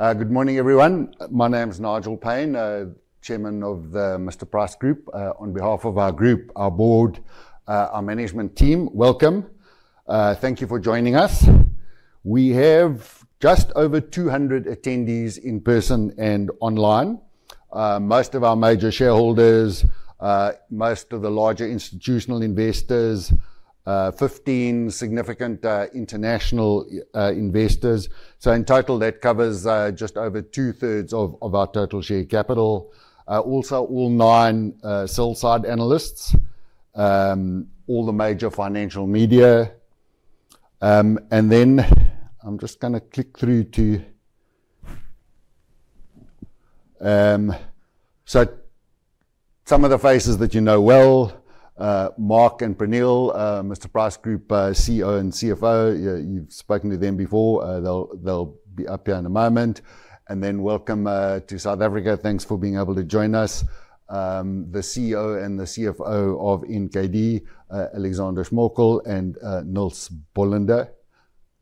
Good morning, everyone. My name is Nigel Payne, Chairman of the Mr Price Group. On behalf of our group, our board, our management team, welcome. Thank you for joining us. We have just over 200 attendees in person and online. Most of our major shareholders, most of the larger institutional investors, 15 significant international investors. In total, that covers just over 2/3 of our total share capital. Also all nine sell-side analysts, all the major financial media. I'm just gonna click through to some of the faces that you know well, Mark and Praneel, Mr Price Group's CEO and CFO. Yeah, you've spoken to them before. They'll be up here in a moment. Welcome to South Africa. Thanks for being able to join us. The CEO and the CFO of NKD, Alexander Schmökel and Nils Bolender.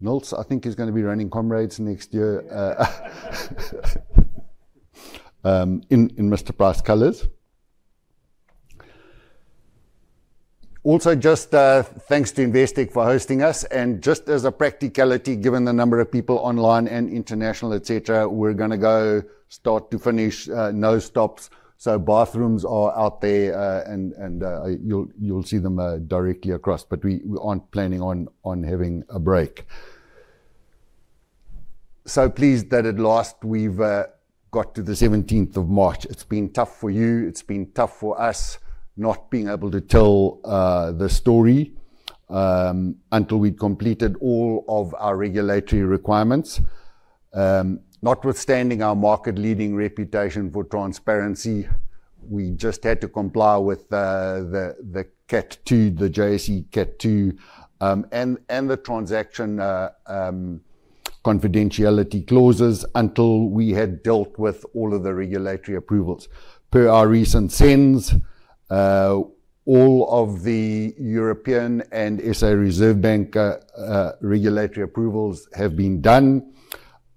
Nils, I think, is gonna be running Comrades next year in Mr Price colors. Also, just, thanks to Investec for hosting us. Just as a practicality, given the number of people online and international, et cetera, we're gonna go start to finish, no stops. Bathrooms are out there, and you'll see them directly across. We aren't planning on having a break. Pleased that at last we've got to the 17th of March. It's been tough for you, it's been tough for us not being able to tell the story until we'd completed all of our regulatory requirements. Notwithstanding our market-leading reputation for transparency, we just had to comply with the Category 2, the JSE Category 2, and the transaction confidentiality clauses until we had dealt with all of the regulatory approvals. Per our recent SENS, all of the European and South African Reserve Bank regulatory approvals have been done.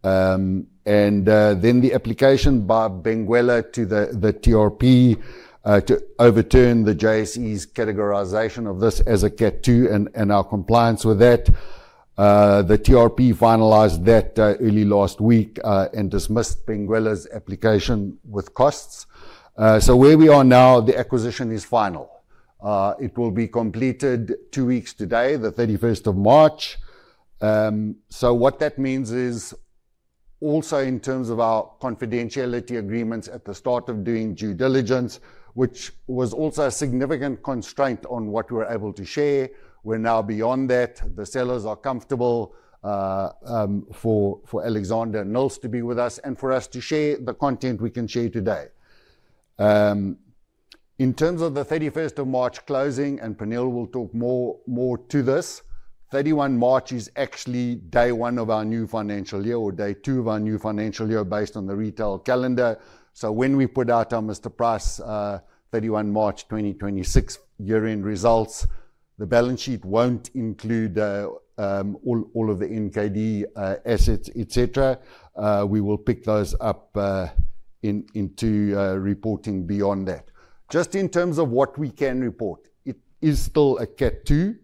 Then the application by Benguela to the TRP to overturn the JSE's categorization of this as a Category 2 and our compliance with that. The TRP finalized that early last week and dismissed Benguela's application with costs. Where we are now, the acquisition is final. It will be completed two weeks today, the 31st of March. What that means is also in terms of our confidentiality agreements at the start of doing due diligence, which was also a significant constraint on what we're able to share. We're now beyond that. The sellers are comfortable for Alexander and Nils to be with us and for us to share the content we can share today. In terms of the 31st of March closing, Praneel will talk more to this. March 31 is actually day one of our new financial year or day two of our new financial year based on the retail calendar. When we put out our Mr Price 31 March 2026 year-end results, the balance sheet won't include all of the NKD assets, et cetera. We will pick those up into reporting beyond that. Just in terms of what we can report, it is still a Category 2.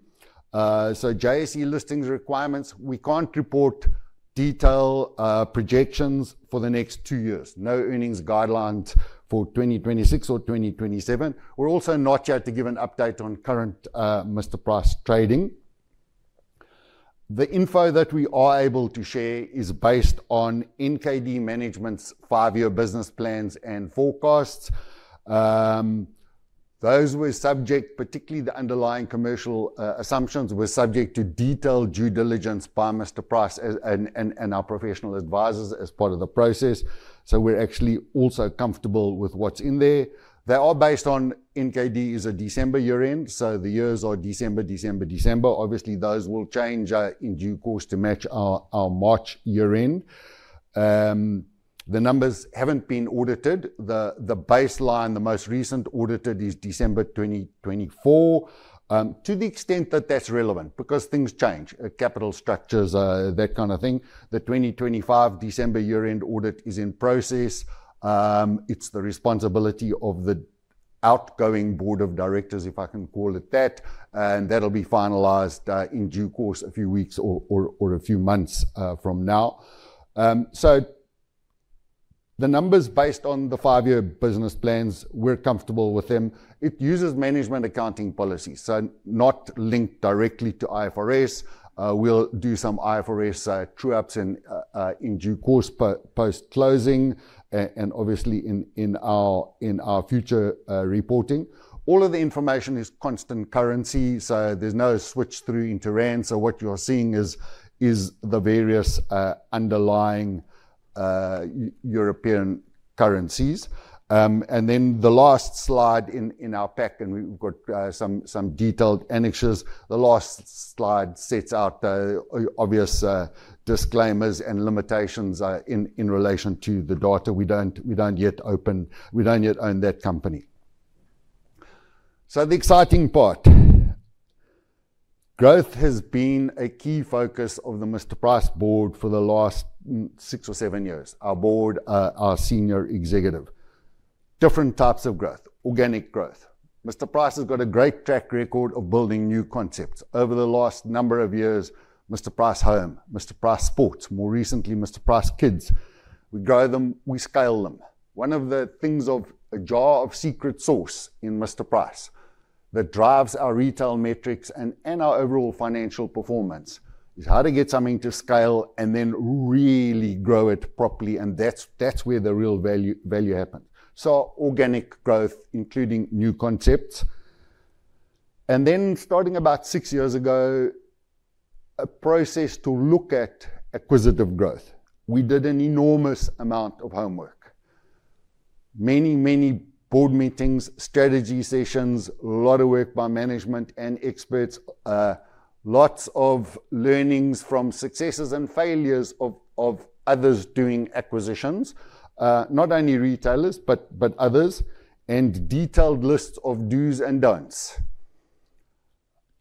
JSE Listings Requirements, we can't report detail projections for the next two years. No earnings guidelines for 2026 or 2027. We're also not here to give an update on current Mr Price trading. The info that we are able to share is based on NKD management's five-year business plans and forecasts. Those were subject, particularly the underlying commercial assumptions, to detailed due diligence by Mr Price and our professional advisors as part of the process. We're actually also comfortable with what's in there. They are based on NKD's December year-end, so the years are December, December, December. Obviously, those will change in due course to match our March year-end. The numbers haven't been audited. The baseline, the most recent audited is December 2024. To the extent that that's relevant because things change, capital structures, that kinda thing. The 2025 December year-end audit is in process. It's the responsibility of the outgoing Board of Directors, if I can call it that. That'll be finalized in due course, a few weeks or a few months from now. The numbers based on the five-year business plans, we're comfortable with them. It uses management accounting policies, so not linked directly to IFRS. We'll do some IFRS true ups in due course post-closing and obviously in our future reporting. All of the information is constant currency, so there's no switch through into rand. What you're seeing is the various underlying European currencies. The last slide in our pack, and we've got some detailed annexures. The last slide sets out obvious disclaimers and limitations in relation to the data. We don't yet own that company. The exciting part growth has been a key focus of the Mr Price board for the last six or seven years, our board, our senior executive. Different types of growth, organic growth. Mr Price has got a great track record of building new concepts. Over the last number of years, Mr Price Home, Mr Price Sport, more recently, Mr Price Kids. We grow them, we scale them. One of the things of. A jar of secret sauce in Mr Price that drives our retail metrics and our overall financial performance is how to get something to scale and then really grow it properly, and that's where the real value happens. Organic growth, including new concepts. Starting about six years ago, a process to look at acquisitive growth. We did an enormous amount of homework. Many board meetings, strategy sessions, a lot of work by management and experts, lots of learnings from successes and failures of others doing acquisitions, not only retailers but others, and detailed lists of dos and don'ts.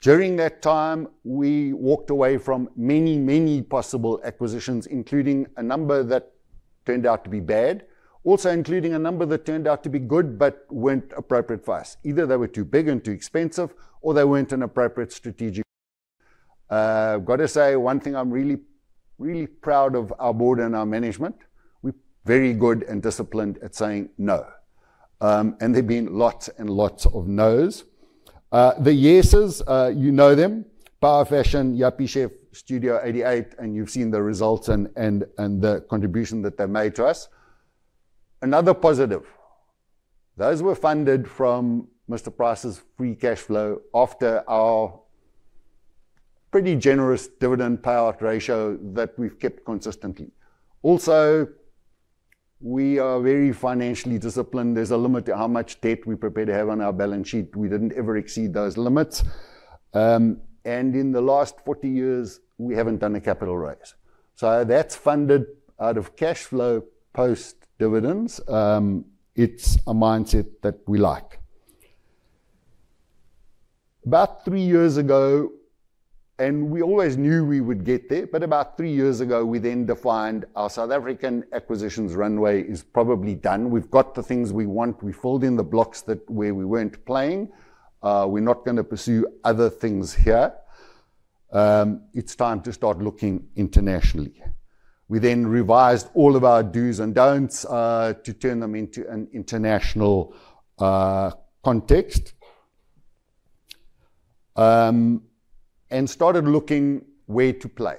During that time, we walked away from many possible acquisitions, including a number that turned out to be bad. Also, including a number that turned out to be good but weren't appropriate for us. Either they were too big and too expensive, or they weren't an appropriate strategic. [inaudible] Gotta say, one thing I'm really, really proud of our board and our management, we're very good and disciplined at saying no. There've been lots and lots of nos. The yeses, you know them, Power Fashion, Yuppiechef, Studio 88, and you've seen the results and the contribution that they made to us. Another positive, those were funded from Mr Price's free cash flow after our pretty generous dividend payout ratio that we've kept consistently. Also, we are very financially disciplined. There's a limit to how much debt we're prepared to have on our balance sheet. We didn't ever exceed those limits. In the last 40 years, we haven't done a capital raise. That's funded out of cash flow post dividends. It's a mindset that we like. About three years ago, we always knew we would get there, but about three years ago, we then defined our South African acquisitions runway is probably done. We've got the things we want. We filled in the blocks where we weren't playing. We're not gonna pursue other things here. It's time to start looking internationally. We then revised all of our dos and don'ts to turn them into an international context. We started looking where to play.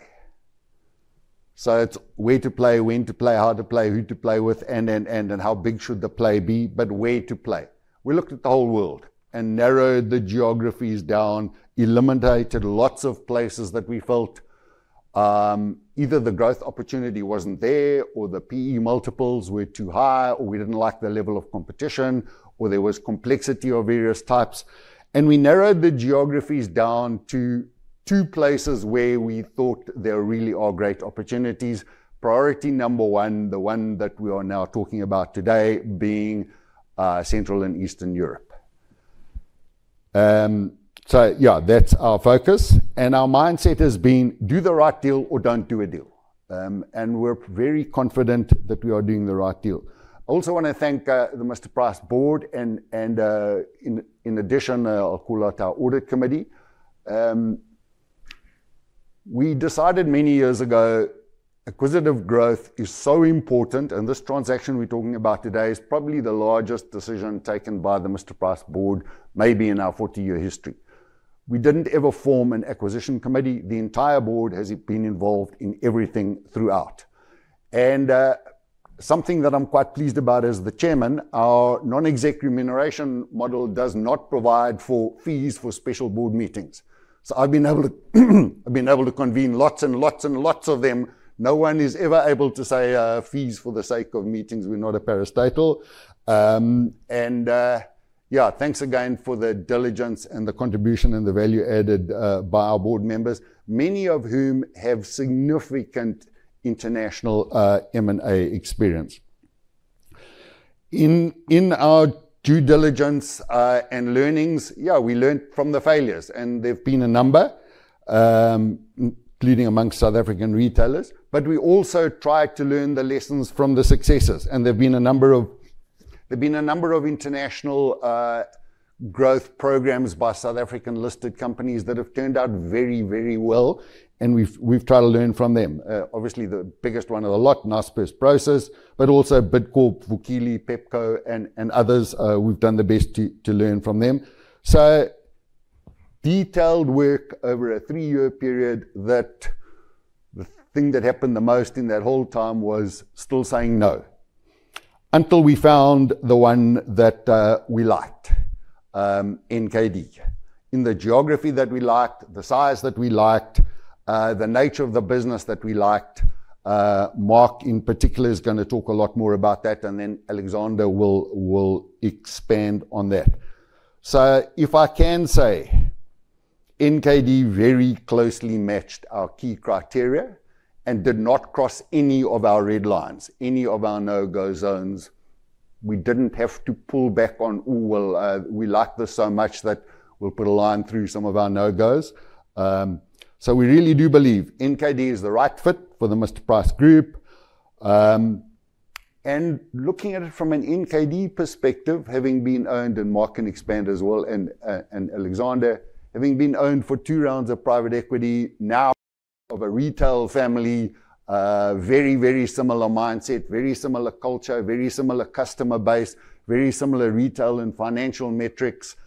It's where to play, when to play, how to play, who to play with, and how big should the play be, but where to play. We looked at the whole world and narrowed the geographies down, eliminated lots of places that we felt either the growth opportunity wasn't there or the PE multiples were too high or we didn't like the level of competition or there was complexity of various types. We narrowed the geographies down to two places where we thought there really are great opportunities. Priority number one, the one that we are now talking about today being Central and Eastern Europe. Yeah, that's our focus. Our mindset has been, "Do the right deal or don't do a deal." We're very confident that we are doing the right deal. I also wanna thank the Mr Price board and, in addition, I'll call out our Audit Committee. We decided many years ago acquisitive growth is so important, and this transaction we're talking about today is probably the largest decision taken by the Mr Price board, maybe in our 40-year history. We didn't ever form an Acquisition Committee. The entire board has been involved in everything throughout. Something that I'm quite pleased about as the Chairman, our non-exec remuneration model does not provide for fees for special board meetings. I've been able to convene lots and lots and lots of them. No one is ever able to say fees for the sake of meetings. We're not a parastatal. Thanks again for the diligence and the contribution and the value added by our board members, many of whom have significant international M&A experience. In our due diligence and learnings, yeah, we learned from the failures, and there've been a number, including among South African retailers. We also tried to learn the lessons from the successes, and there've been a number of international growth programs by South African listed companies that have turned out very, very well, and we've tried to learn from them. Obviously the biggest one of the lot, Naspers' Prosus, but also Bidcorp, Vukile, Pepco and others, we've done the best to learn from them. Detailed work over a three-year period that the thing that happened the most in that whole time was still saying no, until we found the one that we liked, NKD. In the geography that we liked, the size that we liked, the nature of the business that we liked. Mark in particular is gonna talk a lot more about that, and then Alexander will expand on that. NKD very closely matched our key criteria and did not cross any of our red lines, any of our no-go zones. We didn't have to pull back on, "Ooh, well, we like this so much that we'll put a line through some of our no-gos." We really do believe NKD is the right fit for the Mr Price Group. Looking at it from an NKD perspective, Mark can expand as well, and Alexander, having been owned for two rounds of private equity, now of a retail family, very, very similar mindset, very similar culture, very similar customer base, very similar retail and financial metrics.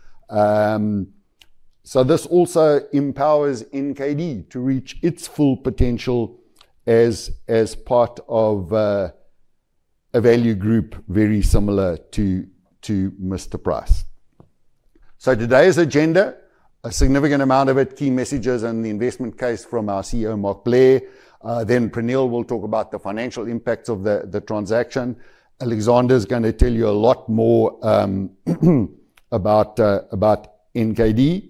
This also empowers NKD to reach its full potential as part of a value group very similar to Mr Price. Today's agenda, a significant amount of it, key messages and the investment case from our CEO, Mark Blair. Then Praneel will talk about the financial impacts of the transaction. Alexander's gonna tell you a lot more about NKD.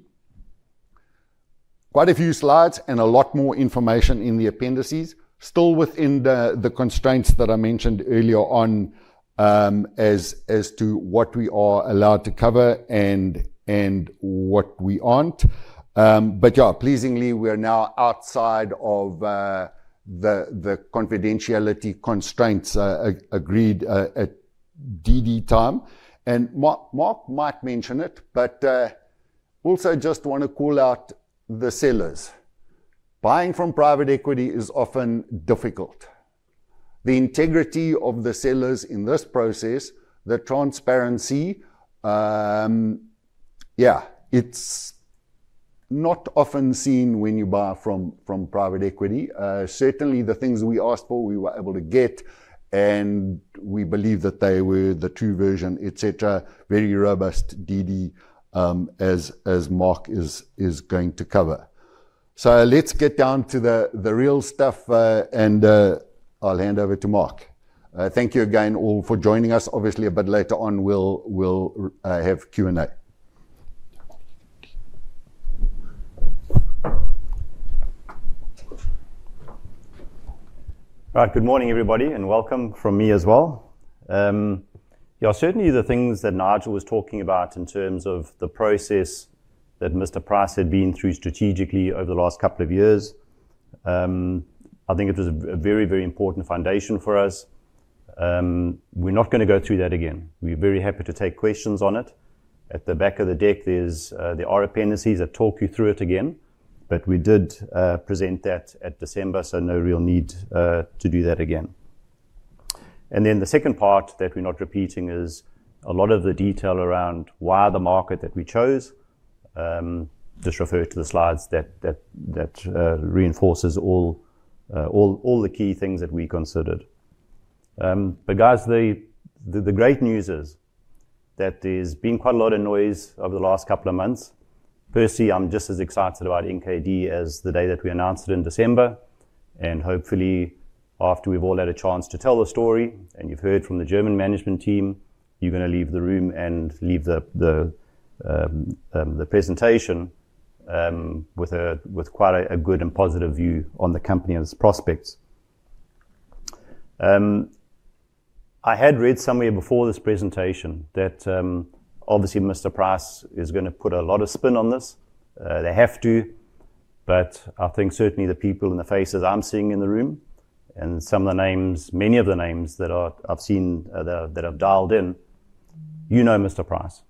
Quite a few slides and a lot more information in the appendices. Still within the constraints that I mentioned earlier on, as to what we are allowed to cover and what we aren't. Yeah, pleasingly, we are now outside of the confidentiality constraints agreed at DD time. Mark might mention it, but also just wanna call out the sellers. Buying from private equity is often difficult. The integrity of the sellers in this process, the transparency, yeah, it's not often seen when you buy from private equity. Certainly the things we asked for, we were able to get, and we believe that they were the true version, et cetera. Very robust DD, as Mark is going to cover. Let's get down to the real stuff, and I'll hand over to Mark. Thank you again all for joining us. Obviously, a bit later on, we'll have Q&A. All right. Good morning, everybody, and welcome from me as well. Certainly the things that Nigel was talking about in terms of the process that Mr Price had been through strategically over the last couple of years, I think it was a very important foundation for us. We're not gonna go through that again. We're very happy to take questions on it. At the back of the deck, there are appendices that talk you through it again. We did present that at December, so no real need to do that again. The second part that we're not repeating is a lot of the detail around why the market that we chose, just refer to the slides that reinforces all the key things that we considered. Guys, the great news is that there's been quite a lot of noise over the last couple of months. Personally, I'm just as excited about NKD as the day that we announced it in December, and hopefully after we've all had a chance to tell the story and you've heard from the German management team, you're gonna leave the room and leave the presentation with quite a good and positive view on the company and its prospects. I had read somewhere before this presentation that "Obviously Mr Price is gonna put a lot of spin on this, they have to." But I think certainly the people and the faces I'm seeing in the room and some of the names, many of the names that I've seen, that have dialed in, you know Mr Price,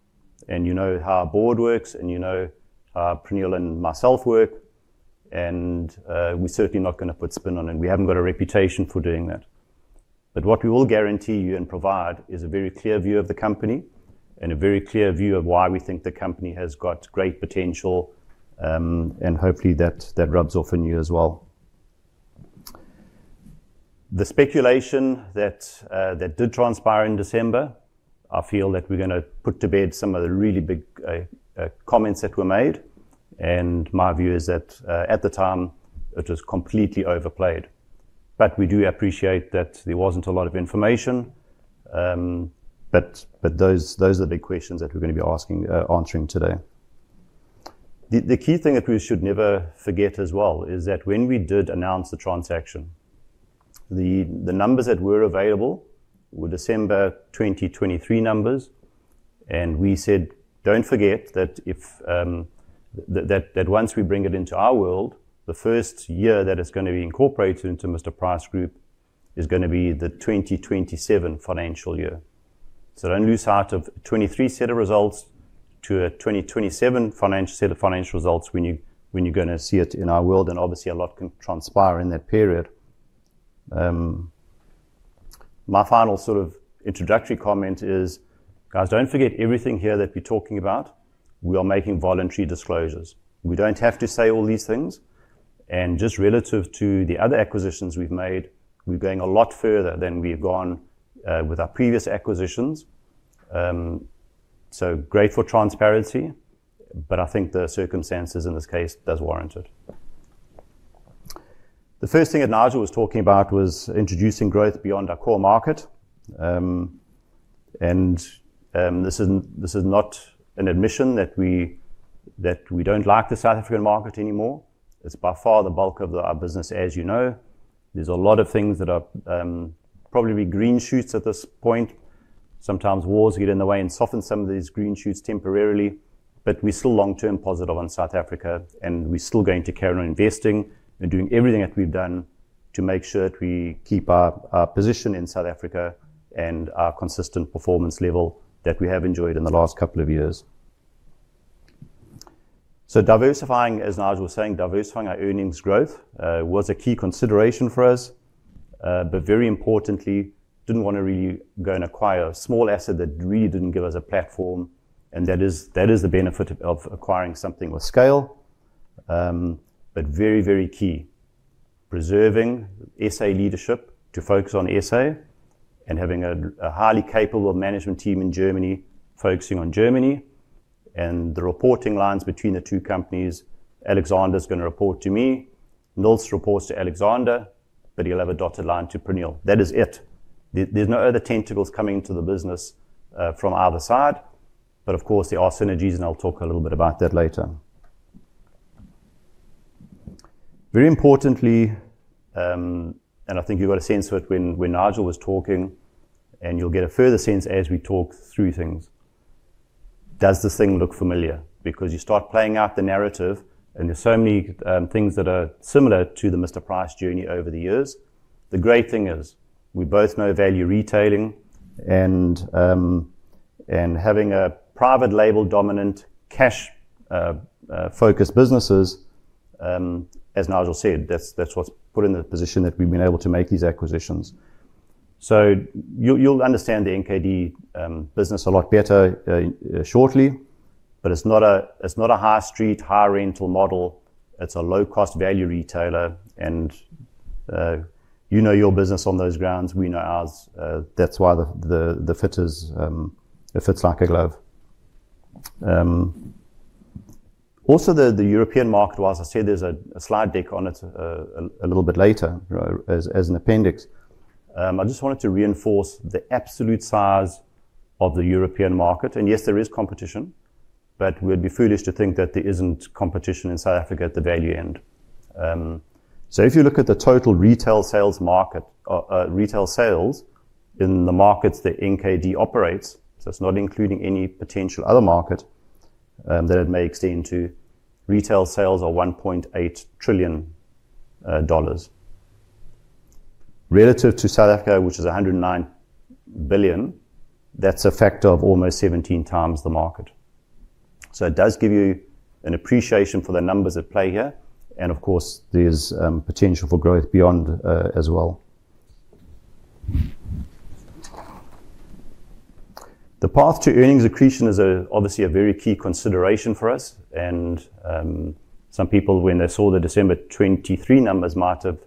and you know how our board works, and you know how Praneel and myself work, and we're certainly not gonna put spin on it. We haven't got a reputation for doing that. What we will guarantee you and provide is a very clear view of the company and a very clear view of why we think the company has got great potential, and hopefully that rubs off on you as well. The speculation that did transpire in December, I feel that we're gonna put to bed some of the really big comments that were made, and my view is that at the time, it was completely overplayed. We do appreciate that there wasn't a lot of information, but those are the big questions that we're gonna be asking, answering today. The key thing that we should never forget as well is that when we did announce the transaction, the numbers that were available were December 2023 numbers, and we said, "Don't forget that once we bring it into our world, the first year that it's gonna be incorporated into Mr. Price Group is gonna be the 2027 financial year. Don't lose sight of 2023 set of results to a 2027 financial set of results when you're gonna see it in our world, and obviously a lot can transpire in that period. My final sort of introductory comment is, guys, don't forget everything here that we're talking about, we are making voluntary disclosures. We don't have to say all these things, and just relative to the other acquisitions we've made, we're going a lot further than we've gone with our previous acquisitions. Great for transparency, but I think the circumstances in this case does warrant it. The first thing that Nigel was talking about was introducing growth beyond our core market. This is not an admission that we don't like the South African market anymore. It's by far the bulk of our business, as you know. There's a lot of things that are probably green shoots at this point. Sometimes wars get in the way and soften some of these green shoots temporarily. We're still long-term positive on South Africa, and we're still going to carry on investing and doing everything that we've done to make sure that we keep our position in South Africa and our consistent performance level that we have enjoyed in the last couple of years. Diversifying, as Nigel was saying, diversifying our earnings growth was a key consideration for us. Very importantly, didn't wanna go and acquire a small asset that really didn't give us a platform, and that is the benefit of acquiring something with scale. Very key, preserving SA leadership to focus on SA and having a highly capable management team in Germany, focusing on Germany and the reporting lines between the two companies. Alexander's gonna report to me. Nils reports to Alexander, but he'll have a dotted line to Praneel. That is it. There's no other tentacles coming to the business from either side. Of course, there are synergies, and I'll talk a little bit about that later. Very importantly, I think you got a sense of it when Nigel Payne was talking, and you'll get a further sense as we talk through things. Does this thing look familiar? Because you start playing out the narrative, and there's so many things that are similar to the Mr Price journey over the years. The great thing is we both know value retailing and having a private label dominant cash focused businesses, as Nigel said, that's what's put us in the position that we've been able to make these acquisitions. You'll understand the NKD business a lot better shortly, but it's not a high-street, high-rental model. It's a low-cost value retailer and you know your business on those grounds, we know ours, that's why it fits like a glove. Also the European market, well, as I said, there's a slide deck on it a little bit later, as an appendix. I just wanted to reinforce the absolute size of the European market, and yes, there is competition, but we'd be foolish to think that there isn't competition in South Africa at the value end. If you look at the total retail sales market, or retail sales in the markets that NKD operates, so it's not including any potential other market that it may extend to, retail sales are $1.8 trillion. Relative to South Africa, which is $109 billion, that's a factor of almost 17x the market. It does give you an appreciation for the numbers at play here, and of course, there's potential for growth beyond as well. The path to earnings accretion is obviously a very key consideration for us. Some people, when they saw the December 2023 numbers, might have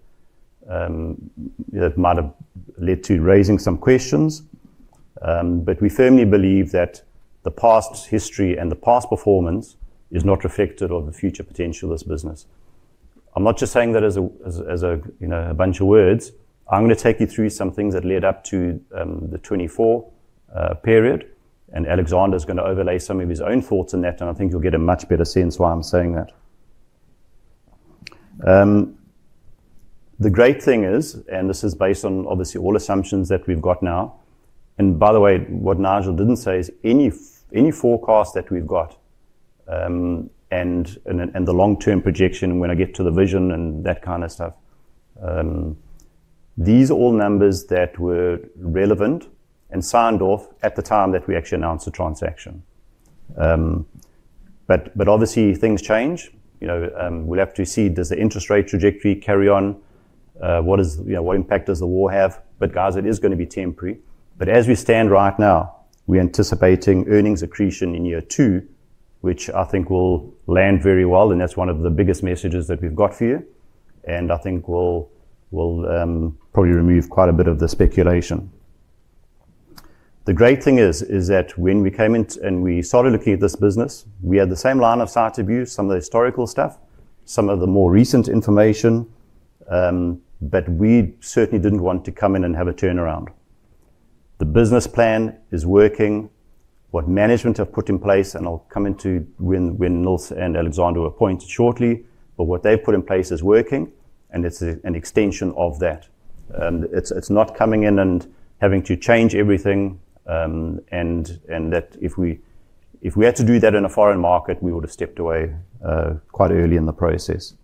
led to raising some questions. We firmly believe that the past history and the past performance is not reflective of the future potential of this business. I'm not just saying that as a, you know, a bunch of words. I'm gonna take you through some things that led up to the 2024 period, and Alexander's gonna overlay some of his own thoughts on that, and I think you'll get a much better sense why I'm saying that. The great thing is, and this is based on obviously all assumptions that we've got now. By the way, what Nigel didn't say is any forecast that we've got, and the long-term projection when I get to the vision and that kind of stuff. These are all numbers that were relevant and signed off at the time that we actually announced the transaction. Obviously things change. You know, we'll have to see. Does the interest rate trajectory carry on? What is. You know, what impact does the war have? Guys, it is gonna be temporary. As we stand right now, we're anticipating earnings accretion in year two, which I think will land very well, and that's one of the biggest messages that we've got for you, and I think probably remove quite a bit of the speculation. The great thing is that when we came in and we started looking at this business, we had the same line of sight view, some of the historical stuff, some of the more recent information, but we certainly didn't want to come in and have a turnaround. The business plan is working. What management have put in place, and I'll come into when Nils and Alexander were appointed shortly, but what they've put in place is working, and it's an extension of that. It's not coming in and having to change everything, and that if we had to do that in a foreign market, we would have stepped away quite early in the process.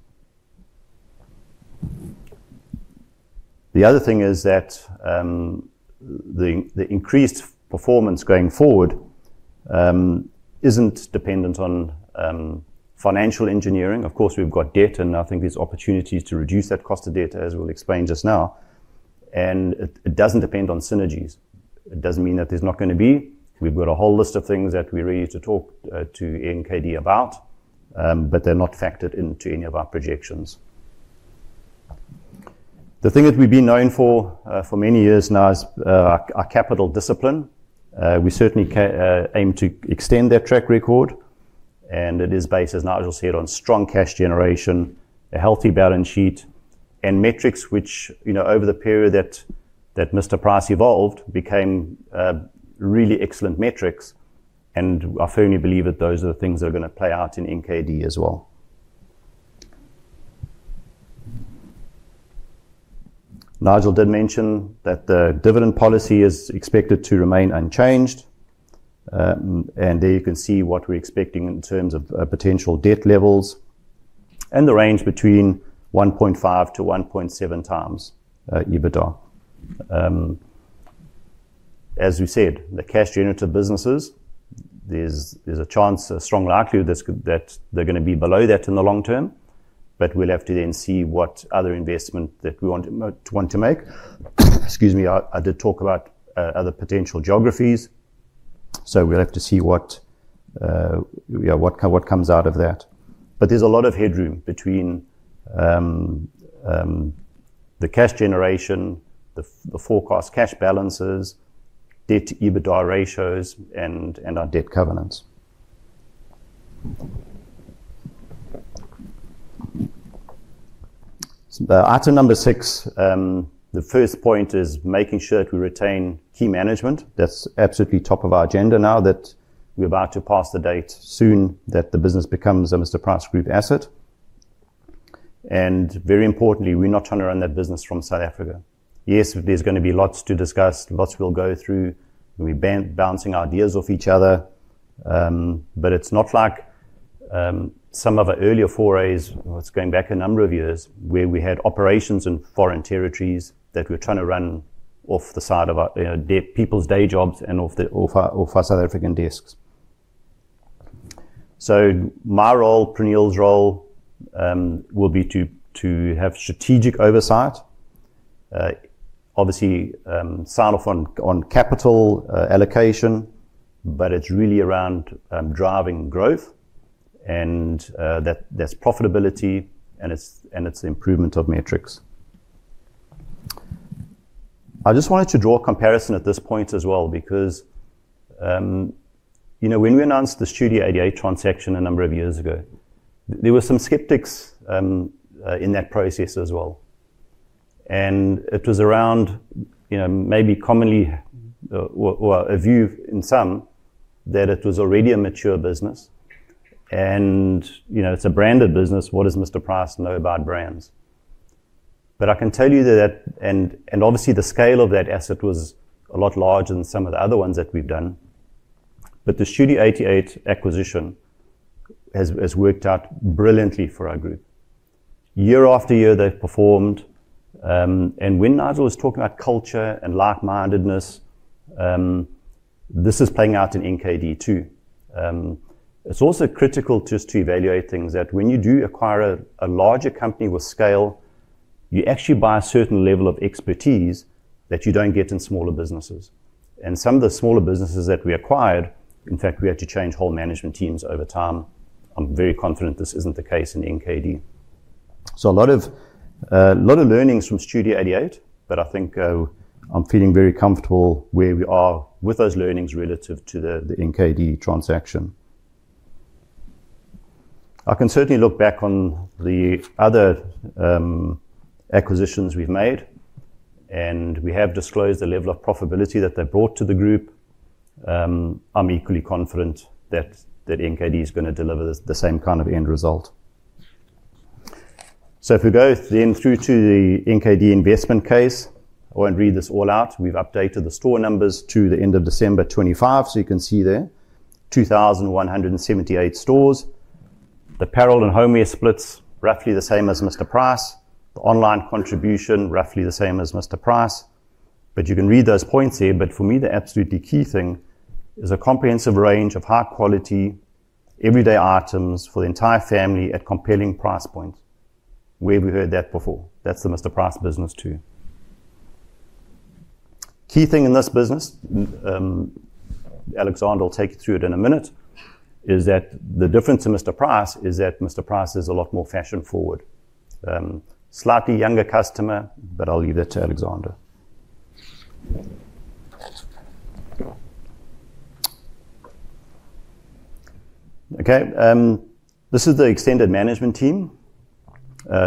The other thing is that the increased performance going forward isn't dependent on financial engineering. Of course, we've got debt, and I think there's opportunities to reduce that cost of debt, as we'll explain just now. It doesn't depend on synergies. It doesn't mean that there's not gonna be. We've got a whole list of things that we're ready to talk to NKD about, but they're not factored into any of our projections. The thing that we've been known for for many years now is our capital discipline. We certainly aim to extend that track record. It is based, as Nigel said, on strong cash generation, a healthy balance sheet, and metrics which, you know, over the period that Mr Price Group evolved became really excellent metrics, and I firmly believe that those are the things that are gonna play out in NKD as well. Nigel did mention that the dividend policy is expected to remain unchanged. There you can see what we're expecting in terms of potential debt levels and the range between 1.5x-1.7x EBITDA. As we said, the cash-generative businesses, there's a chance, a strong likelihood this could that they're gonna be below that in the long term, but we'll have to then see what other investment that we want to make. I did talk about other potential geographies, so we'll have to see what comes out of that. But there's a lot of headroom between the cash generation, the forecast cash balances, debt-to-EBITDA ratios and our debt covenants. Item number six, the first point is making sure that we retain key management. That's absolutely top of our agenda now that we're about to pass the date soon that the business becomes a Mr Price Group asset. Very importantly, we're not trying to run that business from South Africa. Yes, there's gonna be lots to discuss, lots we'll go through, we'll be bouncing ideas off each other, but it's not like some of our earlier forays. It's going back a number of years, where we had operations in foreign territories that we're trying to run off the side of our, you know, people's day jobs and off our South African desks. My role, Praneel's role, will be to have strategic oversight. Obviously, sign off on capital allocation, but it's really around driving growth and that there's profitability and it's the improvement of metrics. I just wanted to draw a comparison at this point as well because, you know, when we announced the Studio 88 transaction a number of years ago, there were some skeptics, in that process as well. It was around, you know, maybe commonly, or a view in some that it was already a mature business and, you know, it's a branded business. What does Mr Price know about brands? I can tell you that and obviously the scale of that asset was a lot larger than some of the other ones that we've done. The Studio 88 acquisition has worked out brilliantly for our group. Year-after-year, they've performed, and when Nigel was talking about culture and like-mindedness, this is playing out in NKD too. It's also critical just to evaluate things that when you do acquire a larger company with scale, you actually buy a certain level of expertise that you don't get in smaller businesses. Some of the smaller businesses that we acquired, in fact, we had to change whole management teams over time. I'm very confident this isn't the case in NKD. A lot of learnings from Studio 88, but I think I'm feeling very comfortable where we are with those learnings relative to the NKD transaction. I can certainly look back on the other acquisitions we've made, and we have disclosed the level of profitability that they brought to the group. I'm equally confident that NKD is gonna deliver the same kind of end result. If we go then through to the NKD investment case, I won't read this all out. We've updated the store numbers to the end of December 2025. You can see there, 2,178 stores. Apparel and homeware splits, roughly the same as Mr Price. The online contribution, roughly the same as Mr Price. You can read those points here, but for me, the absolutely key thing is a comprehensive range of high-quality, everyday items for the entire family at compelling price points. Where have we heard that before? That's the Mr Price business too. Key thing in this business, Alexander will take you through it in a minute, is that the difference in Mr Price is that Mr Price is a lot more fashion-forward. Slightly younger customer, but I'll leave that to Alexander. Okay. This is the extended management team.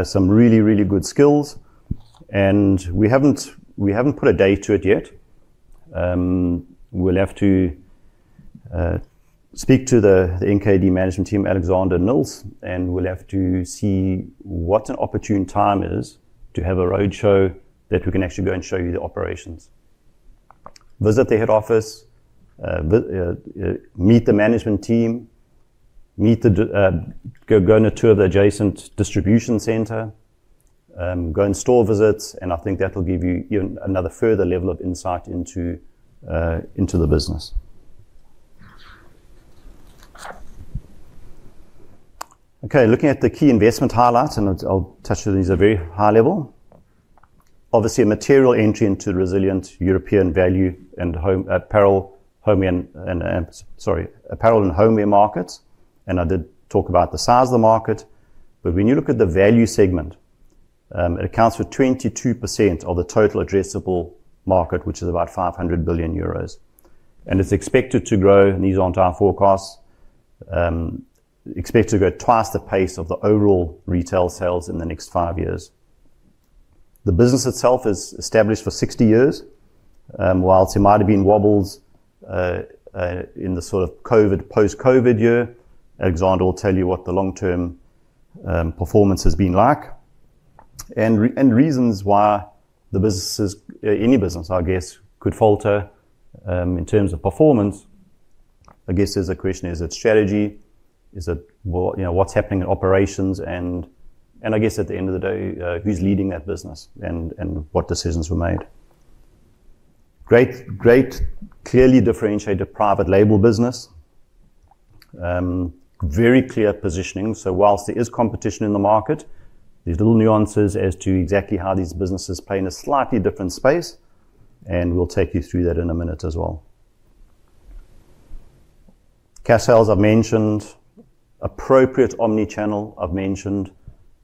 Some really good skills. We haven't put a date to it yet. We'll have to speak to the NKD management team, Alexander and Nils, and we'll have to see what an opportune time is to have a roadshow that we can actually go and show you the operations. Visit the head office, meet the management team, go on a tour of the adjacent distribution center, go on store visits, and I think that'll give you even another further level of insight into the business. Okay, looking at the key investment highlights. I'll touch on these at a very high level. Obviously, a material entry into resilient European value and apparel and homeware markets, and I did talk about the size of the market. When you look at the value segment, it accounts for 22% of the total addressable market, which is about 500 billion euros. It's expected to grow, and these aren't our forecasts, expected to grow at twice the pace of the overall retail sales in the next five years. The business itself is established for 60 years. While there might have been wobbles in the sort of COVID, post-COVID year, Alexander will tell you what the long-term performance has been like and reasons why the businesses, any business, I guess, could falter in terms of performance. I guess there's a question, is it strategy? Is it what, you know, what's happening in operations? I guess at the end of the day, who's leading that business and what decisions were made? Great, clearly differentiated private label business. Very clear positioning. While there is competition in the market, there's little nuances as to exactly how these businesses play in a slightly different space, and we'll take you through that in a minute as well. Cash sales I've mentioned. Appropriate omni-channel I've mentioned.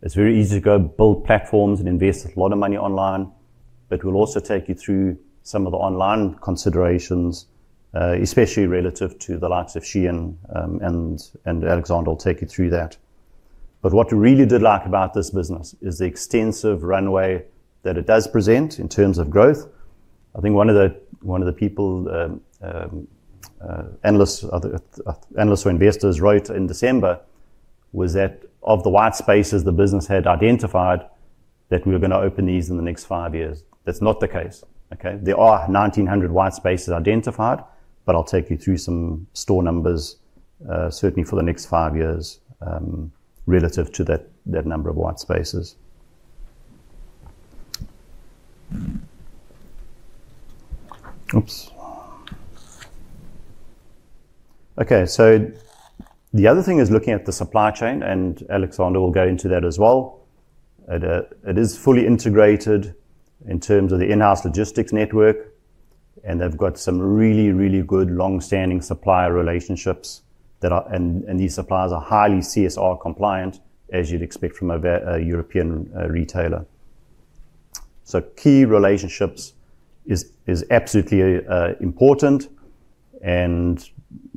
It's very easy to go build platforms and invest a lot of money online, but we'll also take you through some of the online considerations, especially relative to the likes of Shein, and Alexander will take you through that. What we really did like about this business is the extensive runway that it does present in terms of growth. I think one of the analysts or investors wrote in December was that of the white spaces the business had identified ,that we were gonna open these in the next five years. That's not the case, okay? There are 1,900 white spaces identified, but I'll take you through some store numbers certainly for the next five years relative to that number of white spaces. The other thing is looking at the supply chain, and Alexander will go into that as well. It is fully integrated in terms of the in-house logistics network, and they've got some really good longstanding supplier relationships. And these suppliers are highly CSR compliant, as you'd expect from a European retailer. Key relationships is absolutely important and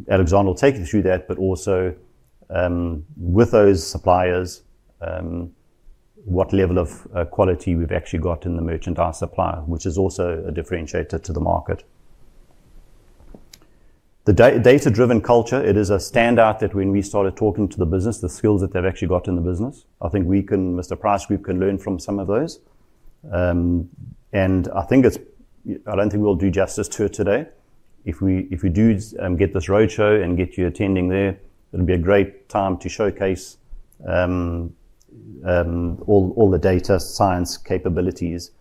Alexander will take you through that, but also, with those suppliers, what level of quality we've actually got in the merchandise supply, which is also a differentiator to the market. The data-driven culture, it is a standout that when we started talking to the business, the skills that they've actually got in the business, I think we can, Mr Price Group can learn from some of those. I think it's I don't think we'll do justice to it today. If we do get this roadshow and get you attending there, it'll be a great time to showcase all the data science capabilities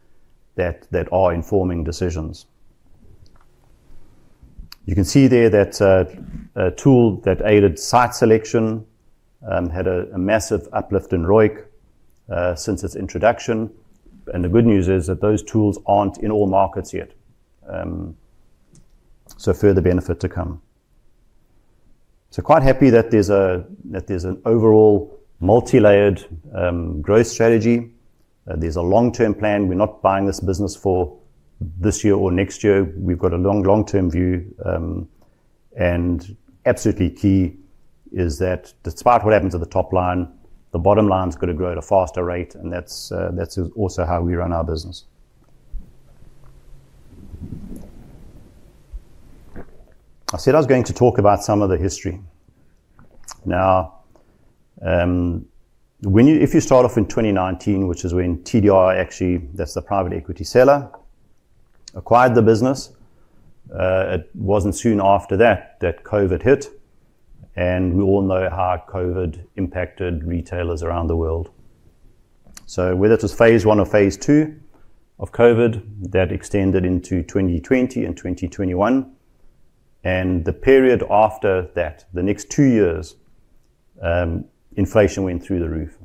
that are informing decisions. You can see there that a tool that aided site selection had a massive uplift in ROIC since its introduction. The good news is that those tools aren't in all markets yet. Further benefit to come. Quite happy that there's an overall multilayered growth strategy. There's a long-term plan. We're not buying this business for this year or next year. We've got a long-term view. Absolutely key is that despite what happens at the top line, the bottom line's gonna grow at a faster rate, and that's also how we run our business. I said I was going to talk about some of the history. Now, when you—if you start off in 2019, which is when TDR actually, that's the private equity seller, acquired the business, it wasn't soon after that COVID hit, and we all know how COVID impacted retailers around the world. Whether it was phase one or phase two of COVID, that extended into 2020 and 2021. The period after that, the next two years, inflation went through the roof.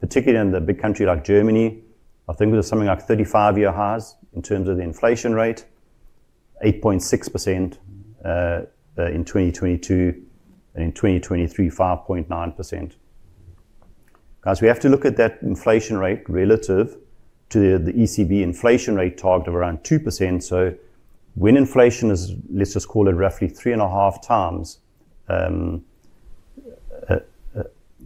Particularly in the big country like Germany, I think it was something like 35-year highs in terms of the inflation rate, 8.6% in 2022, and in 2023, 5.9%. Guys, we have to look at that inflation rate relative to the ECB inflation rate target of around 2%. When inflation is, let's just call it roughly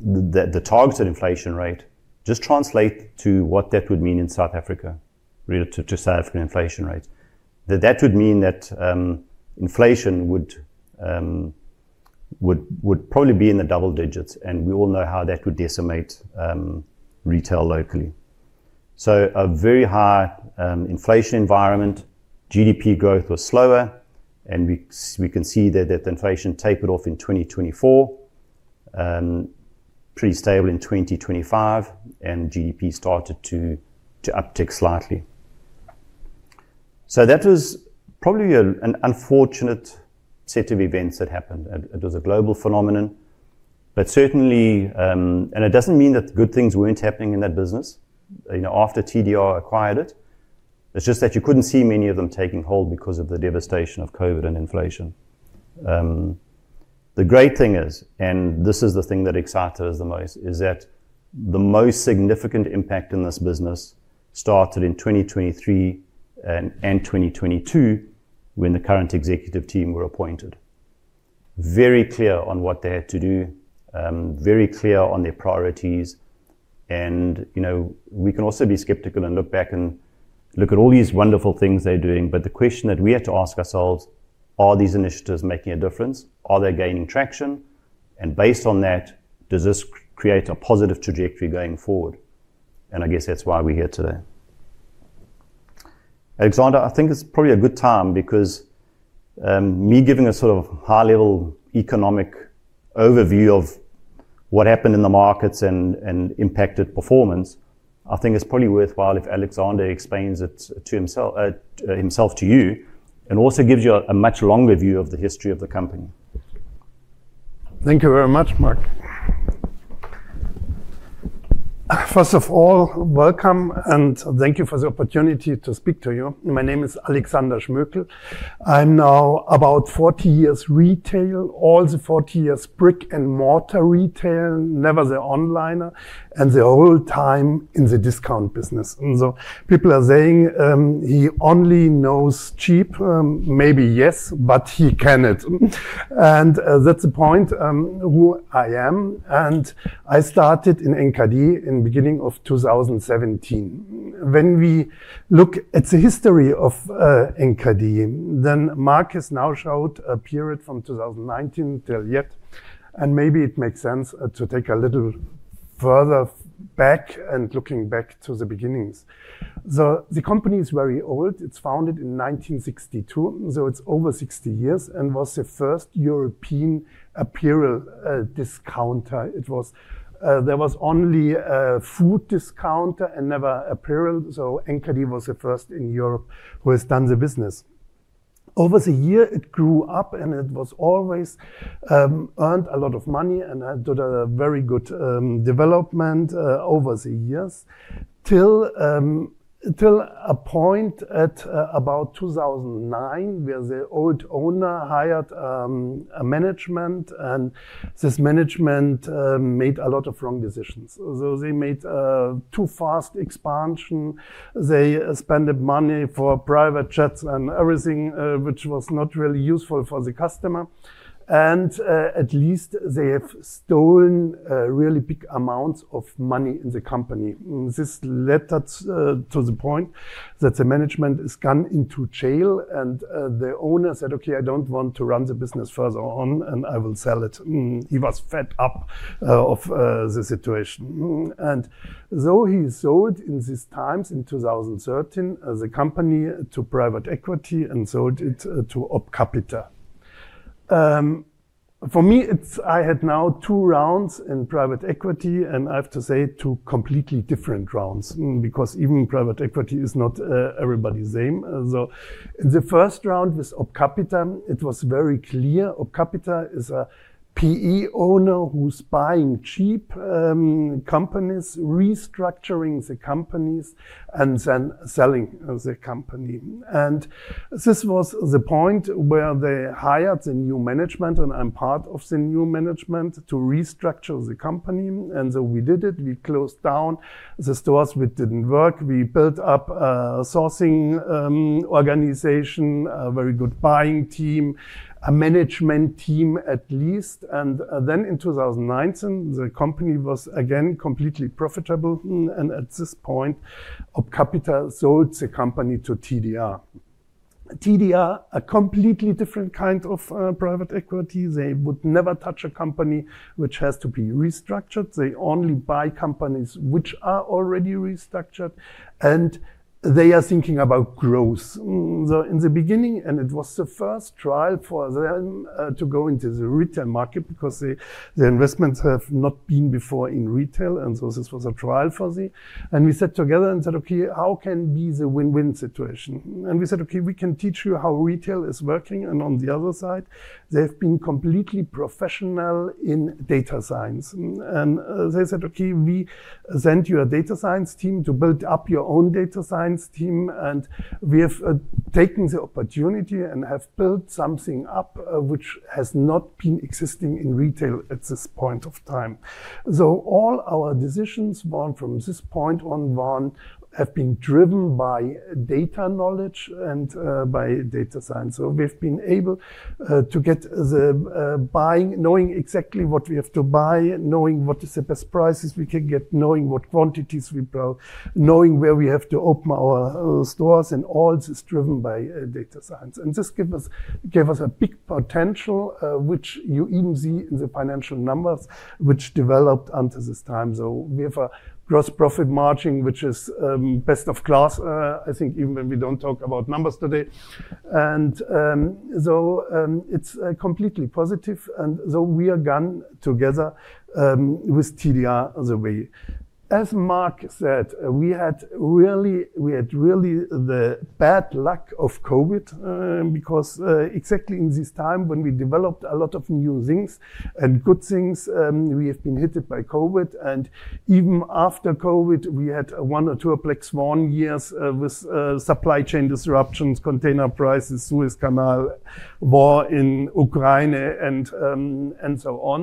3.5x the targeted inflation rate, just translate to what that would mean in South Africa relative to South African inflation rates. That would mean that inflation would probably be in the double digits, and we all know how that would decimate retail locally. A very high inflation environment. GDP growth was slower, and we can see that the inflation tapered off in 2024, pretty stable in 2025, and GDP started to uptick slightly. That was probably an unfortunate set of events that happened. It was a global phenomenon, but certainly. It doesn't mean that good things weren't happening in that business, you know, after TDR acquired it. It's just that you couldn't see many of them taking hold because of the devastation of COVID and inflation. The great thing is, and this is the thing that excites us the most, is that the most significant impact in this business started in 2023 and 2022 when the current executive team were appointed. Very clear on what they had to do, very clear on their priorities. You know, we can also be skeptical and look back and look at all these wonderful things they're doing. The question that we have to ask ourselves, are these initiatives making a difference? Are they gaining traction? And based on that, does this create a positive trajectory going forward? I guess that's why we're here today. Alexander, I think it's probably a good time because me giving a sort of high-level economic overview of what happened in the markets and impacted performance, I think it's probably worthwhile if Alexander explains it himself to you, and also gives you a much longer view of the history of the company. Thank you very much, Mark. First of all, welcome, and thank you for the opportunity to speak to you. My name is Alexander Schmökel. I'm now about 40 years retail. All the 40 years brick-and-mortar retail, never the online, and the whole time in the discount business. People are saying, he only knows cheap. Maybe yes, but he can it. That's the point of who I am. I started in NKD in beginning of 2017. When we look at the history of NKD, then Mark has now showed a period from 2019 till yet, and maybe it makes sense to take a little further back and looking back to the beginnings. The company is very old. It's founded in 1962, so it's over 60 years, and was the first European apparel discounter. There was only food discounter and never apparel. NKD was the first in Europe who has done the business. Over the year, it grew up, and it was always earned a lot of money and had very good development over the years till a point at about 2009, where the old owner hired a management, and this management made a lot of wrong decisions. They made a too-fast expansion. They spent the money for private jets and everything, which was not really useful for the customer. At least they have stolen a really big amounts of money in the company. This led to the point that the management is gone into jail, and the owner said, "Okay, I don't want to run the business further on, and I will sell it." He was fed up of the situation. He sold in these times, in 2013, the company to private equity and sold it to OpCapita. For me, it's I had now two rounds in private equity, and I have to say two completely different rounds. Because even private equity is not everybody the same. The first round was OpCapita. It was very clear. OpCapita is a PE owner who's buying cheap companies, restructuring the companies, and then selling the company. I'm part of the new management, to restructure the company. We did it. We closed down the stores which didn't work. We built up a sourcing organization, a very good buying team, a management team, at least. In 2019, the company was again completely profitable. At this point, OpCapita sold the company to TDR. TDR, a completely different kind of private equity. They would never touch a company which has to be restructured. They only buy companies which are already restructured, and they are thinking about growth. In the beginning, it was the first trial for them to go into the retail market because the investments have not been before in retail, and so this was a trial for them. We sat together and said, "Okay, how can be the win-win situation?" We said, "Okay, we can teach you how retail is working." On the other side, they've been completely professional in data science. They said, "Okay, we send you a data science team to build up your own data science team." We have taken the opportunity and have built something up, which has not been existing in retail at this point of time. All our decisions gone from this point onward have been driven by data knowledge and by data science. We've been able to get the buying, knowing exactly what we have to buy, knowing what is the best prices we can get, knowing what quantities we buy, knowing where we have to open our own stores, and all this is driven by data science. This gives us a big potential, which you even see in the financial numbers which developed until this time. We have a gross profit margin, which is best of class, I think even when we don't talk about numbers today. It's completely positive. We are gone together with TDR the way. As Mark said, we had really the bad luck of COVID, because exactly in this time when we developed a lot of new things and good things, we have been hit by COVID, and even after COVID, we had one or two black swan years with supply chain disruptions, container prices, Suez Canal, war in Ukraine and so on.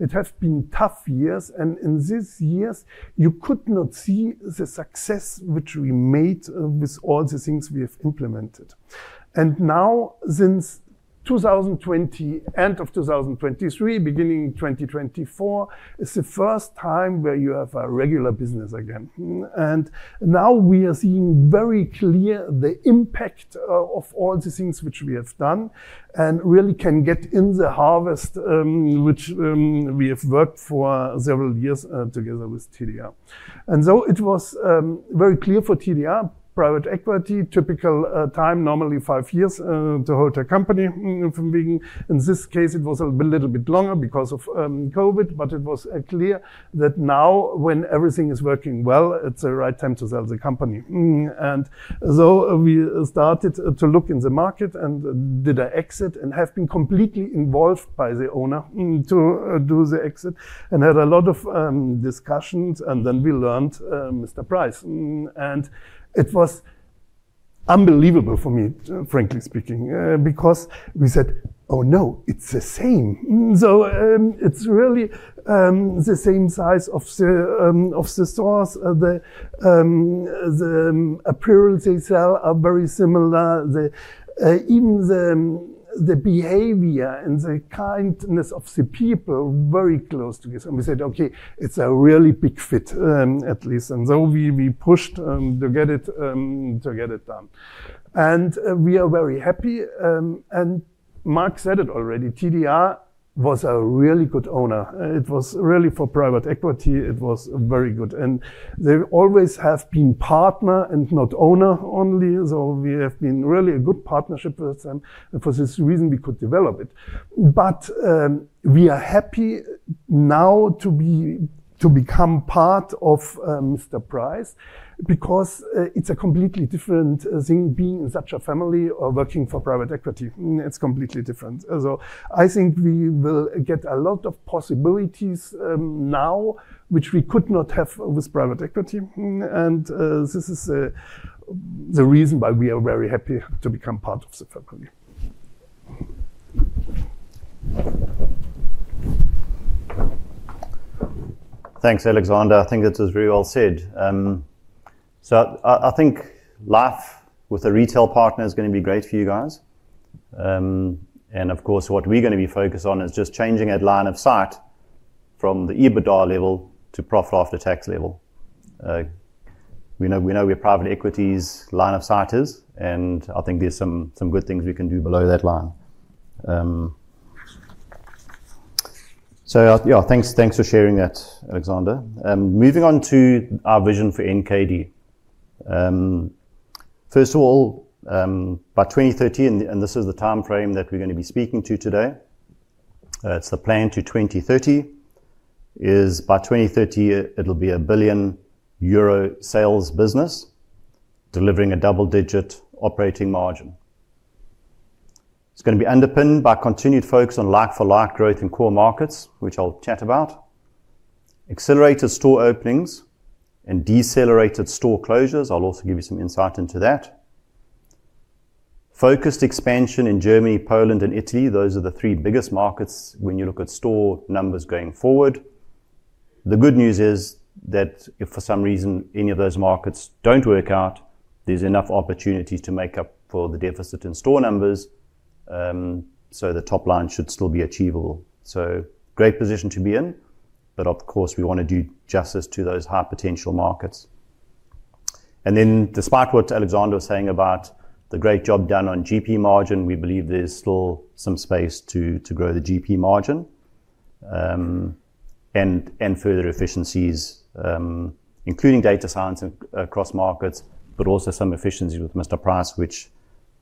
It has been tough years. In these years you could not see the success which we made with all the things we have implemented. Now since 2020, end of 2023, beginning 2024, it's the first time where you have a regular business again. Now we are seeing very clear the impact of all the things which we have done and really can get in the harvest, which we have worked for several years together with TDR. So it was very clear for TDR, private equity typical time, normally five years to hold a company from beginning. In this case, it was a little bit longer because of COVID, but it was clear that now when everything is working well, it's the right time to sell the company. We started to look in the market and did an exit and have been completely involved by the owner to do the exit and had a lot of discussions and then we learned Mr Price. It was unbelievable for me, frankly speaking, because we said, "Oh, no, it's the same." It's really the same size of the stores. The apparel they sell are very similar. Even the behavior and the kindness of the people very close to us. We said, "Okay, it's a really big fit, at least." We pushed to get it done. We are very happy. Mark said it already, TDR was a really good owner. It was, really, for private equity, it was very good. They always have been partner and not owner only. We have been really a good partnership with them and for this reason we could develop it. We are happy now to become part of Mr Price because it's a completely different thing being such a family or working for private equity. It's completely different. I think we will get a lot of possibilities now which we could not have with private equity. This is the reason why we are very happy to become part of the family. Thanks, Alexander. I think that was very well said. I think life with a retail partner is gonna be great for you guys. Of course, what we're gonna be focused on is just changing that line of sight from the EBITDA level to profit after tax level. We know where private equity's line of sight is, and I think there's some good things we can do below that line. Yeah, thanks for sharing that, Alexander. Moving on to our vision for NKD. First of all, by 2030, and this is the timeframe that we're gonna be speaking to today. It's the plan to 2030, is by 2030, it'll be a 1 billion euro sales business delivering a double-digit operating margin. It's gonna be underpinned by continued focus on like-for-like growth in core markets, which I'll chat about. Accelerated store openings and decelerated store closures. I'll also give you some insight into that. Focused expansion in Germany, Poland and Italy. Those are the three biggest markets when you look at store numbers going forward. The good news is that if for some reason any of those markets don't work out, there's enough opportunities to make up for the deficit in store numbers, so the top line should still be achievable. Great position to be in. Of course, we wanna do justice to those high-potential markets. Despite what Alexander was saying about the great job done on GP margin, we believe there's still some space to grow the GP margin, and further efficiencies, including data science across markets, but also some efficiencies with Mr Price, which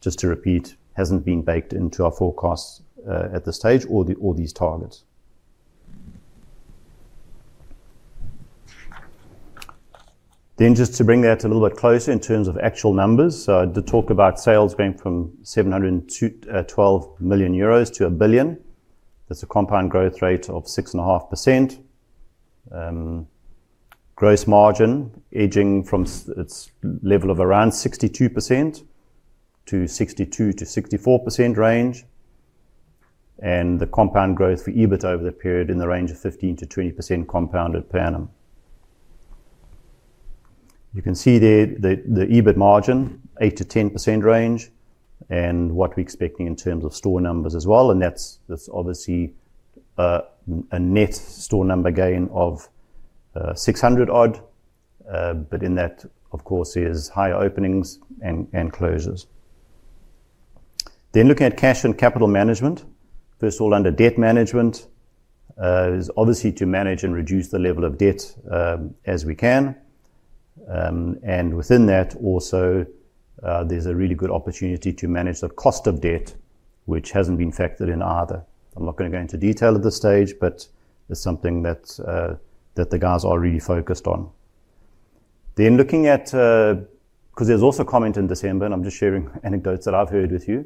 just to repeat, hasn't been baked into our forecasts, at this stage or these targets. Just to bring that a little bit closer in terms of actual numbers. I did talk about sales going from 712 million euros to 1 billion. That's a compound growth rate of 6.5%. Gross margin edging from its level of around 62% to 62%-64% range. The compound growth for EBIT over the period in the range of 15%-20% compounded per annum. You can see there the EBIT margin, 8%-10% range and what we're expecting in terms of store numbers as well and that's obviously a net store number gain of 600-odd. But in that of course are higher openings and closures. Looking at cash and capital management. First of all, under debt management, is obviously to manage and reduce the level of debt, as we can. And within that also, there's a really good opportunity to manage the cost of debt, which hasn't been factored in either. I'm not gonna go into detail at this stage, but that's something that the guys are really focused on. Looking at, 'cause there's also comment in December, and I'm just sharing anecdotes that I've heard with you,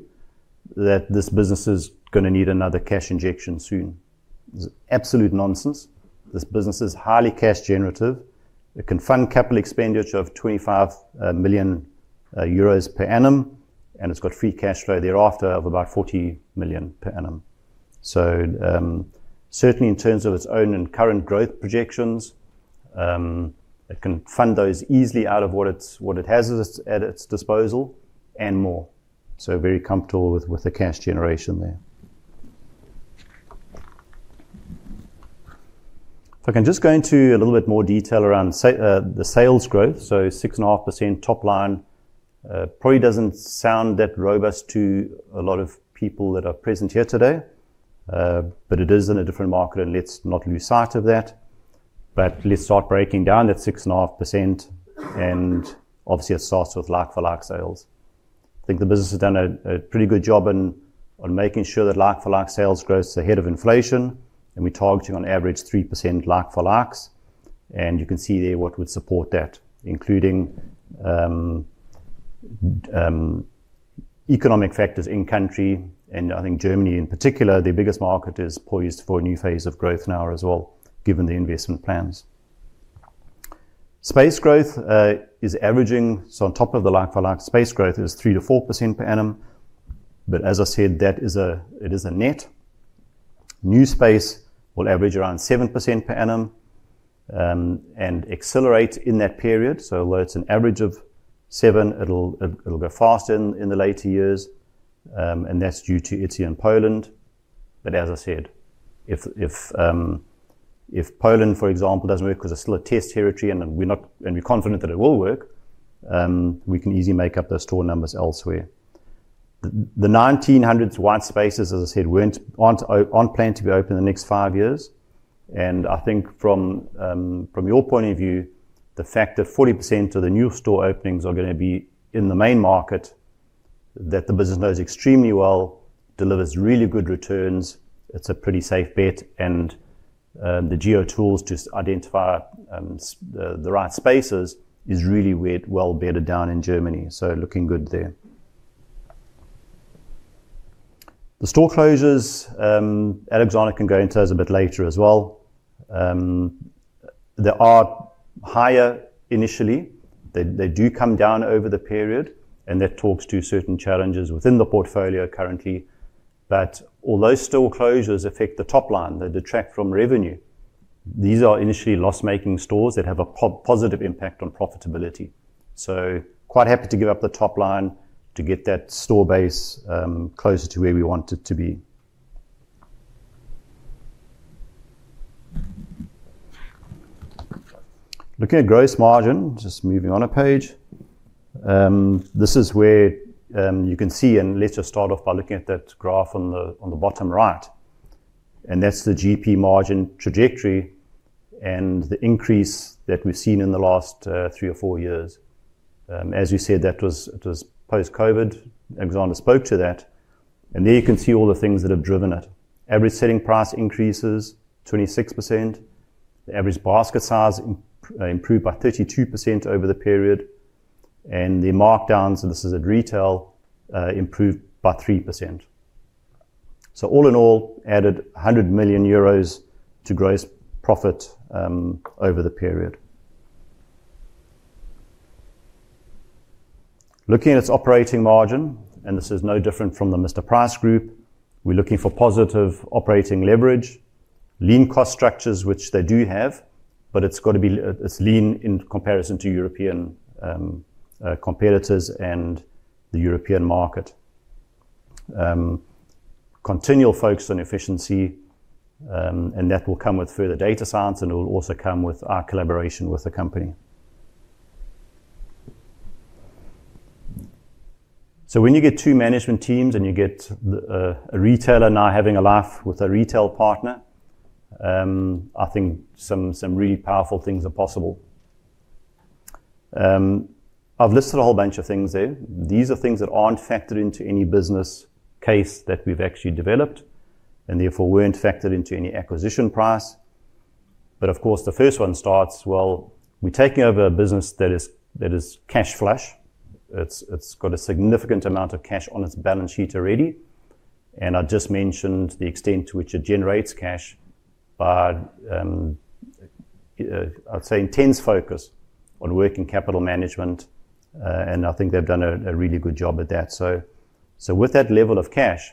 that this business is gonna need another cash injection soon. It's absolute nonsense. This business is highly cash generative. It can fund CapEx of 25 million euros per annum, and it's got free cash flow thereafter of about 40 million per annum. Certainly in terms of its own and current growth projections, it can fund those easily out of what it has at its disposal and more. Very comfortable with the cash generation there. If I can just go into a little bit more detail around the sales growth. So 6.5% top line probably doesn't sound that robust to a lot of people that are present here today, but it is in a different market, and let's not lose sight of that. Let's start breaking down that 6.5%, and obviously it starts with like-for-like sales. I think the business has done a pretty good job on making sure that like-for-like sales growth is ahead of inflation, and we're targeting on average 3% like-for-likes. You can see there what would support that, including economic factors in country. I think Germany in particular, their biggest market is poised for a new phase of growth now as well, given the investment plans. Space growth is averaging, so on top of the like-for-like, space growth is 3%-4% per annum. As I said, that is a net. New space will average around 7% per annum and accelerate in that period. Although it's an average of 7%, it'll go faster in the later years. That's due to Etsy in Poland. As I said, if Poland, for example, doesn't work because it's still a test territory and we're confident that it will work, we can easily make up those store numbers elsewhere. The 1,900 white spaces, as I said, aren't on plan to be open in the next five years. I think from your point of view, the fact that 40% of the new store openings are gonna be in the main market that the business knows extremely well delivers really good returns. It's a pretty safe bet. The geo-tools to identify the right spaces is really well bedded down in Germany. Looking good there. The store closures, Alexander can go into those a bit later as well. They are higher initially. They do come down over the period, and that talks to certain challenges within the portfolio currently. Although store closures affect the top line, they detract from revenue. These are initially loss-making stores that have a positive impact on profitability. Quite happy to give up the top line to get that store base closer to where we want it to be. Looking at gross margin, just moving on a page. This is where you can see, and let's just start off by looking at that graph on the bottom right. That's the GP margin trajectory and the increase that we've seen in the last three or four years. As you said, that was post-COVID. Alexander spoke to that. There you can see all the things that have driven it. Average selling price increases, 26%. The average basket size improved by 32% over the period. The markdowns, and this is at retail, improved by 3%. All in all, added 100 million euros to gross profit over the period. Looking at its operating margin, and this is no different from the Mr Price Group, we're looking for positive operating leverage, lean cost structures, which they do have, but it's lean in comparison to European competitors and the European market. Continual focus on efficiency, and that will come with further data science, and it will also come with our collaboration with the company. When you get two management teams and you get a retailer now having a life with a retail partner, I think some really powerful things are possible. I've listed a whole bunch of things there. These are things that aren't factored into any business case that we've actually developed and therefore weren't factored into any acquisition price. Of course, the first one starts, well, we're taking over a business that is cash flush. It's got a significant amount of cash on its balance sheet already, and I just mentioned the extent to which it generates cash. I'd say intense focus on working capital management, and I think they've done a really good job at that. With that level of cash,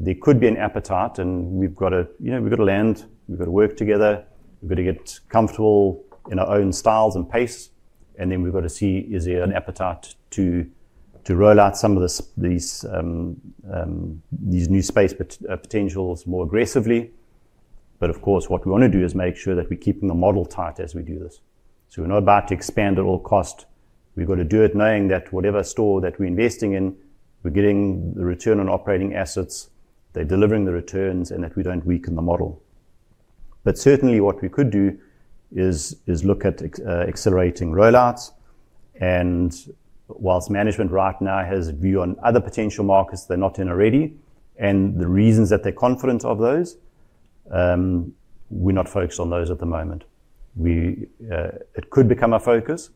there could be an appetite, and we've got to, you know, we've got to land, we've got to work together, we've got to get comfortable in our own styles and pace, and then we've got to see, is there an appetite to roll out some of the these new space potentials more aggressively. But of course, what we wanna do is make sure that we're keeping the model tight as we do this. We're not about to expand at all cost. We've got to do it knowing that whatever store that we're investing in, we're getting the return on operating assets, they're delivering the returns, and that we don't weaken the model. Certainly what we could do is look at accelerating rollouts. While management right now has a view on other potential markets they're not in already, and the reasons that they're confident of those, we're not focused on those at the moment. It could become a focus,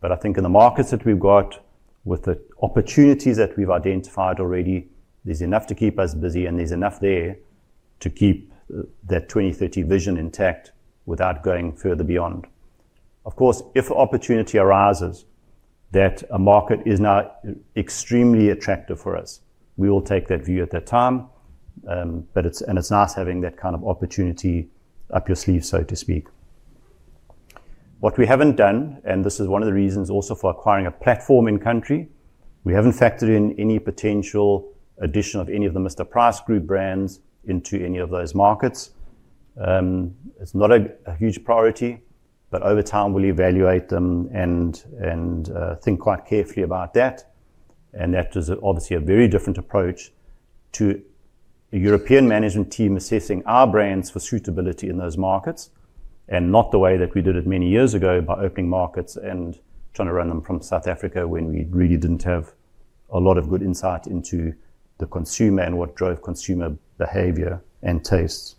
but I think in the markets that we've got with the opportunities that we've identified already, there's enough to keep us busy, and there's enough there to keep that 20-30 vision intact without going further beyond. Of course, if opportunity arises that a market is now extremely attractive for us, we will take that view at that time. It's nice having that kind of opportunity up your sleeve, so to speak. What we haven't done, and this is one of the reasons also for acquiring a platform in country, we haven't factored in any potential addition of any of the Mr Price Group brands into any of those markets. It's not a huge priority, but over time, we'll evaluate them and think quite carefully about that. That is obviously a very different approach to a European management team assessing our brands for suitability in those markets, and not the way that we did it many years ago by opening markets and trying to run them from South Africa when we really didn't have a lot of good insight into the consumer and what drove consumer behavior and tastes.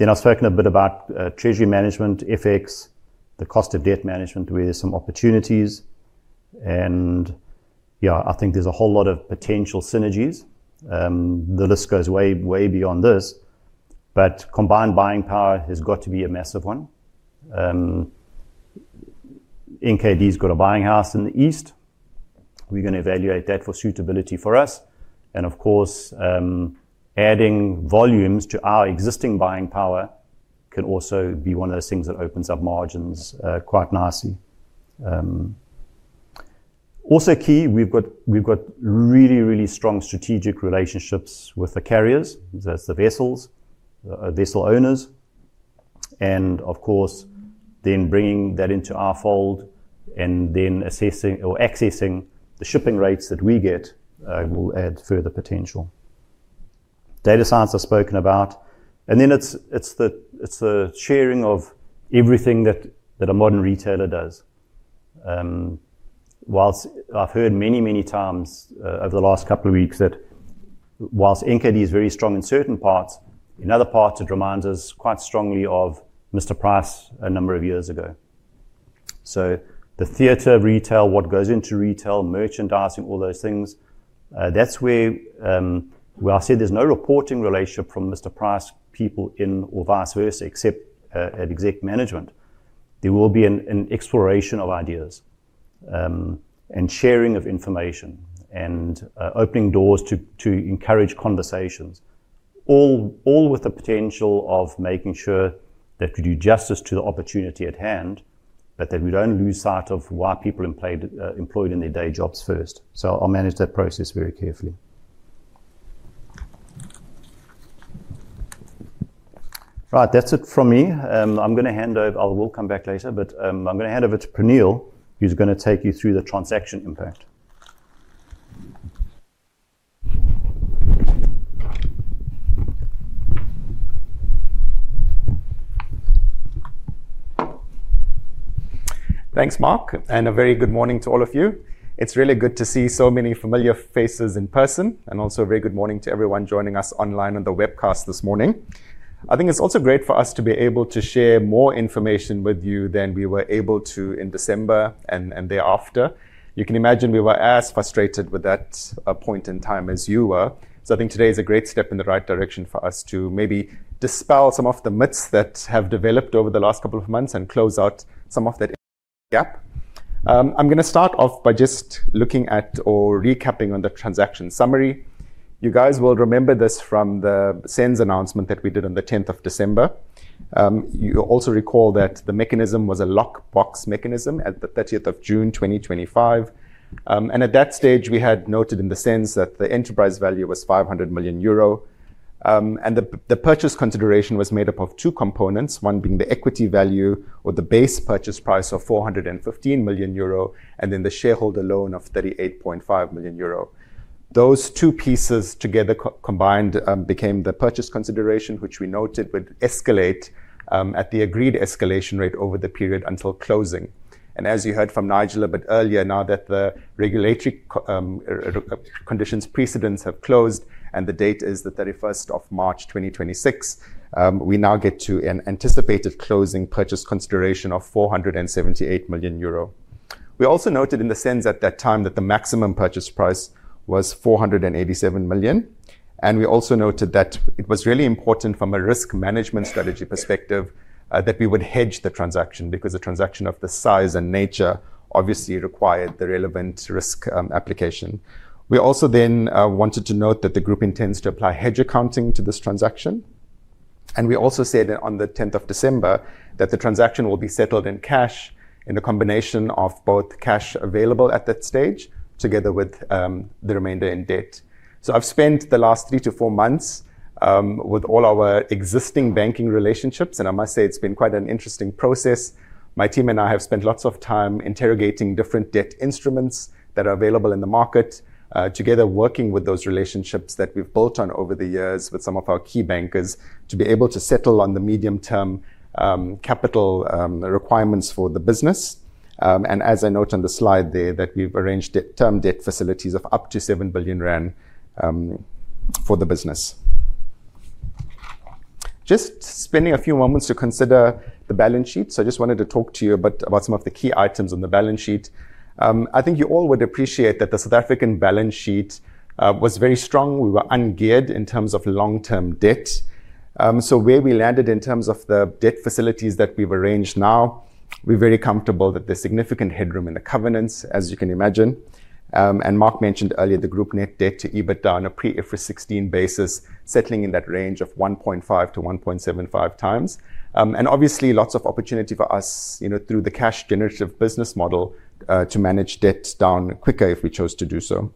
I've spoken a bit about treasury management, FX, the cost of debt management, where there's some opportunities. Yeah, I think there's a whole lot of potential synergies. The list goes way beyond this, but combined buying power has got to be a massive one. NKD's got a buying house in the East. We're gonna evaluate that for suitability for us. Of course, adding volumes to our existing buying power can also be one of those things that opens up margins quite nicely. Also key, we've got really strong strategic relationships with the carriers. That's the vessels, vessel owners, and of course, bringing that into our fold and then assessing or accessing the shipping rates that we get will add further potential. Data science, I've spoken about, and then it's the sharing of everything that a modern retailer does. While I've heard many times over the last couple of weeks that while NKD is very strong in certain parts, in other parts, it reminds us quite strongly of Mr Price a number of years ago. The theater of retail, what goes into retail, merchandising, all those things, that's where I said there's no reporting relationship from Mr Price people in or vice versa, except at exec management. There will be an exploration of ideas and sharing of information and opening doors to encourage conversations, all with the potential of making sure that we do justice to the opportunity at hand, but that we don't lose sight of why people employed in their day jobs first. I'll manage that process very carefully. Right. That's it from me. I'm gonna hand over. I will come back later. I'm gonna hand over to Praneel, who's gonna take you through the transaction impact. Thanks, Mark, and a very good morning to all of you. It's really good to see so many familiar faces in person and also a very good morning to everyone joining us online on the webcast this morning. I think it's also great for us to be able to share more information with you than we were able to in December and thereafter. You can imagine we were as frustrated with that point in time as you were. I think today is a great step in the right direction for us to maybe dispel some of the myths that have developed over the last couple of months and close out some of that gap. I'm gonna start off by just looking at or recapping on the transaction summary. You guys will remember this from the SENS announcement that we did on the 10th of December. You'll also recall that the mechanism was a locked box mechanism at the 30th of June 2025. At that stage, we had noted in the SENS that the enterprise value was 500 million euro. The purchase consideration was made up of two components, one being the equity value or the base purchase price of 415 million euro and then the shareholder loan of 38.5 million euro. Those two pieces together combined became the purchase consideration, which we noted would escalate at the agreed escalation rate over the period until closing. As you heard from Nigel a bit earlier, now that the regulatory conditions precedent have closed and the date is the 31st of March 2026, we now get to an anticipated closing purchase consideration of 478 million euro. We also noted in the SENS at that time that the maximum purchase price was 487 million, and we also noted that it was really important from a risk management strategy perspective that we would hedge the transaction because a transaction of this size and nature obviously required the relevant risk application. We also then wanted to note that the group intends to apply hedge accounting to this transaction. We also said on the 10th of December that the transaction will be settled in cash in a combination of both cash available at that stage together with the remainder in debt. I've spent the last three to four months with all our existing banking relationships, and I must say it's been quite an interesting process. My team and I have spent lots of time interrogating different debt instruments that are available in the market, together working with those relationships that we've built on over the years with some of our key bankers to be able to settle on the medium-term capital requirements for the business. I note on the slide there that we've arranged term debt facilities of up to 7 billion rand for the business. Just spending a few moments to consider the balance sheet. I just wanted to talk to you about some of the key items on the balance sheet. I think you all would appreciate that the South African balance sheet was very strong. We were ungeared in terms of long-term debt. Where we landed in terms of the debt facilities that we've arranged now, we're very comfortable that there's significant headroom in the covenants, as you can imagine. Mark mentioned earlier the group net debt to EBITDA on a pre-IFRS 16 basis, settling in that range of 1.5x-1.75x. Obviously lots of opportunity for us, you know, through the cash-generative business model to manage debt down quicker if we chose to do so.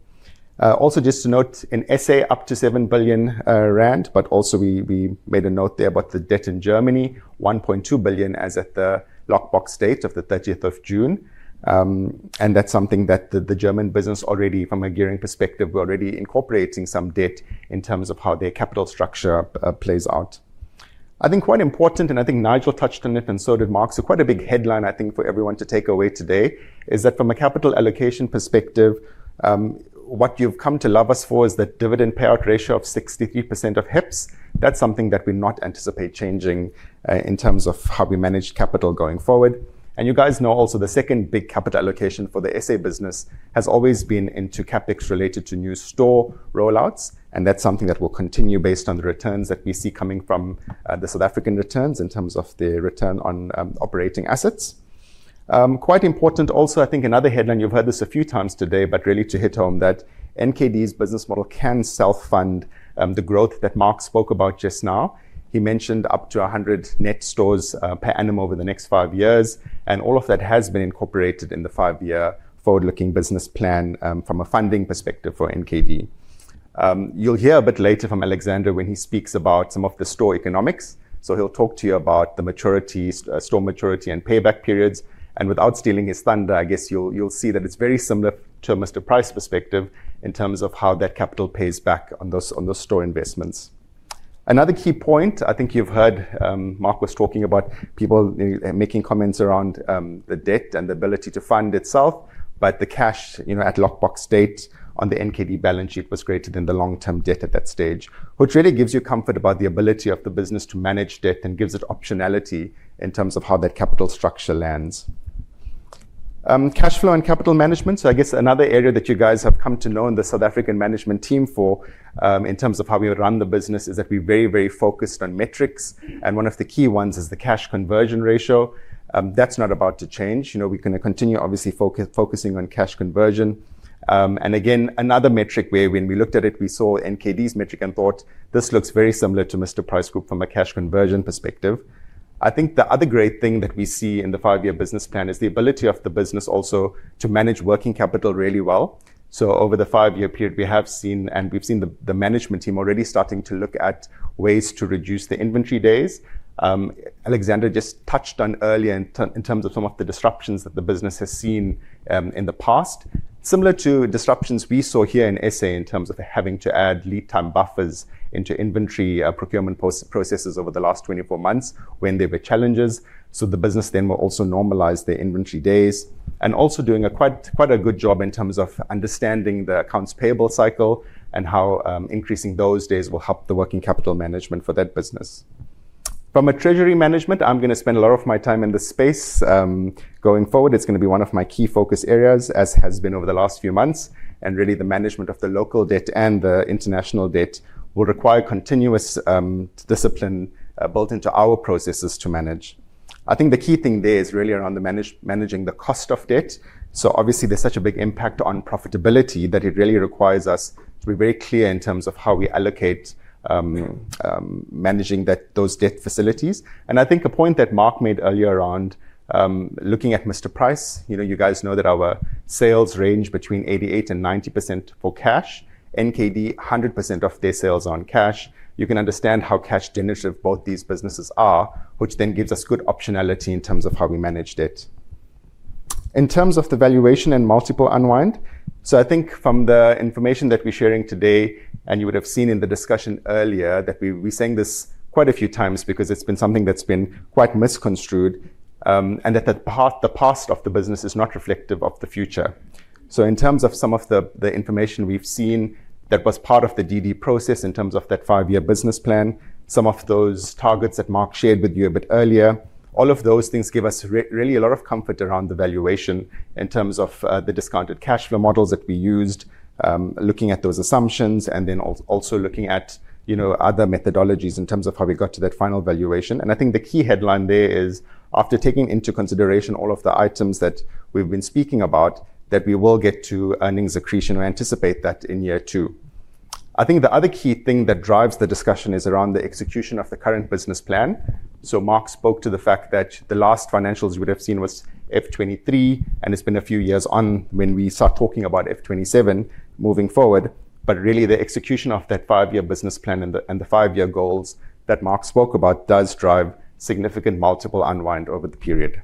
Also just to note, in SA up to 7 billion rand, but also we made a note there about the debt in Germany, 1.2 billion as at the locked box date of the 30th of June. That's something that the German business already from a gearing perspective, we're already incorporating some debt in terms of how their capital structure plays out. I think quite important, and I think Nigel touched on it, and so did Mark, so quite a big headline, I think, for everyone to take away today is that from a capital allocation perspective, what you've come to love us for is that dividend payout ratio of 63% of HEPS. That's something that we not anticipate changing, in terms of how we manage capital going forward. You guys know also the second big capital allocation for the SA business has always been into CapEx related to new store rollouts, and that's something that will continue based on the returns that we see coming from the South African returns in terms of the return on operating assets. Quite important also, I think another headline, you've heard this a few times today, but really to hit home that NKD's business model can self-fund the growth that Mark spoke about just now. He mentioned up to 100 net stores per annum over the next five years, and all of that has been incorporated in the five-year forward-looking business plan from a funding perspective for NKD. You'll hear a bit later from Alexander when he speaks about some of the store economics. He'll talk to you about the maturities, store maturity and payback periods. Without stealing his thunder, I guess you'll see that it's very similar to a Mr Price perspective in terms of how that capital pays back on those store investments. Another key point, I think you've heard, Mark was talking about people making comments around the debt and the ability to fund itself, but the cash, you know, at locked box date on the NKD balance sheet was greater than the long-term debt at that stage. Which really gives you comfort about the ability of the business to manage debt and gives it optionality in terms of how that capital structure lands. Cash flow and capital management. I guess another area that you guys have come to know in the South African management team for, in terms of how we run the business, is that we're very, very focused on metrics, and one of the key ones is the cash conversion ratio. That's not about to change. You know, we're gonna continue obviously focusing on cash conversion. Again, another metric where when we looked at it, we saw NKD's metric and thought, "This looks very similar to Mr Price Group from a cash conversion perspective." I think the other great thing that we see in the five-year business plan is the ability of the business also to manage working capital really well. Over the five-year period, we've seen the management team already starting to look at ways to reduce the inventory days. Alexander just touched on earlier in terms of some of the disruptions that the business has seen in the past. Similar to disruptions we saw here in SA in terms of having to add lead time buffers into inventory, procurement processes over the last 24 months when there were challenges. The business then will also normalize their inventory days. Also doing a quite good job in terms of understanding the accounts payable cycle and how increasing those days will help the working capital management for that business. From a Treasury management, I'm gonna spend a lot of my time in this space. Going forward, it's gonna be one of my key focus areas, as has been over the last few months. Really the management of the local debt and the international debt will require continuous discipline built into our processes to manage. I think the key thing there is really around the managing the cost of debt. Obviously, there's such a big impact on profitability that it really requires us to be very clear in terms of how we allocate managing those debt facilities. I think a point that Mark made earlier around looking at Mr Price. You know, you guys know that our sales range between 88%-90% for cash. NKD, 100% of their sales are in cash. You can understand how cash generative both these businesses are, which then gives us good optionality in terms of how we manage debt. In terms of the valuation and multiple unwind. I think from the information that we're sharing today, and you would have seen in the discussion earlier, that we're saying this quite a few times because it's been something that's been quite misconstrued, and that the past of the business is not reflective of the future. In terms of some of the information we've seen that was part of the DD process in terms of that five-year business plan, some of those targets that Mark shared with you a bit earlier, all of those things give us really a lot of comfort around the valuation in terms of the discounted cash flow models that we used, looking at those assumptions, and then also looking at, you know, other methodologies in terms of how we got to that final valuation. I think the key headline there is, after taking into consideration all of the items that we've been speaking about, that we will get to earnings accretion. We anticipate that in year two. I think the other key thing that drives the discussion is around the execution of the current business plan. Mark spoke to the fact that the last financials you would have seen was FY 2023, and it's been a few years on when we start talking about FY 2027 moving forward. Really, the execution of that five-year business plan and the five-year goals that Mark spoke about does drive significant multiple unwind over the period.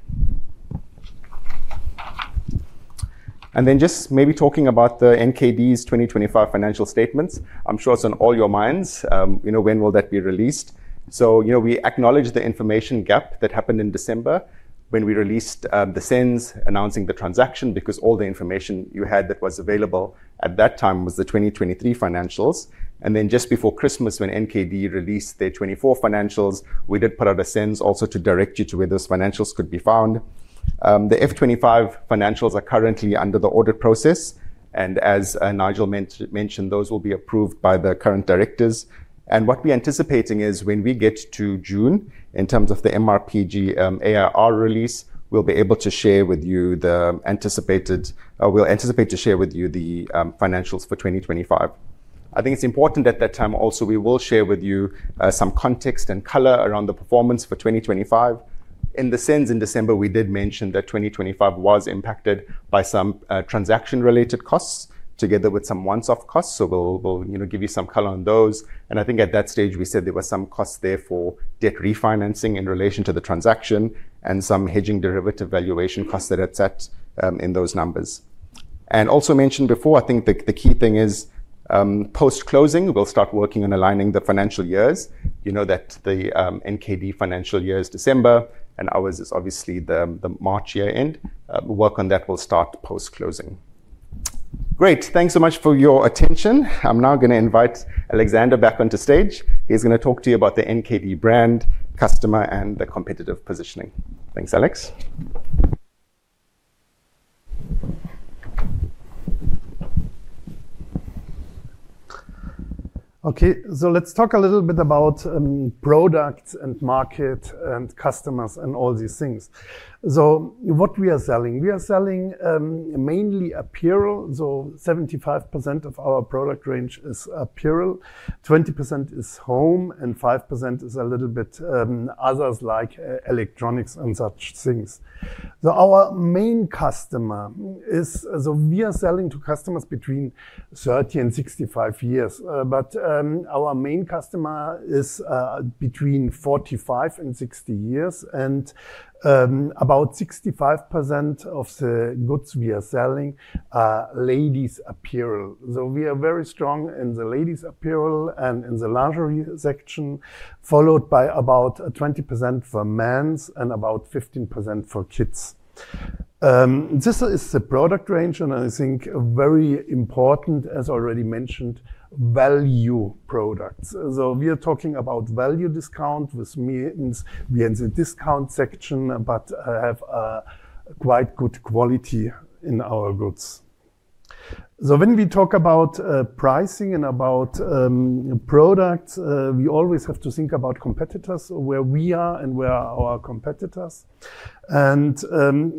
Then just maybe talking about the NKD's 2025 financial statements. I'm sure it's on all your minds, you know, when will that be released? You know, we acknowledge the information gap that happened in December when we released the SENS announcing the transaction because all the information you had that was available at that time was the 2023 financials. Then just before Christmas, when NKD released their 2024 financials, we did put out a SENS also to direct you to where those financials could be found. The FY 2025 financials are currently under the audit process, and as Nigel mentioned, those will be approved by the current directors. What we're anticipating is when we get to June, in terms of the MRPG ARR release, we'll be able to share with you the anticipated financials for 2025. I think it's important at that time also we will share with you some context and color around the performance for 2025. In the SENS in December, we did mention that 2025 was impacted by some transaction-related costs together with some once-off costs. We'll you know give you some color on those. I think at that stage we said there were some costs there for debt refinancing in relation to the transaction and some hedging derivative valuation costs that are set in those numbers. Also mentioned before, I think the key thing is post-closing we'll start working on aligning the financial years. You know that the NKD financial year is December, and ours is obviously the March year-end. Work on that will start post-closing. Great. Thanks so much for your attention. I'm now gonna invite Alexander back onto stage. He's gonna talk to you about the NKD brand, customer, and the competitive positioning. Thanks, Alex. Okay. Let's talk a little bit about product and market and customers and all these things. What we are selling. We are selling mainly apparel, so 75% of our product range is apparel, 20% is home, and 5% is a little bit others like electronics and such things. We are selling to customers between 30 and 65 years. But our main customer is between 45 and 60 years, and about 65% of the goods we are selling are ladies apparel. We are very strong in the ladies apparel and in the lingerie section, followed by about 20% for men's and about 15% for kids. This is the product range, and I think very important, as already mentioned, value products. We are talking about value discount which means we are in the discount section, but have a quite good quality in our goods. When we talk about pricing and about products, we always have to think about competitors, where we are and where are our competitors. When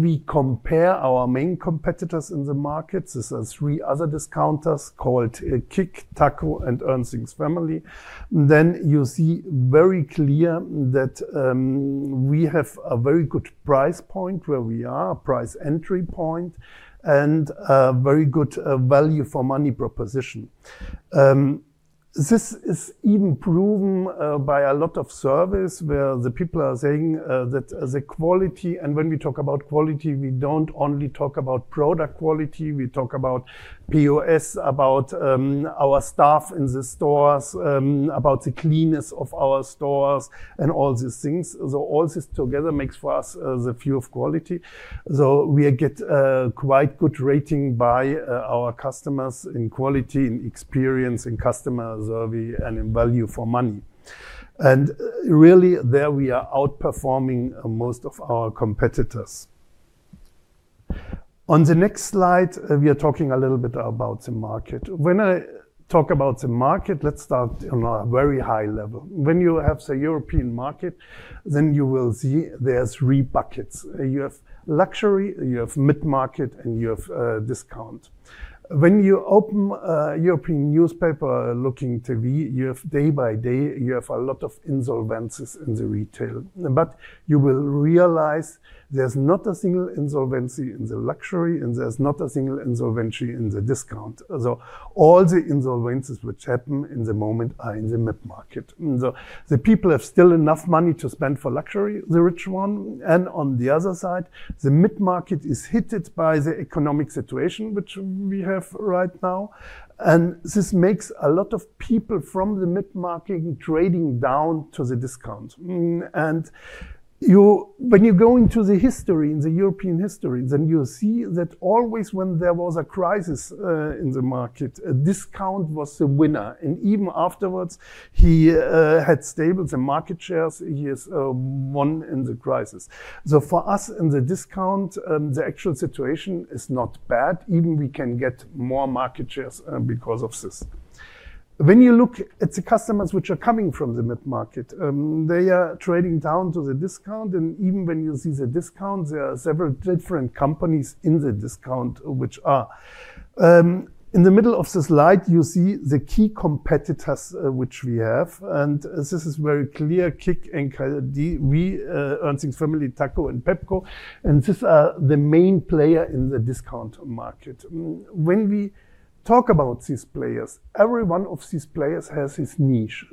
we compare our main competitors in the markets, there's three other discounters called KiK, Takko and Ernsting's family, then you see very clear that we have a very good price point where we are, price entry point, and a very good value for money proposition. This is even proven by a lot of surveys where the people are saying that the quality. When we talk about quality, we don't only talk about product quality, we talk about POS, about our staff in the stores, about the cleanliness of our stores and all these things. All this together makes for us the view of quality. We get a quite good rating by our customers in quality, in experience, in customer survey, and in value for money. Really there we are outperforming most of our competitors. On the next slide, we are talking a little bit about the market. When I talk about the market, let's start on a very high level. When you have the European market, then you will see there's three buckets. You have luxury, you have mid-market, and you have discount. When you open a European newspaper looking to read, you have day by day, you have a lot of insolvencies in the retail. You will realize there's not a single insolvency in the luxury, and there's not a single insolvency in the discount. All the insolvencies which happen in the moment are in the mid-market. The people have still enough money to spend for luxury, the rich one, and on the other side, the mid-market is hit by the economic situation which we have right now. This makes a lot of people from the mid-market trading down to the discount. When you go into the history, in the European history, then you see that always when there was a crisis in the market, discount was the winner. Even afterwards, he had stabilized the market shares. He is one in the crisis. For us in the discount, the actual situation is not bad. Even we can get more market shares, because of this. When you look at the customers which are coming from the mid-market, they are trading down to the discount. Even when you see the discount, there are several different companies in the discount. In the middle of the slide, you see the key competitors, which we have, and this is very clear, KiK and NKD, we, Ernsting's family, Takko and Pepco, and these are the main player in the discount market. When we talk about these players, every one of these players has its niche.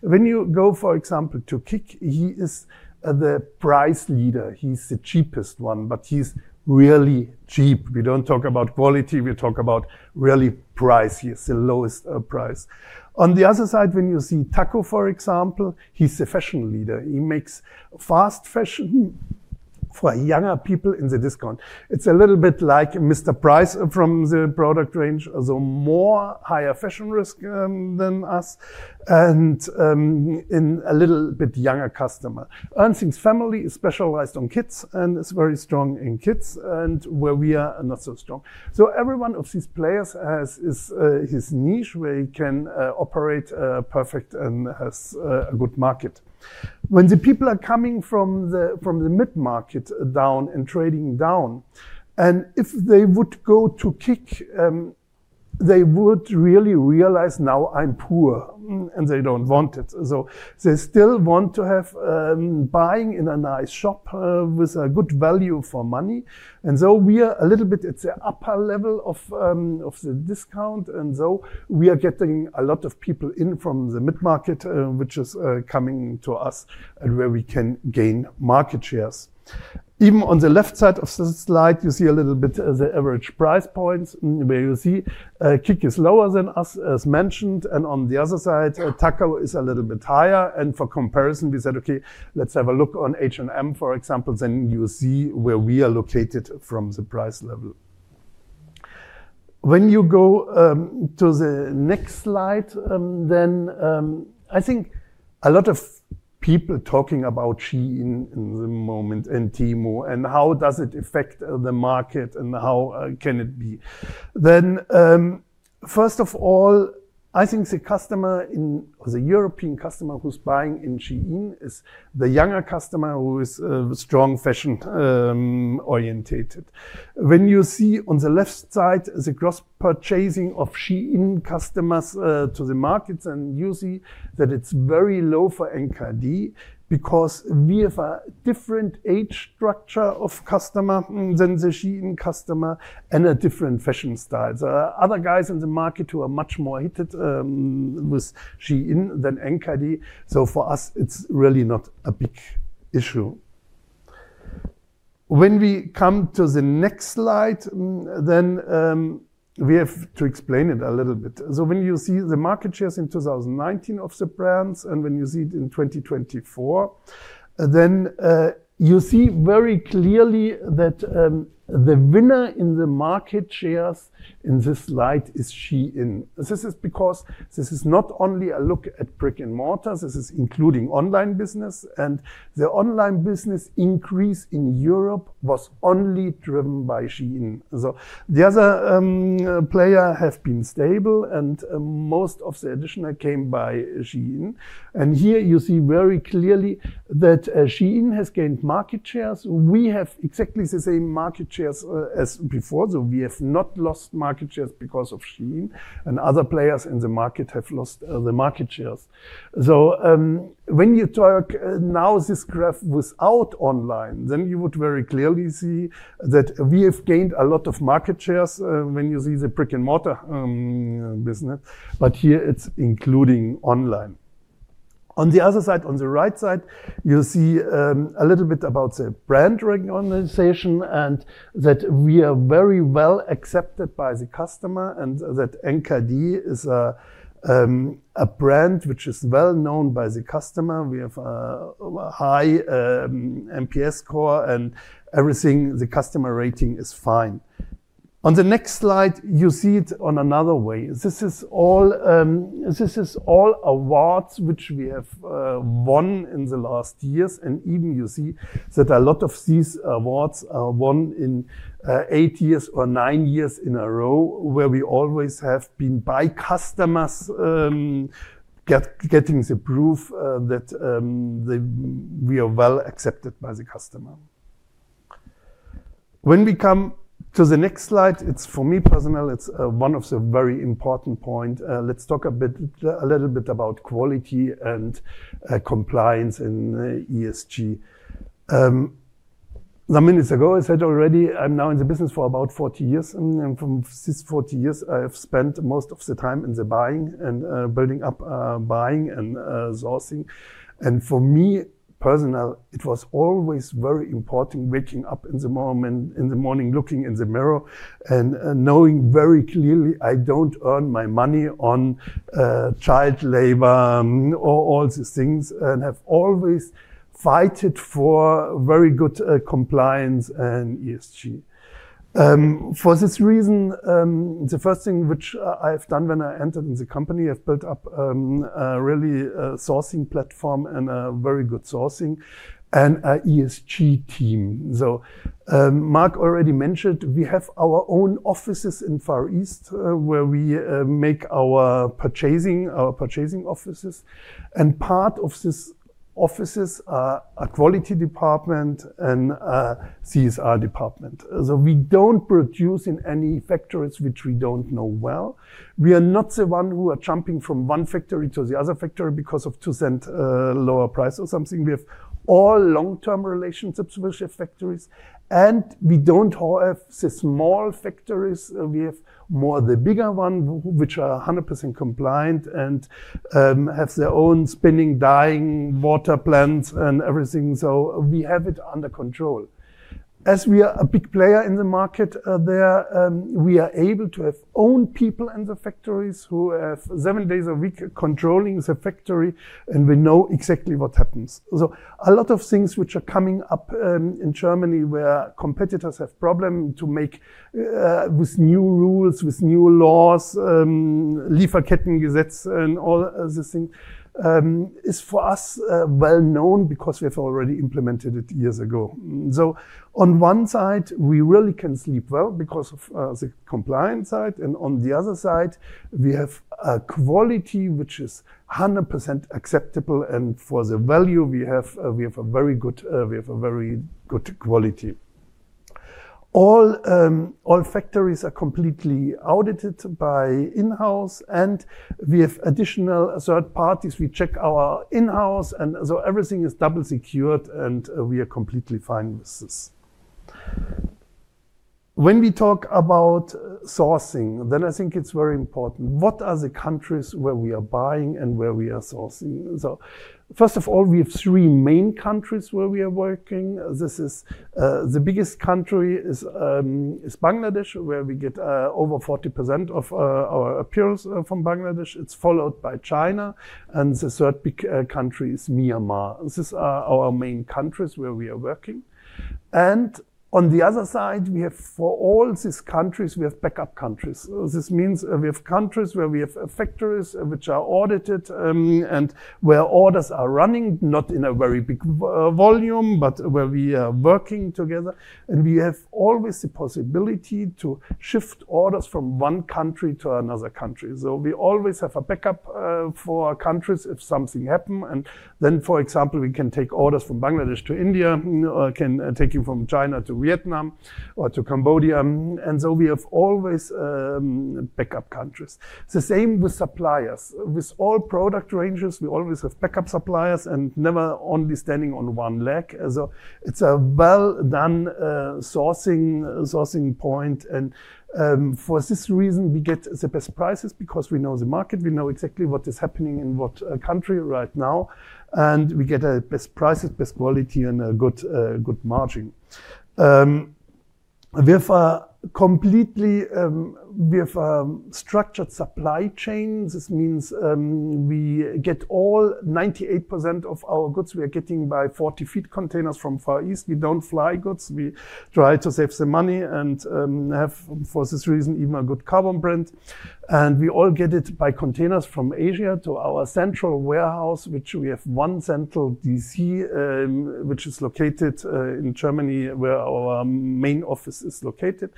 When you go, for example, to KiK, he is the price leader. He is the cheapest one, but he is really cheap. We don't talk about quality, we talk about really price. He has the lowest price. On the other side, when you see Takko, for example, he's the fashion leader. He makes fast fashion for younger people in the discount. It's a little bit like Mr Price from the product range, so more higher fashion risk than us, and a little bit younger customer. Ernsting's family is specialized on kids, and is very strong in kids and where we are not so strong. Every one of these players has his niche where he can operate perfect and has a good market. When the people are coming from the mid-market down and trading down, and if they would go to KiK, they would really realize, "Now I'm poor," and they don't want it. They still want to have buying in a nice shop with a good value for money, and so we are a little bit at the upper level of the discount. We are getting a lot of people in from the mid-market, which is coming to us and where we can gain market shares. Even on the left side of this slide, you see a little bit of the average price points, where you see KiK is lower than us, as mentioned, and on the other side, Takko is a little bit higher. For comparison, we said, "Okay, let's have a look on H&M, for example," then you see where we are located from the price level. When you go to the next slide, I think a lot of people talking about Shein in the moment, and Temu, and how does it affect the market, and how can it be. First of all, I think the customer or the European customer who's buying in Shein is the younger customer who is strong fashion orientated. When you see on the left side the gross purchasing of Shein customers to the markets, and you see that it's very low for NKD because we have a different age structure of customer than the Shein customer and a different fashion style. The other guys in the market who are much more hit with Shein than NKD, so for us, it's really not a big issue. When we come to the next slide, then, we have to explain it a little bit. When you see the market shares in 2019 of the brands, and when you see it in 2024, then, you see very clearly that the winner in the market shares in this slide is Shein. This is because this is not only a look at brick-and-mortars, this is including online business, and the online business increase in Europe was only driven by Shein. The other player have been stable, and most of the additional came by Shein. Here you see very clearly that Shein has gained market shares. We have exactly the same market shares, as before, so we have not lost market shares because of Shein, and other players in the market have lost the market shares. When you talk now this graph without online, then you would very clearly see that we have gained a lot of market shares, when you see the brick-and-mortar business. Here it's including online. On the other side, on the right side, you see a little bit about the brand recognition, and that we are very well-accepted by the customer, and that NKD is a brand which is well-known by the customer. We have a high NPS score and everything. The customer rating is fine. On the next slide, you see it on another way. This is all awards which we have won in the last years. Even you see that a lot of these awards are won in eight years or nine years in a row, where we always have been by customers getting the proof that we are well accepted by the customer. When we come to the next slide, it's for me personal, it's one of the very important point. Let's talk a bit, a little bit about quality and compliance in ESG. A minute ago, I said already, I'm now in the business for about 40 years, and from these 40 years, I have spent most of the time in the buying and building up buying and sourcing. For me personally, it was always very important waking up in the morning, looking in the mirror and knowing very clearly I don't earn my money on child labor or all these things, and have always fought for very good compliance and ESG. For this reason, the first thing which I've done when I entered in the company, I've built up a really sourcing platform and a very good sourcing and a ESG team. Mark already mentioned, we have our own offices in Far East where we make our purchasing, our purchasing offices. And part of these offices are a quality department and a CSR department. We don't produce in any factories which we don't know well. We are not the ones who are jumping from one factory to the other factory because of 0.02 lower price or something. We have all long-term relationships with the factories. We don't have the small factories. We have more the bigger ones, which are 100% compliant and have their own spinning, dyeing, water plants and everything. We have it under control. As we are a big player in the market, we are able to have our own people in the factories who have seven days a week controlling the factory, and we know exactly what happens. A lot of things which are coming up in Germany where competitors have problem to make with new rules, with new laws, Lieferkettengesetz and all of this thing is for us well-known because we have already implemented it years ago. On one side, we really can sleep well because of the compliance side. On the other side, we have a quality which is 100% acceptable. For the value we have, we have a very good quality. All factories are completely audited by in-house, and we have additional third parties. We check our in-house, and everything is double secured, and we are completely fine with this. When we talk about sourcing, I think it's very important. What are the countries where we are buying and where we are sourcing? First of all, we have three main countries where we are working. This is the biggest country is Bangladesh, where we get over 40% of our apparel from Bangladesh. It's followed by China, and the third big country is Myanmar. These are our main countries where we are working. On the other side, we have for all these countries, we have backup countries. This means, we have countries where we have factories which are audited, and where orders are running, not in a very big volume, but where we are working together. We have always the possibility to shift orders from one country to another country. We always have a backup for countries if something happen. Then for example, we can take orders from Bangladesh to India, or can take orders from China to Vietnam or to Cambodia. We have always backup countries. It's the same with suppliers. With all product ranges, we always have backup suppliers and never only standing on one leg. It's a well-done sourcing point. For this reason, we get the best prices because we know the market, we know exactly what is happening in what country right now, and we get the best prices, best quality, and a good margin. We have a completely structured supply chain. This means we get all 98% of our goods by 40-ft containers from the Far East. We don't fly goods. We try to save some money and, for this reason, even have a good carbon footprint. We get it all by containers from Asia to our central warehouse, which we have one central DC, which is located in Germany, where our main office is located.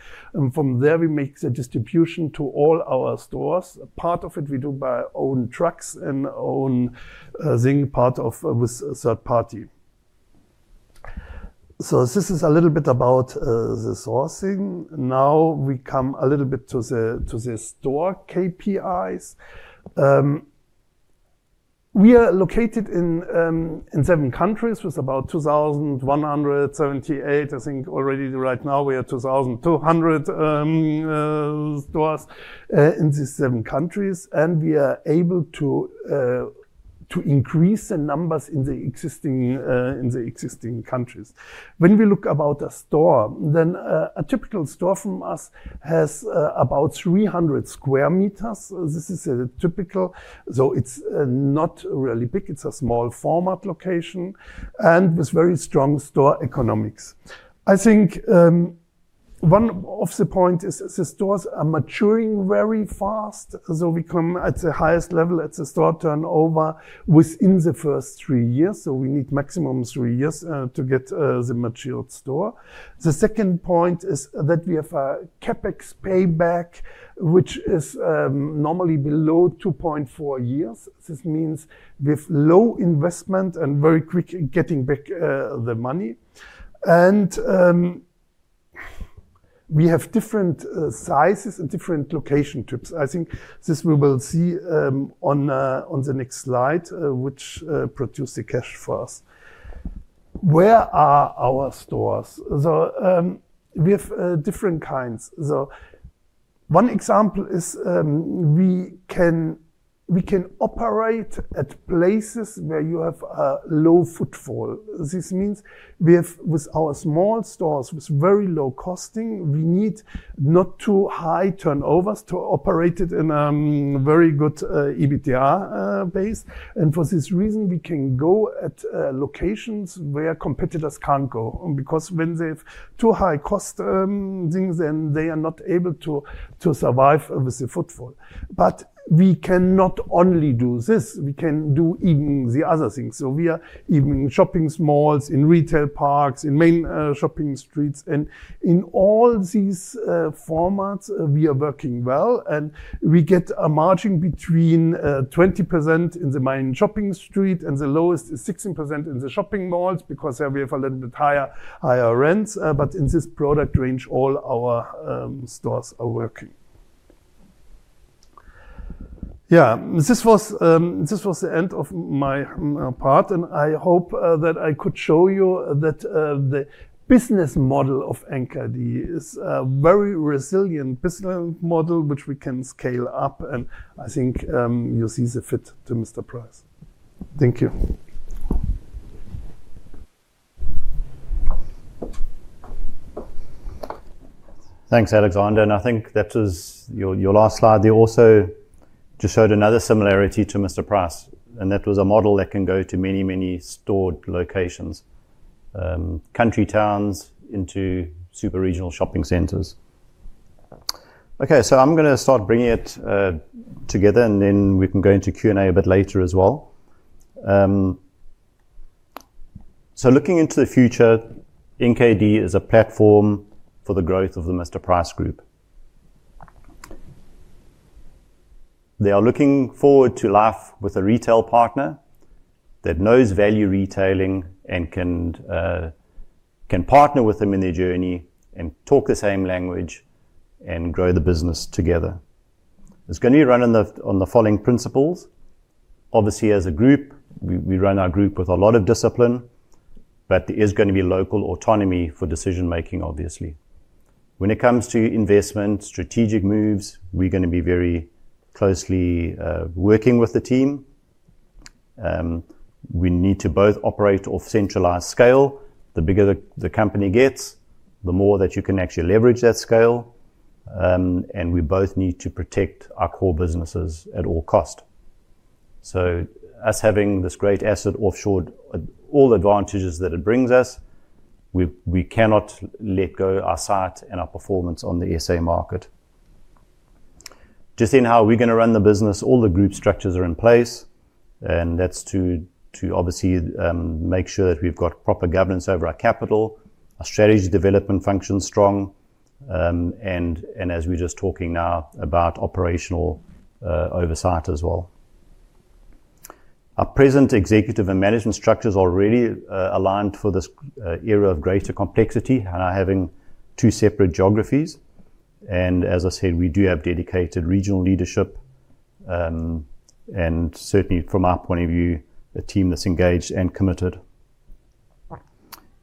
From there we make the distribution to all our stores. Part of it we do by own trucks and own thing, part of with third party. This is a little bit about the sourcing. Now we come a little bit to the store KPIs. We are located in seven countries, with about 2,178. I think already right now we are 2,200 stores in these seven countries. We are able to increase the numbers in the existing countries. When we look about a store, a typical store from us has about 300 sq m. This is a typical. It's not really big. It's a small format location and with very strong store economics. I think one of the point is the stores are maturing very fast. We come at the highest level at the store turnover within the first three years, so we need maximum three years to get the matured store. The second point is that we have a CapEx payback, which is normally below 2.4 years. This means with low investment and very quick getting back the money. We have different sizes and different location types. I think this we will see on the next slide, which produce the cash for us. Where are our stores? We have different kinds. One example is we can operate at places where you have a low footfall. This means we have with our small stores, with very low costing, we need not too high turnovers to operate it in very good EBITDA base. For this reason, we can go at locations where competitors can't go, because when they have too high cost things, then they are not able to to survive with the footfall. We cannot only do this. We can do even the other things. We are even in shopping malls, in retail parks, in main shopping streets. In all these formats, we are working well, and we get a margin between 20% in the main shopping street, and the lowest is 16% in the shopping malls because there we have a little bit higher rents. But in this product range, all our stores are working. Yeah. This was the end of my part. I hope that I could show you that the business model of NKD is a very resilient business model, which we can scale up. I think you see the fit to Mr Price. Thank you. Thanks, Alexander. I think that was your last slide there also just showed another similarity to Mr Price, and that was a model that can go to many store locations, country towns into super-regional shopping centers. Okay, I'm gonna start bringing it together, and then we can go into Q&A a bit later as well. Looking into the future, NKD is a platform for the growth of the Mr Price Group. They are looking forward to life with a retail partner that knows value retailing and can partner with them in their journey and talk the same language and grow the business together. It's gonna run on the following principles. Obviously, as a group, we run our group with a lot of discipline, but there is gonna be local autonomy for decision-making, obviously. When it comes to investment, strategic moves, we're gonna be very closely working with the team. We need to both operate or centralize scale. The bigger the company gets, the more that you can actually leverage that scale. We both need to protect our core businesses at all cost. Us having this great asset offshored, all the advantages that it brings us, we cannot let go our sight and our performance on the SA market. Just in how we're gonna run the business, all the group structures are in place, and that's to obviously make sure that we've got proper governance over our capital, our strategy development function's strong, and as we're just talking now about operational oversight as well. Our present executive and management structure's already aligned for this era of greater complexity, now having two separate geographies. As I said, we do have dedicated regional leadership, and certainly from our point of view, a team that's engaged and committed.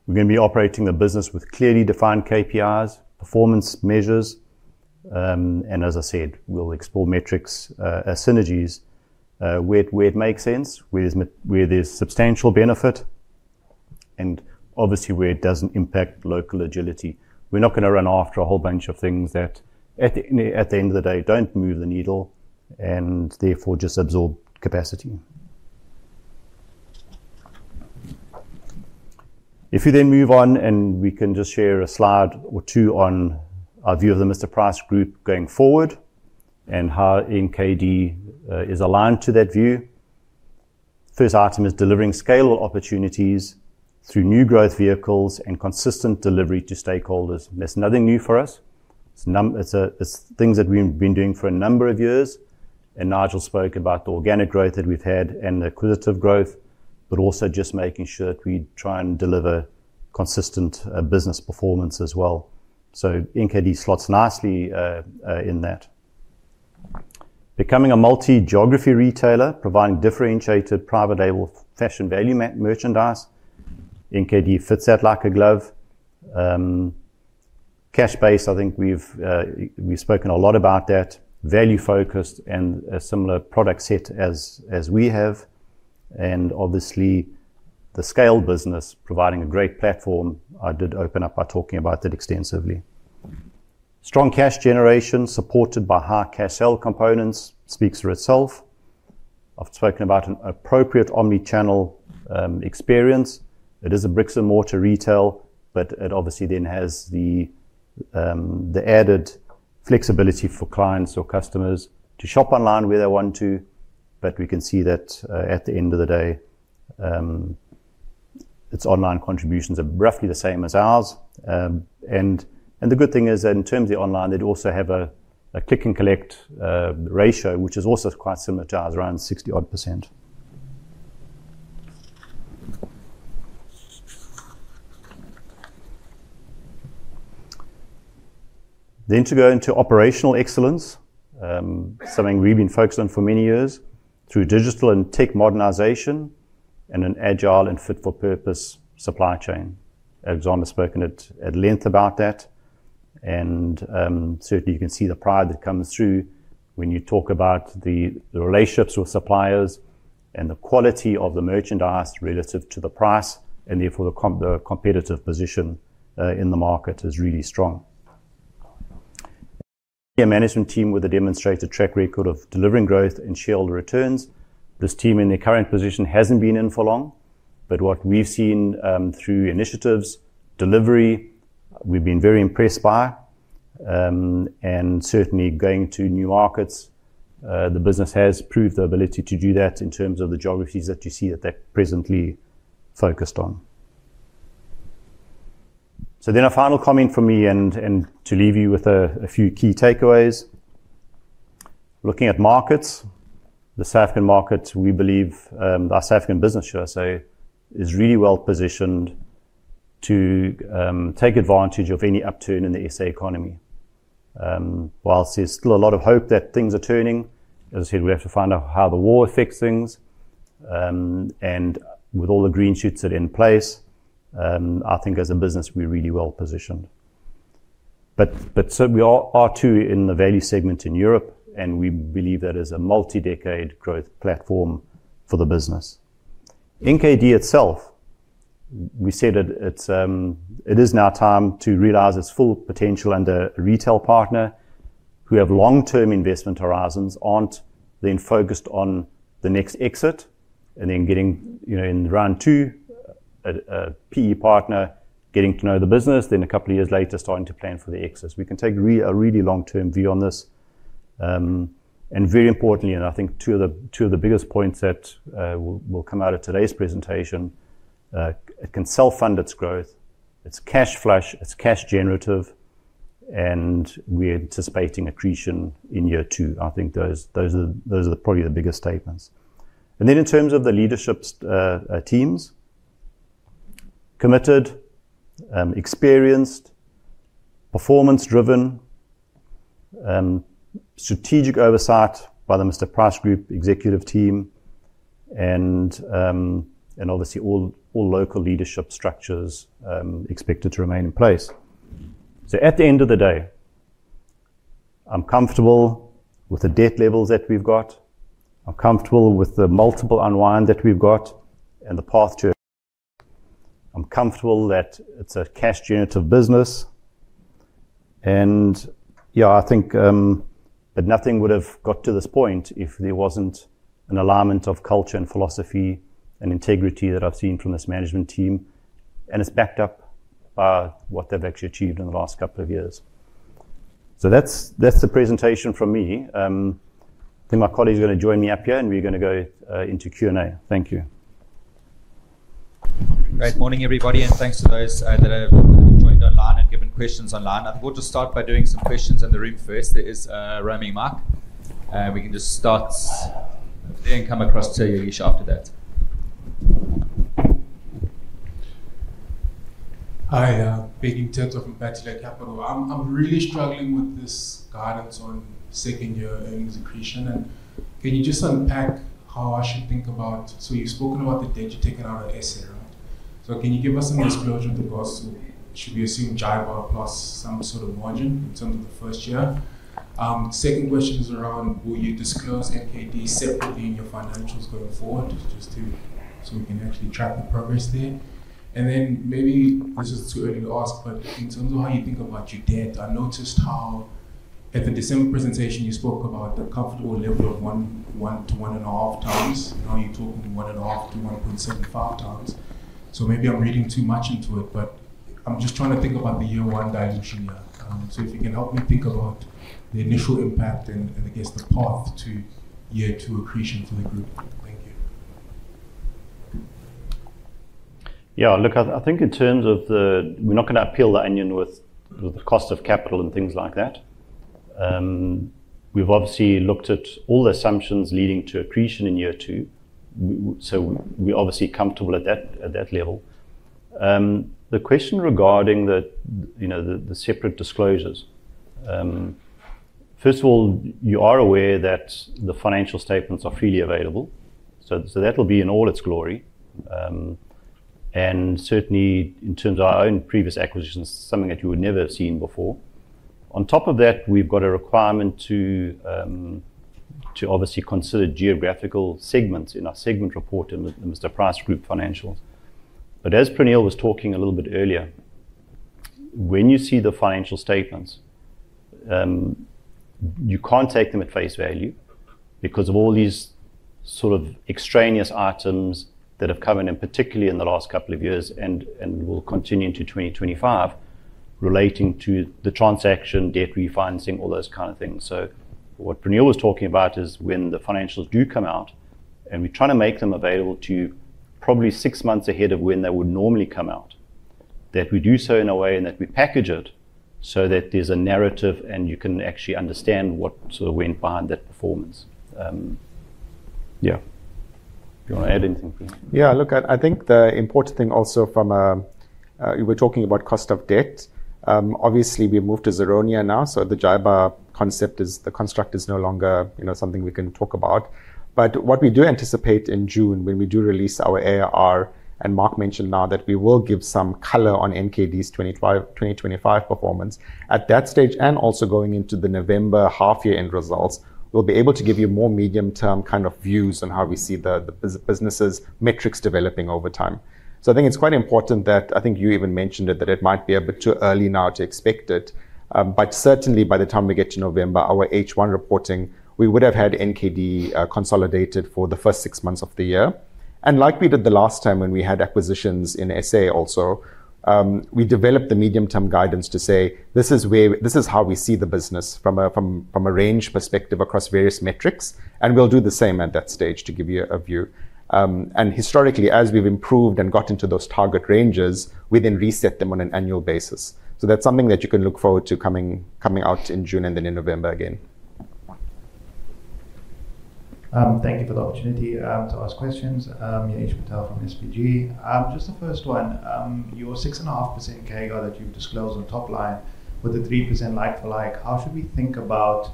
We're gonna be operating the business with clearly defined KPIs, performance measures, and as I said, we'll explore metrics as synergies where it makes sense, where there's substantial benefit, and obviously where it doesn't impact local agility. We're not gonna run after a whole bunch of things that at the end of the day, don't move the needle and therefore just absorb capacity. If you then move on and we can just share a slide or two on our view of the Mr Price Group going forward and how NKD is aligned to that view. First item is delivering scalable opportunities through new growth vehicles and consistent delivery to stakeholders. That's nothing new for us. It's things that we've been doing for a number of years, and Nigel spoke about the organic growth that we've had and the acquisitive growth, but also just making sure that we try and deliver consistent business performance as well. NKD slots nicely in that. Becoming a multi-geography retailer, providing differentiated private label fashion value merchandise, NKD fits that like a glove. Cash-based, I think we've spoken a lot about that. Value-focused and a similar product set as we have and obviously the scale business providing a great platform. I did open up by talking about that extensively. Strong cash generation supported by high cash sale components speaks for itself. I've spoken about an appropriate omni-channel experience. It is a bricks-and-mortar retail, but it obviously then has the added flexibility for clients or customers to shop online where they want to. We can see that at the end of the day, its online contributions are roughly the same as ours. The good thing is that in terms of the online, they'd also have a click-and-collect ratio, which is also quite similar to ours, around 60%-odd. To go into operational excellence, something we've been focused on for many years through digital and tech modernization and an agile and fit-for-purpose supply chain. Alexander spoke at length about that. Certainly you can see the pride that comes through when you talk about the relationships with suppliers and the quality of the merchandise relative to the price, and therefore the competitive position in the market is really strong. A management team with a demonstrated track record of delivering growth and shareholder returns. This team in their current position hasn't been in for long, but what we've seen through initiatives, delivery, we've been very impressed by. Certainly going to new markets, the business has proved the ability to do that in terms of the geographies that you see that they're presently focused on. A final comment from me and to leave you with a few key takeaways. Looking at markets, the South African market, we believe, our South African business, should I say, is really well-positioned to take advantage of any upturn in the SA economy. While there's still a lot of hope that things are turning, as I said, we have to find out how the war affects things. With all the green shoots that are in place, I think as a business, we're really well positioned. We are too in the value segment in Europe, and we believe that is a multi-decade growth platform for the business. NKD itself, we said that it's, it is now time to realize its full potential under a retail partner who have long-term investment horizons, aren't then focused on the next exit and then getting, you know, in round two a PE partner getting to know the business, then a couple of years later, starting to plan for the exits. We can take a really long-term view on this. Very importantly, I think two of the biggest points that will come out of today's presentation, it can self-fund its growth, it's cash flush, it's cash generative, and we're anticipating accretion in year two. I think those are probably the biggest statements. In terms of the leaderships teams, committed, experienced, performance-driven, strategic oversight by the Mr. Price Group executive team, and obviously all local leadership structures are expected to remain in place. At the end of the day, I'm comfortable with the debt levels that we've got. I'm comfortable with the multiple unwind that we've got and the path to. I'm comfortable that it's a cash-generative business. Yeah, I think, but nothing would have got to this point if there wasn't an alignment of culture and philosophy and integrity that I've seen from this management team, and it's backed up by what they've actually achieved in the last couple of years. That's the presentation from me. I think my colleagues are gonna join me up here, and we're gonna go into Q&A. Thank you. Great morning, everybody, and thanks to those that have joined online and given questions online. I think we'll just start by doing some questions in the room first. There is roaming mic. We can just start there and come across to you, Ya'eesh, after that. Hi. Bheki Mthethwa from Bateleur Capital. I'm really struggling with this guidance on second year earnings accretion. Can you just unpack how I should think about it? You've spoken about the debt you're taking out of SA, right? Can you give us an exposure to costs? Should we assume JIBAR plus some sort of margin in terms of the first year? Second question is, will you disclose NKD separately in your financials going forward so we can actually track the progress there? Then maybe this is too early to ask, but in terms of how you think about your debt, I noticed how at the December presentation you spoke about the comfortable level of 1x-1.5x. Now you're talking 1.5x-1.75x. Maybe I'm reading too much into it, but I'm just trying to think about the year one dilution here. If you can help me think about the initial impact and I guess the path to year two accretion for the group. Thank you. Look, I think in terms of the—we're not gonna peel the onion with the cost of capital and things like that. We've obviously looked at all the assumptions leading to accretion in year two, so we're obviously comfortable at that level. The question regarding the, you know, the separate disclosures. First of all, you are aware that the financial statements are freely available, so that will be in all its glory. Certainly in terms of our own previous acquisitions, something that you would never have seen before. On top of that, we've got a requirement to obviously consider geographical segments in our segment report in the Mr Price Group financials. As Praneel was talking a little bit earlier, when you see the financial statements, you can't take them at face value because of all these sort of extraneous items that have come in, particularly in the last couple of years and will continue into 2025 relating to the transaction, debt refinancing, all those kind of things. What Praneel was talking about is when the financials do come out, and we're trying to make them available to you probably six months ahead of when they would normally come out, that we do so in a way and that we package it so that there's a narrative and you can actually understand what sort of went behind that performance. Yeah. Do you wanna add anything, Praneel? Yeah, look, I think the important thing also from a you were talking about cost of debt. Obviously we moved to ZARONIA now, so the JIBAR construct is no longer, you know, something we can talk about. What we do anticipate in June when we do release our ARR, and Mark mentioned now that we will give some color on NKD's 2025 performance. At that stage, and also going into the November half year-end results, we'll be able to give you more medium-term kind of views on how we see the businesses metrics developing over time. I think it's quite important that, I think you even mentioned it, that it might be a bit too early now to expect it. Certainly by the time we get to November, our H1 reporting, we would have had NKD consolidated for the first six months of the year. Like we did the last time when we had acquisitions in SA also, we developed the medium-term guidance to say, "This is where—this is how we see the business from a range perspective across various metrics," and we'll do the same at that stage to give you a view. Historically, as we've improved and got into those target ranges, we then reset them on an annual basis. That's something that you can look forward to coming out in June and then in November again. Thank you for the opportunity to ask questions. Ya'eesh Patel from SBG. Just the first one. Your 6.5% CAGR that you've disclosed on top line with the 3% like-for-like, how should we think about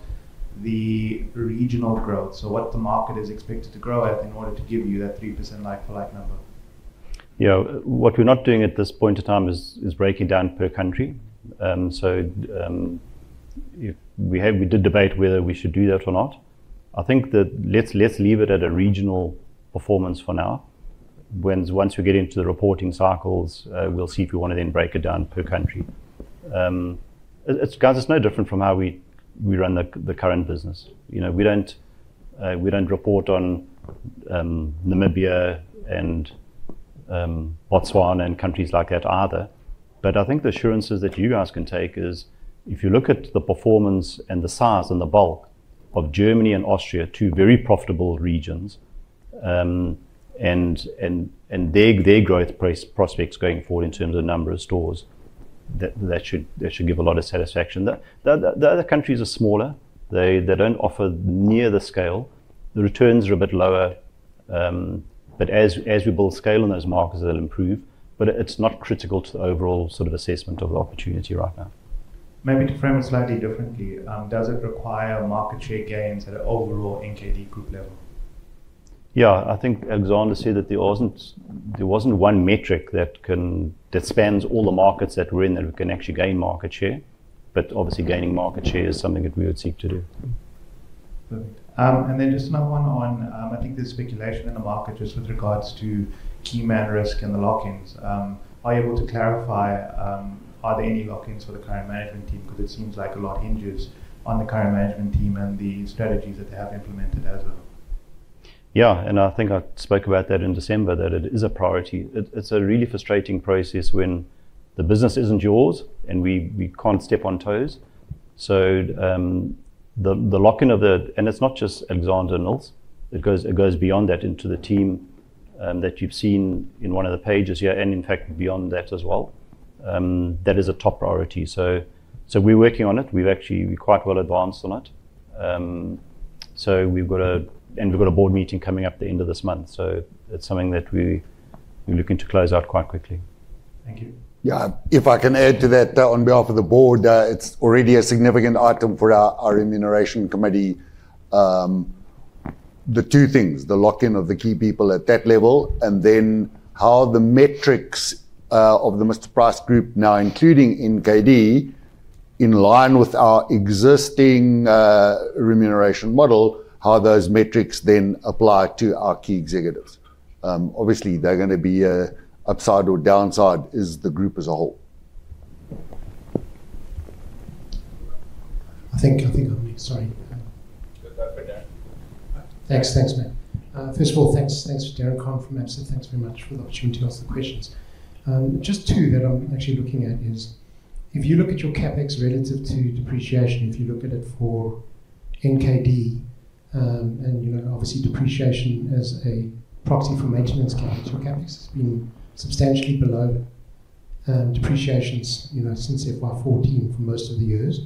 the regional growth? What the market is expected to grow at in order to give you that 3% like-for-like number? You know, what we're not doing at this point in time is breaking down per country. We did debate whether we should do that or not. I think that let's leave it at a regional performance for now. Once we get into the reporting cycles, we'll see if we wanna then break it down per country. It's no different from how we run the current business. You know, we don't report on Namibia and Botswana and countries like that either. I think the assurances that you guys can take is if you look at the performance and the size and the bulk of Germany and Austria, two very profitable regions, and their growth prospects going forward in terms of number of stores, that should give a lot of satisfaction. The other countries are smaller. They don't offer nearly the scale. The returns are a bit lower. As we build scale in those markets, they'll improve. It's not critical to the overall sort of assessment of the opportunity right now. Maybe to frame it slightly differently, does it require market share gains at an overall NKD Group level? Yeah. I think Alexander said that there wasn't one metric that spans all the markets that we're in, that we can actually gain market share. Obviously gaining market share is something that we would seek to do. Perfect. Just another one on, I think there's speculation in the market just with regards to key man risk and the lock-ins. Are you able to clarify, are there any lock-ins for the current management team? Because it seems like a lot hinges on the current management team and the strategies that they have implemented as well. Yeah. I think I spoke about that in December, that it is a priority. It's a really frustrating process when the business isn't yours, and we can't step on toes. It's not just Alexander and Nils. It goes beyond that into the team that you've seen in one of the pages here, and in fact, beyond that as well. That is a top priority. We're working on it. We're quite well advanced on it. We've got a board meeting coming up at the end of this month. It's something that we're looking to close out quite quickly. Thank you. Yeah. If I can add to that, on behalf of the Board, it's already a significant item for our Remuneration Committee. The two things, the lock-in of the key people at that level, and then how the metrics of the Mr Price Group now including NKD in line with our existing remuneration model, how those metrics then apply to our key executives. Obviously they're gonna be upside or downside is the group as a whole. I think I'll mute, sorry. Go for it, Darren. Thanks, man. First of all, thanks for Darren Cohn from Absa. Thanks very much for the opportunity to ask the questions. Just two that I'm actually looking at is, if you look at your CapEx relative to depreciation, if you look at it for NKD, and, you know, obviously depreciation as a proxy for maintenance CapEx, your CapEx has been substantially below depreciations, you know, since FY 2014 for most of the years.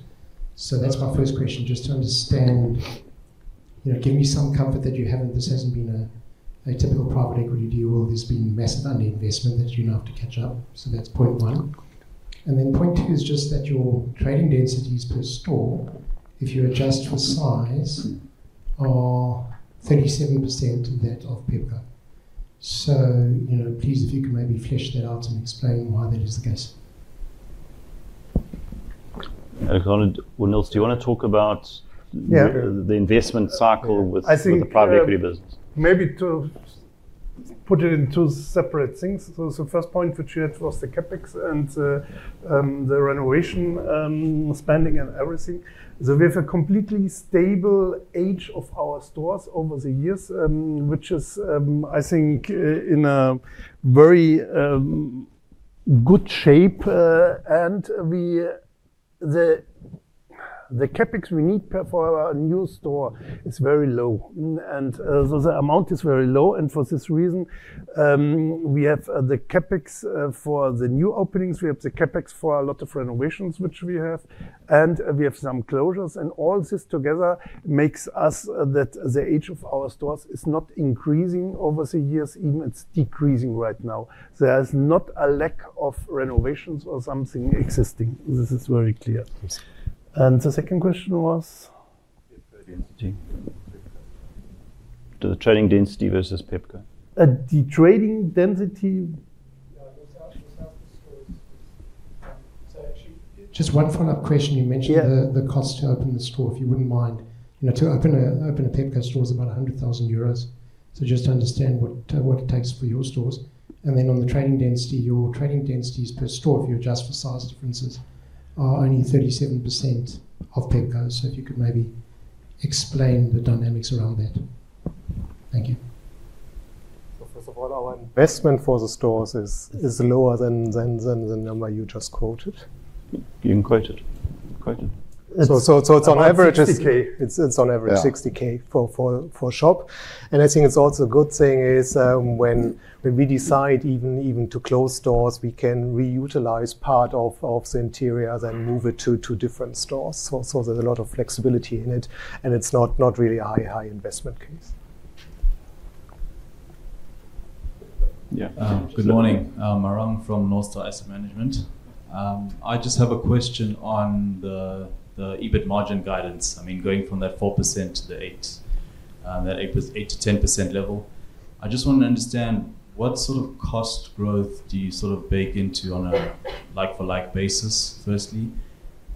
That's my first question, just to understand, you know, give me some comfort that this hasn't been a typical private equity deal. There's been massive underinvestment that you now have to catch up. That's point one. Point two is just that your trading densities per store, if you adjust for size, are 37% of that of Pepco. You know, please, if you could maybe flesh that out and explain why that is the case. Well, Nils, do you wanna talk about— Yeah. The investment cycle with— I think— The private equity business. Maybe to put it in two separate things. First point which you had was the CapEx and the renovation spending and everything. We have a completely stable age of our stores over the years, which is, I think in very good shape. The CapEx we need for our new store is very low. The amount is very low. For this reason, we have the CapEx for the new openings, we have the CapEx for a lot of renovations which we have, and we have some closures. All this together makes it so that the age of our stores is not increasing over the years, even it's decreasing right now. There's not a lack of renovations or something existing. This is very clear, yes. The second question was? The trading density. The trading density versus Pepco. The trading density. Just one follow-up question. You mentioned the— Yeah. The cost to open the store. If you wouldn't mind, you know, to open a Pepco store is about 100,000 euros. Just to understand what it takes for your stores. Then on the trading density, your trading densities per store, if you adjust for size differences, are only 37% of Pepco. If you could maybe explain the dynamics around that. Thank you. First of all, our investment for the stores is lower than the number you just quoted. You quoted. It's on average. Around ZAR 60,000. It's on average 60,000 for shop. Yeah. I think it's also a good thing, when we decide to close stores, we can reutilize part of the interiors and move it to different stores. There's a lot of flexibility in it, and it's not really a high-investment case. Yeah. Good morning. Marang from Northstar Asset Management. I just have a question on the EBIT margin guidance. I mean, going from that 4% to that 8%-10% level. I just want to understand what sort of cost growth do you sort of bake into on a like-for-like basis, firstly.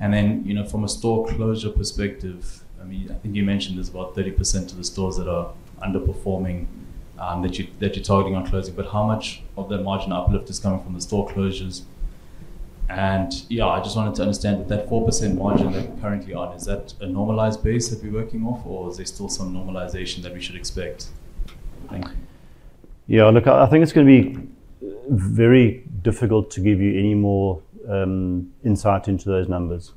You know, from a store closure perspective, I mean, I think you mentioned there's about 30% of the stores that are underperforming, that you're targeting on closing. How much of that margin uplift is coming from the store closures? Yeah, I just wanted to understand that 4% margin that you're currently on, is that a normalized base that we're working off or is there still some normalization that we should expect? Thank you. Yeah. Look, I think it's gonna be very difficult to give you any more insight into those numbers.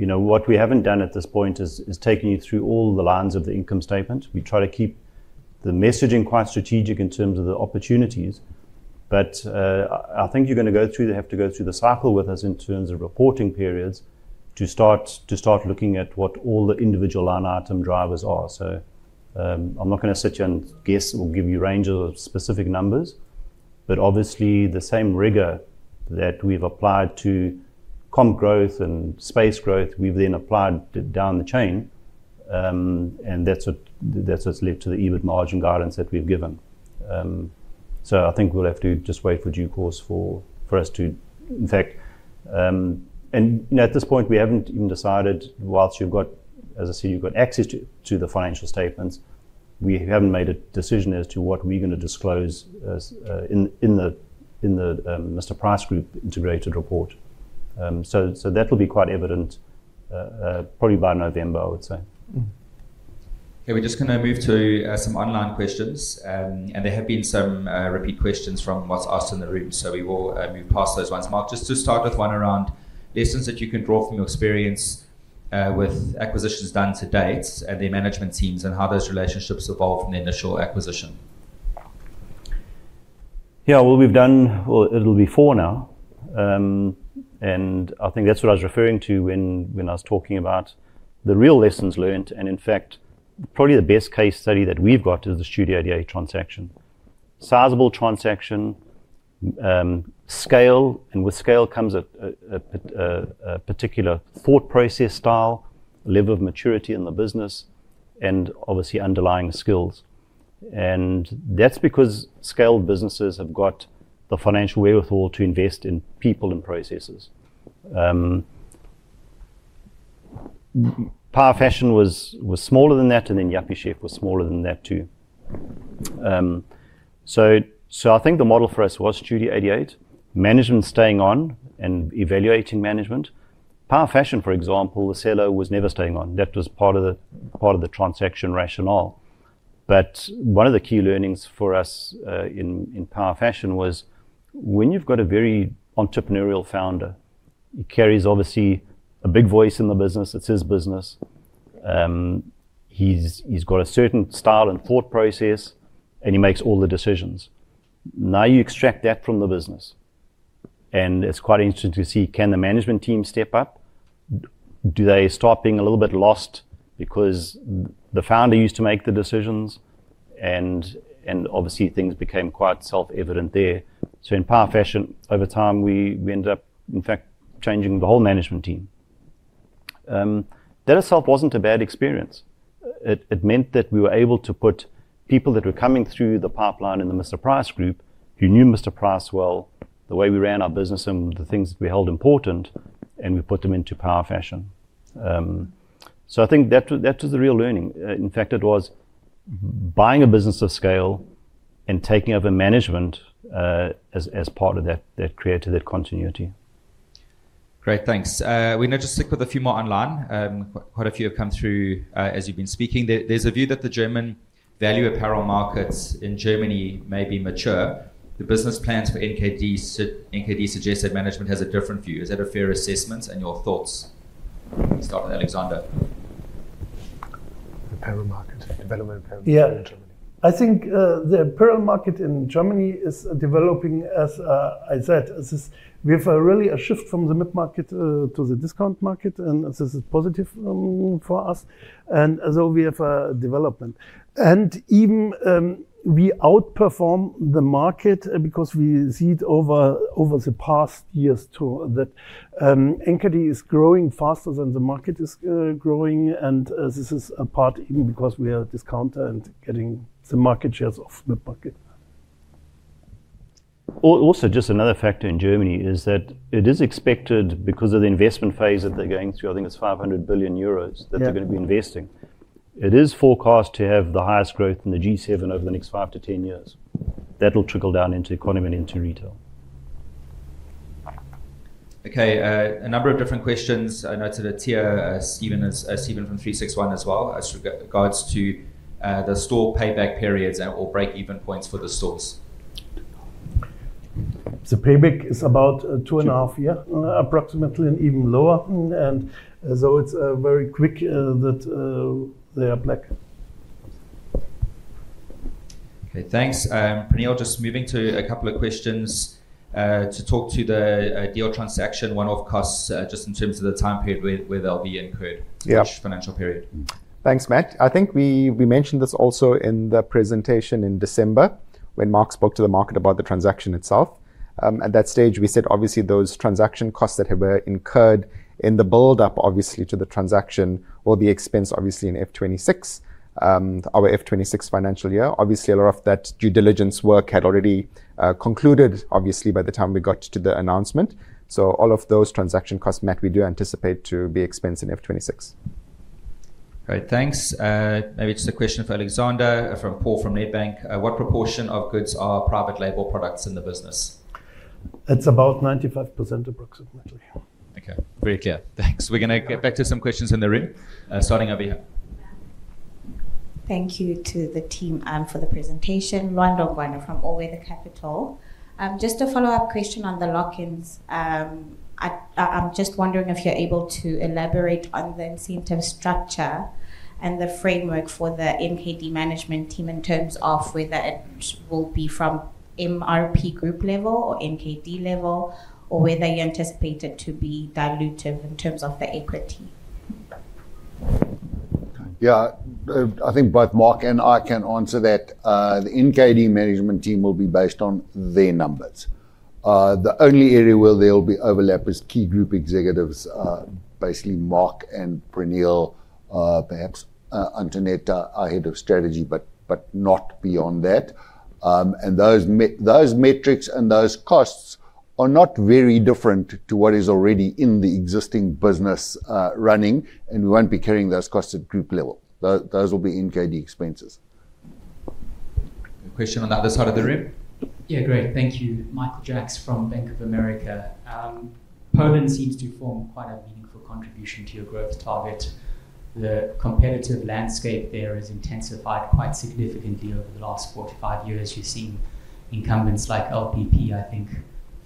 You know, what we haven't done at this point is taking you through all the lines of the income statement. We try to keep the messaging quite strategic in terms of the opportunities. I think you're gonna go through. You have to go through the cycle with us in terms of reporting periods to start looking at what all the individual line item drivers are. I'm not gonna sit here and guess or give you a range of specific numbers. Obviously the same rigor that we've applied to comp growth and space growth, we've then applied down the chain, and that's what's led to the EBIT margin guidance that we've given. I think we'll have to just wait for due course. In fact, you know, at this point, we haven't even decided, while you've got, as I say, you've got access to the financial statements, we haven't made a decision as to what we're gonna disclose in the Mr Price Group integrated report. That'll be quite evident, probably by November, I would say. Okay. We're just gonna move to some online questions. There have been some repeat questions from what's asked in the room, so we will move past those ones. Mark, just to start with one around lessons that you can draw from your experience with acquisitions done to date and their management teams and how those relationships evolved from the initial acquisition. Yeah. Well, we've done well, it'll be four now. I think that's what I was referring to when I was talking about the real lessons learned. In fact, probably the best case study that we've got is the Studio 88 transaction. Sizable transaction, scale, and with scale comes a particular thought process style, level of maturity in the business, and obviously underlying skills. That's because scaled businesses have got the financial wherewithal to invest in people and processes. Power Fashion was smaller than that, and then Yuppiechef was smaller than that too. I think the model for us was Studio 88, management staying on and evaluating management. Power Fashion, for example, the seller was never staying on. That was part of the transaction rationale. One of the key learnings for us in Power Fashion was when you've got a very entrepreneurial founder, he carries obviously a big voice in the business. It's his business. He's got a certain style and thought process, and he makes all the decisions. Now you extract that from the business, and it's quite interesting to see, can the management team step up? Do they start being a little bit lost because the founder used to make the decisions? Obviously things became quite self-evident there. In Power Fashion, over time, we ended up, in fact, changing the whole management team. That itself wasn't a bad experience. It meant that we were able to put people that were coming through the pipeline in the Mr Price Group, who knew Mr. Price well, the way we ran our business and the things we held important, and we put them into Power Fashion. I think that was the real learning. In fact, it was buying a business of scale and taking over management, as part of that created that continuity. Great. Thanks. We'll now just stick with a few more online. Quite a few have come through as you've been speaking. There's a view that the German value apparel markets in Germany may be mature. The business plans for NKD suggests that management has a different view. Is that a fair assessment, and your thoughts? Let's start with Alexander. The apparel market. Development of apparel market in Germany. Yeah. I think the apparel market in Germany is developing, as I said. We have really a shift from the mid-market to the discount market, and this is positive for us, and so we have a development. Even we outperform the market because we see it over the past years too, that NKD is growing faster than the market is growing. This is a part even because we are a discounter and getting the market shares of mid-market. Also just another factor in Germany is that it is expected because of the investment phase that they're going through. I think it's 500 billion euros. Yeah. That they're gonna be investing. It is forecast to have the highest growth in the G7 over the next five to 10 years. That'll trickle down into economy and into retail. Okay. A number of different questions. I noted that here, Stephen from 36ONE as well, as regards to the store payback periods or break-even points for the stores. The payback is about two and a half years, approximately, and even lower. It's very quick that they are in the black. Okay, thanks. Praneel, just moving to a couple of questions, to talk to the deal transaction, one-off costs, just in terms of the time period where they'll be incurred each financial period. Thanks, Matt. I think we mentioned this also in the presentation in December when Mark spoke to the market about the transaction itself. At that stage we said obviously those transaction costs that have incurred in the build up obviously to the transaction or the expense obviously in FY 2026, our FY 2026 financial year. Obviously, a lot of that due diligence work had already concluded obviously by the time we got to the announcement. All of those transaction costs, Mark, we do anticipate to be expensed in FY 2026. Great. Thanks. Maybe just a question for Alexander, from Paul from Nedbank. What proportion of goods are private label products in the business? It's about 95% approximately. Okay. Very clear. Thanks. We're gonna get back to some questions in the room, starting over here. Thank you to the team for the presentation. Lwando Ngwane from All Weather Capital. Just a follow-up question on the lock-ins. I'm just wondering if you're able to elaborate on the incentive structure and the framework for the NKD management team in terms of whether it will be from Mr Price Group level or NKD level, or whether you anticipate it to be dilutive in terms of the equity? Yeah. I think both Mark and I can answer that. The NKD management team will be based on their numbers. The only area where there'll be overlap is key group executives, basically Mark and Praneel, perhaps Antoinette, our Head of Strategy, but not beyond that. Those metrics and those costs are not very different to what is already in the existing business running, and we won't be carrying those costs at group level; those will be NKD expenses. A question on the other side of the room. Yeah. Great. Thank you. Michael Jacks from Bank of America. Poland seems to form quite a meaningful contribution to your growth target. The competitive landscape there has intensified quite significantly over the last four to five years. You've seen incumbents like LPP, I think,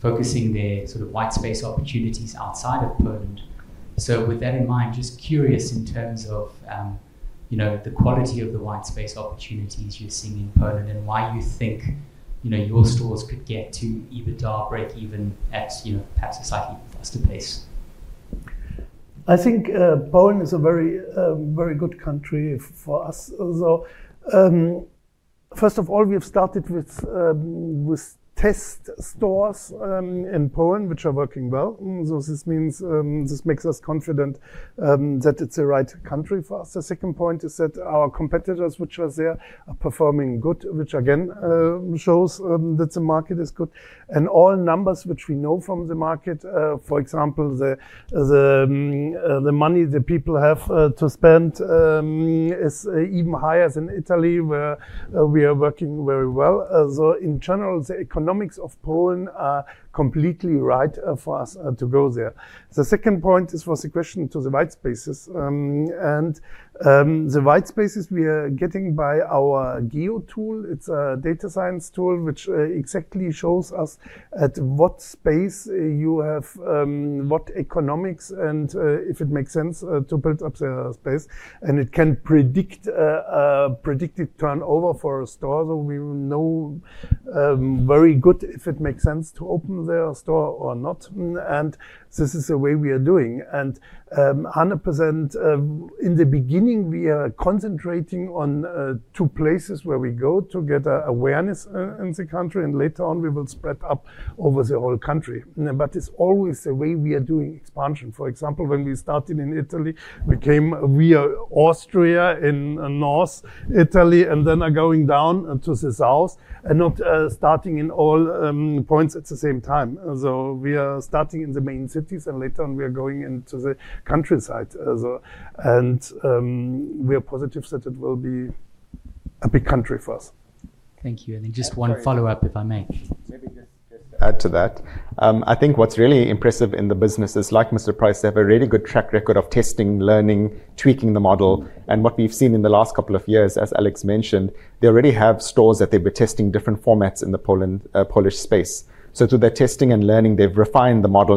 focusing their sort of white space opportunities outside of Poland. With that in mind, just curious in terms of, you know, the quality of the white space opportunities you're seeing in Poland and why you think, you know, your stores could get to EBITDA breakeven at, you know, perhaps a slightly faster pace. I think Poland is a very good country for us. First of all, we have started with test stores in Poland, which are working well. This makes us confident that it's the right country for us. The second point is that our competitors, which are there, are performing good, which again shows that the market is good. All numbers which we know from the market, for example, the money the people have to spend, is even higher than Italy, where we are working very well. In general, the economics of Poland are completely right for us to go there. The second point was the question to the white spaces. The white spaces we are getting by our geo-tool. It's a data science tool, which exactly shows us at what space you have, what economics and if it makes sense to build up the space. It can predict a predicted turnover for a store, so we know very well if it makes sense to open the store or not. This is the way we are doing. And 100% in the beginning, we are concentrating on two places where we go to get an awareness in the country, and later on we will spread out over the whole country. It's always the way we are doing expansion. For example, when we started in Italy, we came. We're in the north of Italy and then we're going down into the south and not starting in all points at the same time. We are starting in the main cities, and later on we are going into the countryside. We are positive that it will be a big country for us. Thank you. Just one follow-up, if I may. Maybe just to add to that. I think what's really impressive in the businesses like Mr Price, they have a really good track record of testing, learning, tweaking the model. What we've seen in the last couple of years, as Alex mentioned, they already have stores that they've been testing different formats in the Polish space. Through their testing and learning, they've refined the model.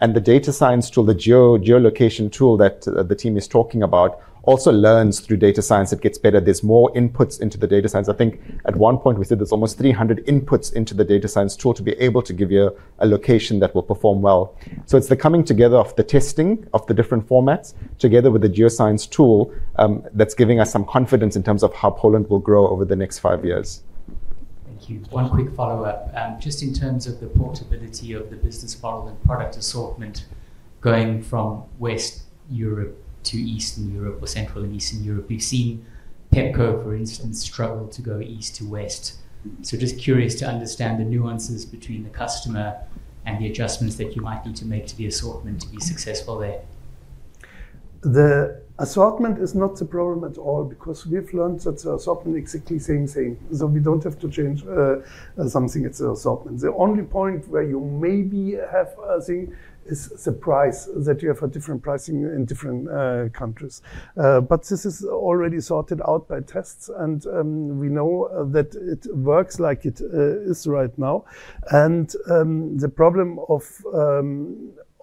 The data science tool, the geolocation tool that the team is talking about also learns through data science. It gets better. There's more inputs into the data science. I think at one point we said there's almost 300 inputs into the data science tool to be able to give you a location that will perform well. It's the coming together of the testing of the different formats together with the geoscience tool, that's giving us some confidence in terms of how Poland will grow over the next five years. Thank you. One quick follow-up. Just in terms of the portability of the business model and product assortment going from Western Europe to Eastern Europe or Central and Eastern Europe. We've seen Pepco, for instance, struggle to go east to west. Just curious to understand the nuances between the customer and the adjustments that you might need to make to the assortment to be successful there. The assortment is not the problem at all because we've learned that the assortment is exactly the same thing. We don't have to change something at the assortment. The only point where you maybe have a thing is the price that you have different pricing in different countries. This is already sorted out by tests and we know that it works like it is right now. The problem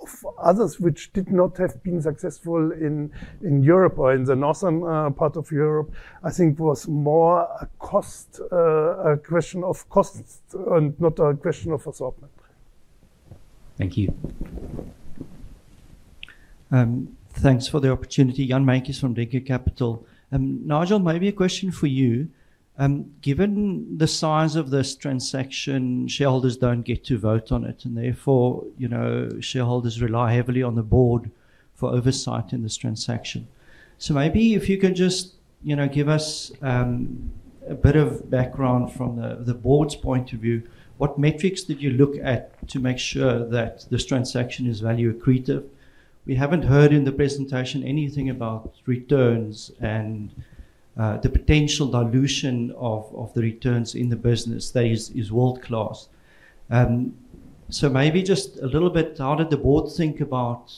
of others which did not have been successful in Europe or in the northern part of Europe, I think was more a question of costs and not a question of assortment. Thank you. Thanks for the opportunity. Jan Meintjes from Denker Capital. Nigel, maybe a question for you. Given the size of this transaction, shareholders don't get to vote on it, and therefore, you know, shareholders rely heavily on the Board for oversight in this transaction. Maybe if you could just, you know, give us a bit of background from the Board's point of view. What metrics did you look at to make sure that this transaction is value accretive? We haven't heard in the presentation anything about returns and the potential dilution of the returns in the business that is world-class. Maybe just a little bit, how did the Board think about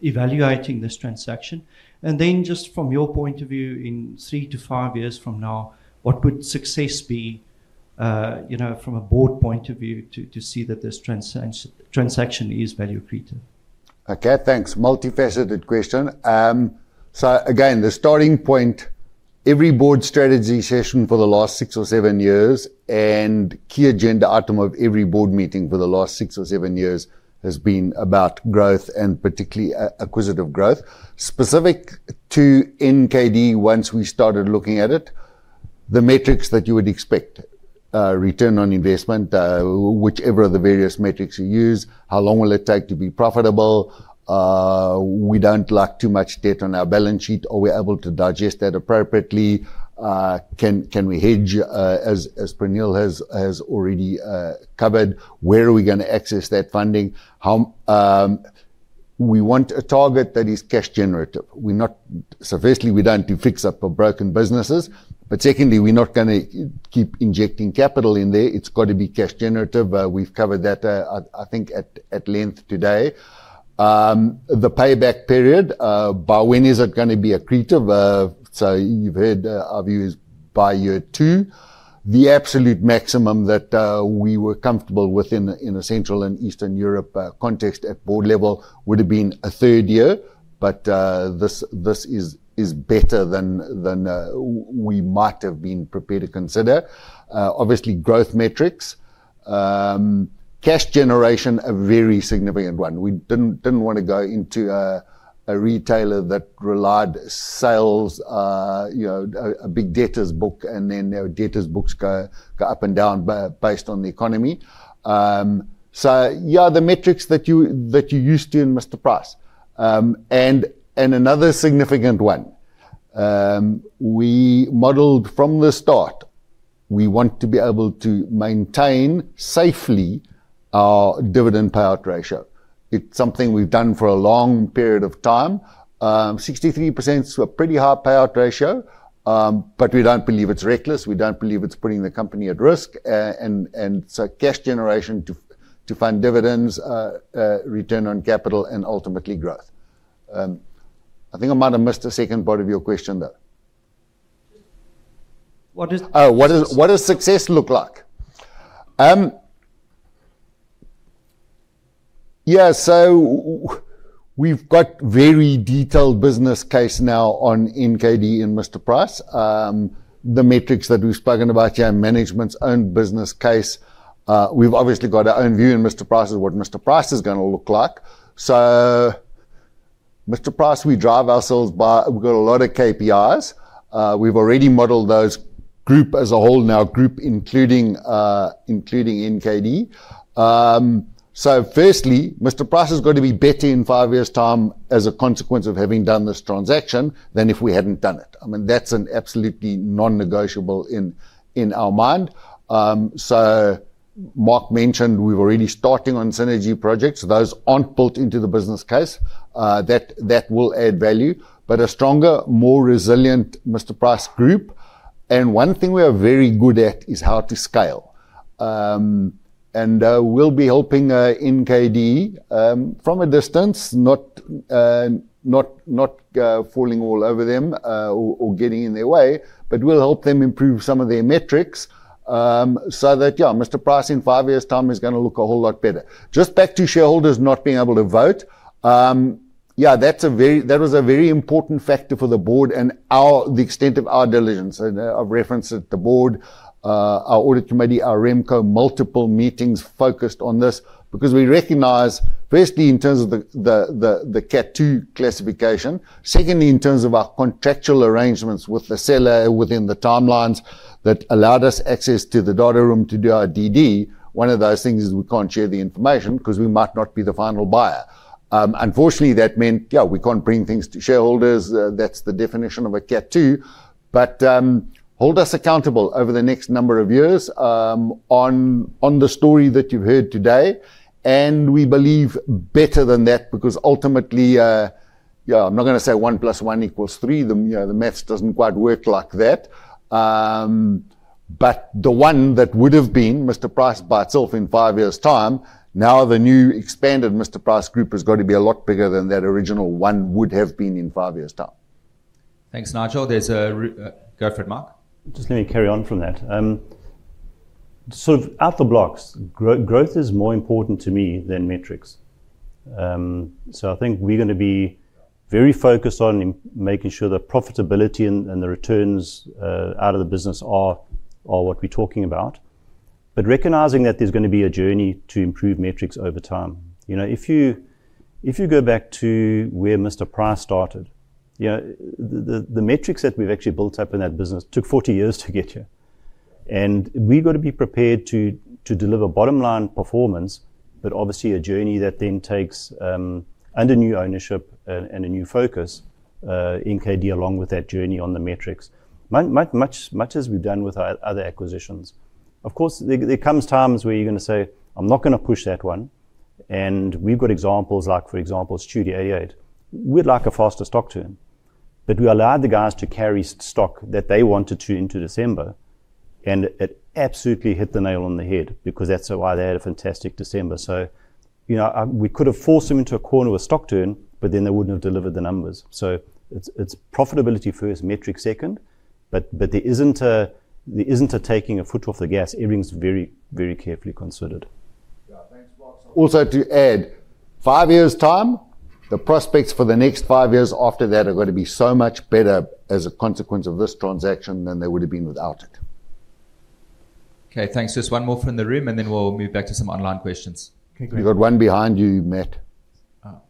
evaluating this transaction? Just from your point of view, in three to five years from now, what would success be, you know, from a board point of view to see that this transaction is value accretive? Okay, thanks. Multifaceted question. Again, the starting point, every board strategy session for the last six or seven years, and key agenda item of every board meeting for the last six or seven years has been about growth, and particularly acquisitive growth. Specific to NKD, once we started looking at it, the metrics that you would expect, return on investment, whichever of the various metrics you use, how long will it take to be profitable. We don't like too much debt on our balance sheet, are we able to digest that appropriately. Can we hedge, as Praneel has already covered. Where are we gonna access that funding. We want a target that is cash generative. Firstly, we don't do fix up for broken businesses, but secondly, we're not gonna keep injecting capital in there. It's got to be cash generative. We've covered that, I think at length today. The payback period, by when is it gonna be accretive? You've heard our view is by year two. The absolute maximum that we were comfortable with in a Central and Eastern Europe context at board level would've been a third year. This is better than we might have been prepared to consider. Obviously growth metrics. Cash generation, a very significant one. We didn't wanna go into a retailer that relies on sales, you know, a big debtors book and then their debtors books go up and down based on the economy. Yeah, the metrics that you're used to in Mr Price. Another significant one, we modeled from the start, we want to be able to maintain safely our dividend payout ratio. It's something we've done for a long period of time. Sixty-three percent is a pretty high payout ratio, but we don't believe it's reckless, we don't believe it's putting the company at risk. Cash generation to fund dividends, return on capital and ultimately growth. I think I might have missed the second part of your question, though. What does— What does success look like? Yeah. We've got very detailed business case now on NKD and Mr Price. The metrics that we've spoken about here, management's own business case, we've obviously got our own view in Mr Price of what Mr Price is gonna look like. Mr Price, we drive ourselves by. We've got a lot of KPIs. We've already modeled the group as a whole now, group including NKD. Firstly, Mr Price has got to be better in five years' time as a consequence of having done this transaction than if we hadn't done it. I mean, that's an absolutely non-negotiable in our mind. Mark mentioned we were already starting on synergy projects. Those aren't built into the business case. That will add value. A stronger, more resilient Mr. Price Group. One thing we are very good at is how to scale. We'll be helping NKD from a distance, not falling all over them or getting in their way, but we'll help them improve some of their metrics, so that Mr Price in five years' time is gonna look a whole lot better. Just back to shareholders not being able to vote, that's a very important factor for the Board and the extent of our diligence. I've referenced to the Board, our Audit Committee, our RemCo, multiple meetings focused on this because we recognize firstly in terms of the Category 2 classification, secondly in terms of our contractual arrangements with the seller within the timelines that allowed us access to the data room to do our DD. One of those things is we can't share the information because we might not be the final buyer. Unfortunately, that meant we can't bring things to shareholders. That's the definition of a Category 2. Hold us accountable over the next number of years on the story that you've heard today. We believe better than that because ultimately, I'm not gonna say "1 + 1 = 3," you know, the math doesn't quite work like that. The one that would've been Mr. Price by itself in five years' time, now the new expanded Mr Price Group has got to be a lot bigger than that original one would have been in five years' time. Thanks, Nigel. Go for it, Mark. Just let me carry on from that. Sort of out of the blocks, growth is more important to me than metrics. So I think we're gonna be very focused on making sure that profitability and the returns out of the business are what we're talking about. Recognizing that there's gonna be a journey to improve metrics over time. You know, if you go back to where Mr Price started, you know, the metrics that we've actually built up in that business took 40 years to get here. We've got to be prepared to deliver bottom-line performance, but obviously a journey that then takes under new ownership and a new focus NKD along with that journey on the metrics. Much as we've done with our other acquisitions. Of course, there comes times where you're gonna say, "I'm not gonna push that one." We've got examples like, for example, Studio 88. We'd like a faster stock turn, but we allowed the guys to carry stock that they wanted to into December, and it absolutely hit the nail on the head because that's why they had a fantastic December. You know, we could have forced them into a corner with stock turn, but then they wouldn't have delivered the numbers. It's profitability first, metrics second, but there isn't taking the foot off the gas. Everything's very, very carefully considered. Yeah. Thanks, Mark. Also to add, five years' time, the prospects for the next five years after that are gonna be so much better as a consequence of this transaction than they would have been without it. Okay. Thanks. Just one more from the room, and then we'll move back to some online questions. Okay, great. You've got one behind you, Matt. Oh.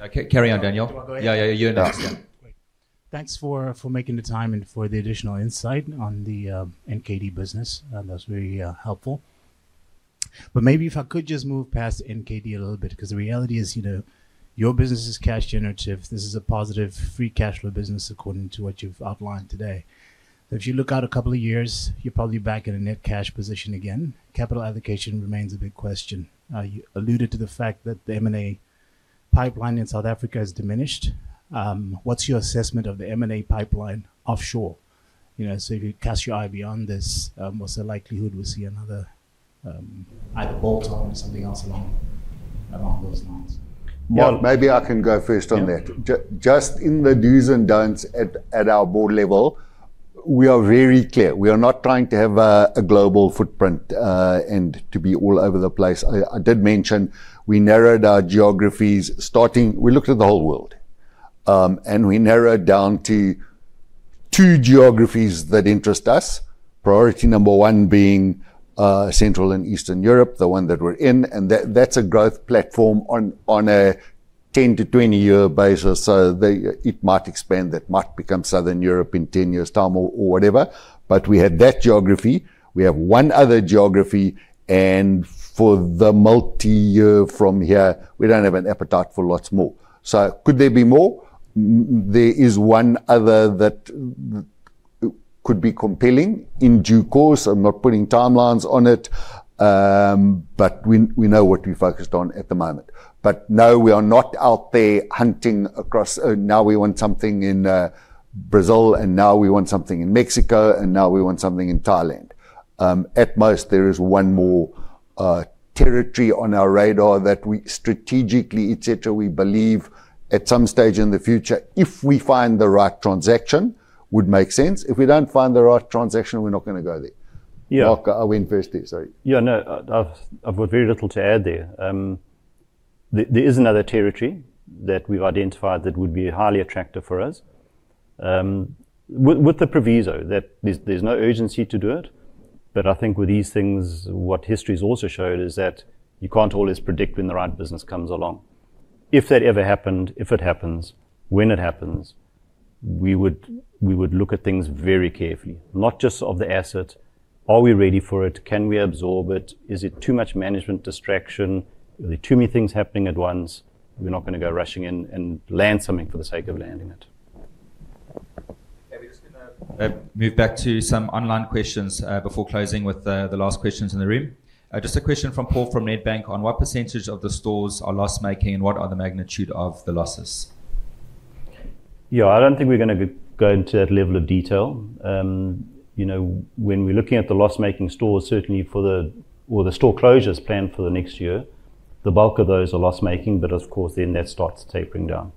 Okay. Carry on, Daniel. Do you want to go again? Yeah, yeah, you're next, yeah. Great. Thanks for making the time and for the additional insight on the NKD business. That was very helpful. Maybe if I could just move past NKD a little bit, 'cause the reality is, you know, your business is cash generative. This is a positive free cash flow business according to what you've outlined today. If you look out a couple of years, you're probably back in a net cash position again. Capital allocation remains a big question. Now, you alluded to the fact that the M&A pipeline in South Africa has diminished. What's your assessment of the M&A pipeline offshore? You know, so if you cast your eye beyond this, what's the likelihood we'll see another, either bolt-on or something else along those lines? Mark? Well, maybe I can go first on that. Just in the do's and don'ts at our board level, we are very clear. We are not trying to have a global footprint and to be all over the place. I did mention we narrowed our geographies. We looked at the whole world and we narrowed down to two geographies that interest us. Priority number one being Central and Eastern Europe, the one that we're in, and that's a growth platform on a 10- to 20-year basis. It might expand. That might become Southern Europe in 10 years' time or whatever. We had that geography. We have one other geography. For the multiyear from here, we don't have an appetite for lots more. Could there be more? There is one other that could be compelling in due course. I'm not putting timelines on it, but we know what we're focused on at the moment. No, we are not out there hunting across, "Oh, now we want something in Brazil, and now we want something in Mexico, and now we want something in Thailand." At most, there is one more territory on our radar that we strategically, et cetera, we believe at some stage in the future, if we find the right transaction, would make sense. If we don't find the right transaction, we're not gonna go there. Yeah. Mark, I went first there. Sorry. Yeah, no. I've got very little to add there. There is another territory that we've identified that would be highly attractive for us, with the proviso that there's no urgency to do it. I think with these things, what history's also showed is that you can't always predict when the right business comes along. If that ever happened, if it happens, when it happens, we would look at things very carefully. Not just of the asset. Are we ready for it? Can we absorb it? Is it too much management distraction? Are there too many things happening at once? We're not gonna go rushing and land something for the sake of landing it. Okay. We're just gonna move back to some online questions before closing with the last questions in the room. Just a question from Paul from Nedbank on what percentage of the stores are loss-making, and what are the magnitude of the losses? Yeah. I don't think we're gonna go into that level of detail. You know, when we're looking at the loss-making stores, certainly or the store closures planned for the next year, the bulk of those are loss-making. Of course, then that starts tapering down.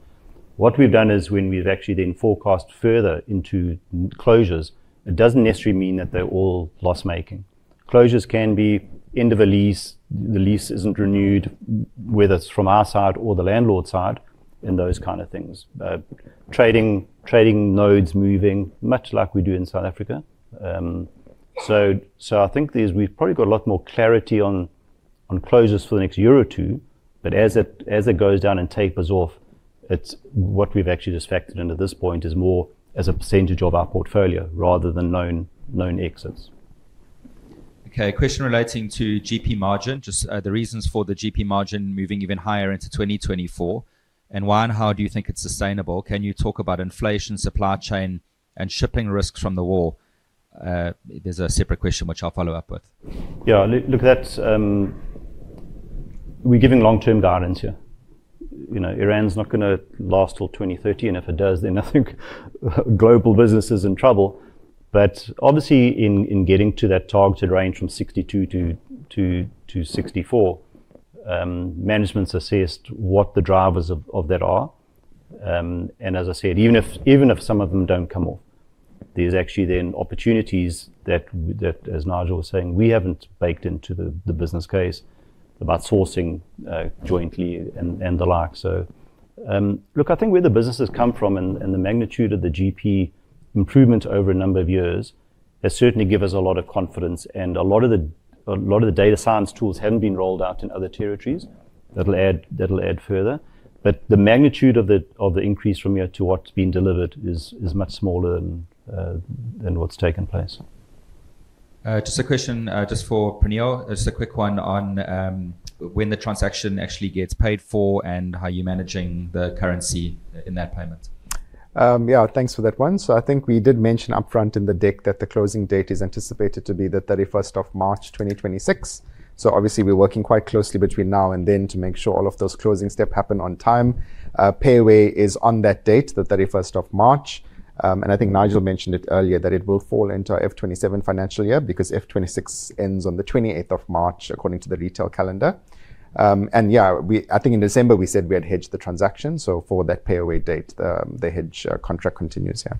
What we've done is when we've actually then forecast further into closures, it doesn't necessarily mean that they're all loss-making. Closures can be end of a lease, the lease isn't renewed, whether it's from our side or the landlord's side, and those kind of things. Trading nodes moving, much like we do in South Africa. So I think we've probably got a lot more clarity on closures for the next year or two. As it goes down and tapers off, it's what we've actually just factored in at this point is more as a percentage of our portfolio rather than known exits. Okay. A question relating to GP margin. Just, the reasons for the GP margin moving even higher into 2024. Why and how do you think it's sustainable? Can you talk about inflation, supply chain, and shipping risks from the war? There's a separate question which I'll follow up with. Yeah. Look, that's. We're giving long-term guidance here. You know, Iran's not gonna last till 2030, and if it does, then I think global business is in trouble. Obviously in getting to that targeted range from 62%-64%, management's assessed what the drivers of that are. As I said, even if some of them don't come off, there's actually then opportunities that, as Nigel was saying, we haven't baked into the business case about sourcing jointly and the like, so. Look, I think where the business has come from and the magnitude of the GP improvement over a number of years has certainly give us a lot of confidence, and a lot of the data science tools haven't been rolled out in other territories. That'll add further. The magnitude of the increase from here to what's been delivered is much smaller than what's taken place. Just a question, just for Praneel. Just a quick one on when the transaction actually gets paid for and how you're managing the currency in that payment. Yeah, thanks for that one. I think we did mention upfront in the deck that the closing date is anticipated to be the 31st of March, 2026. Obviously, we're working quite closely between now and then to make sure all of those closing steps happen on time. Pay-away is on that date, the 31st of March. I think Nigel mentioned it earlier, that it will fall into our FY 2027 financial year because FY 2026 ends on the 28th of March according to the retail calendar. Yeah, I think in December we said we had hedged the transaction, so for that pay-away date, the hedge contract continues, yeah.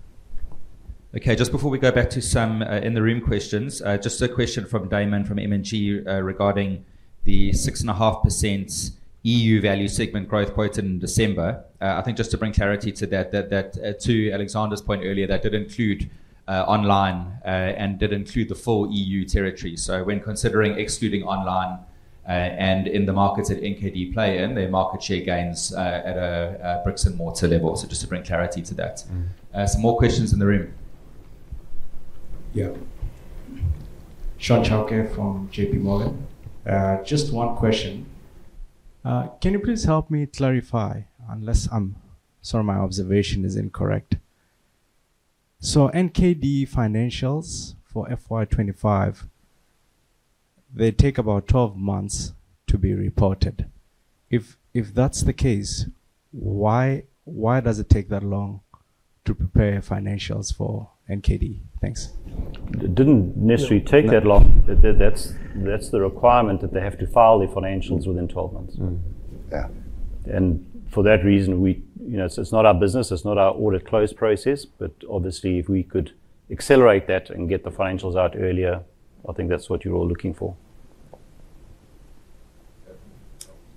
Okay. Just before we go back to some in-the-room questions, just a question from Damon from M&G, regarding the 6.5% EU value segment growth quoted in December. I think just to bring clarity to that, to Alexander's point earlier, that did include online and did include the full EU territory. When considering excluding online and in the markets that NKD play in, their market share gains at a bricks-and-mortar level. Just to bring clarity to that. Some more questions in the room. Yeah. Shaun Chauke from JPMorgan. Just one question. Can you please help me clarify? Sorry, my observation is incorrect. NKD financials for FY 2025, they take about 12 months to be reported. If that's the case, why does it take that long to prepare financials for NKD? Thanks. It didn't necessarily take that long. That's the requirement that they have to file their financials within 12 months. Yeah. For that reason, we. You know, it's not our business, it's not our audit close process, but obviously if we could accelerate that and get the financials out earlier, I think that's what you're all looking for.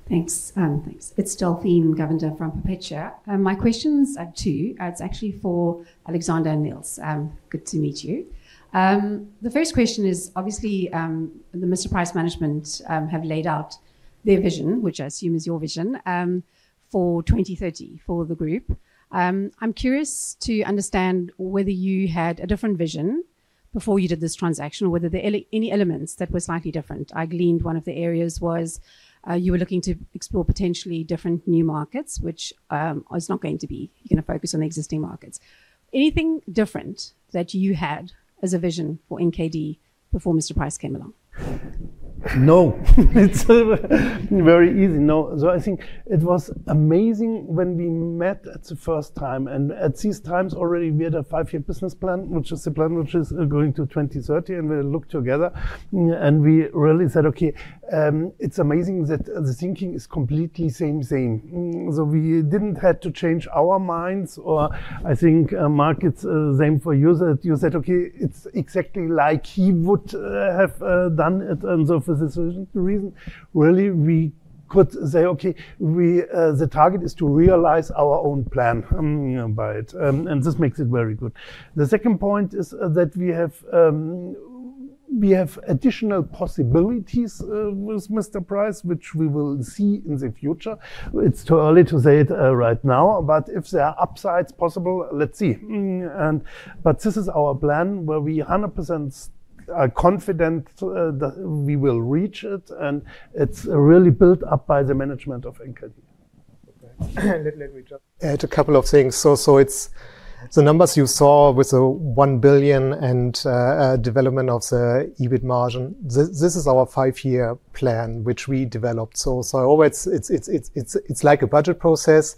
Thanks. It's Delphine Govender from Perpetua. My questions are two. It's actually for Alexander and Nils. Good to meet you. The first question is, obviously, the Mr Price management have laid out their vision, which I assume is your vision, for 2030 for the group. I'm curious to understand whether you had a different vision before you did this transaction or were there any elements that were slightly different. I gleaned one of the areas was, you were looking to explore potentially different new markets, which is not going to be. You're gonna focus on the existing markets. Anything different that you had as a vision for NKD before Mr Price came along? No. It's very easy. No. I think it was amazing when we met at the first time, and at these times already we had a five-year business plan, which is the plan which is going to 2030, and we looked together, and we really said, "Okay, it's amazing that the thinking is completely same." We didn't had to change our minds or I think, Mark's, same for you that you said, "Okay, it's exactly like he would have done it," and for this reason, the reason really we could say, "Okay, the target is to realize our own plan, you know, by it." This makes it very good. The second point is that we have, we have additional possibilities with Mr Price, which we will see in the future. It's too early to say it right now, but if there are upsides possible, let's see. This is our plan, where we 100% are confident that we will reach it, and it's really built up by the management of NKD. Okay. Let me just add a couple of things. It's the numbers you saw with the 1 billion and development of the EBIT margin. This is our five-year plan which we developed. It's always like a budget process.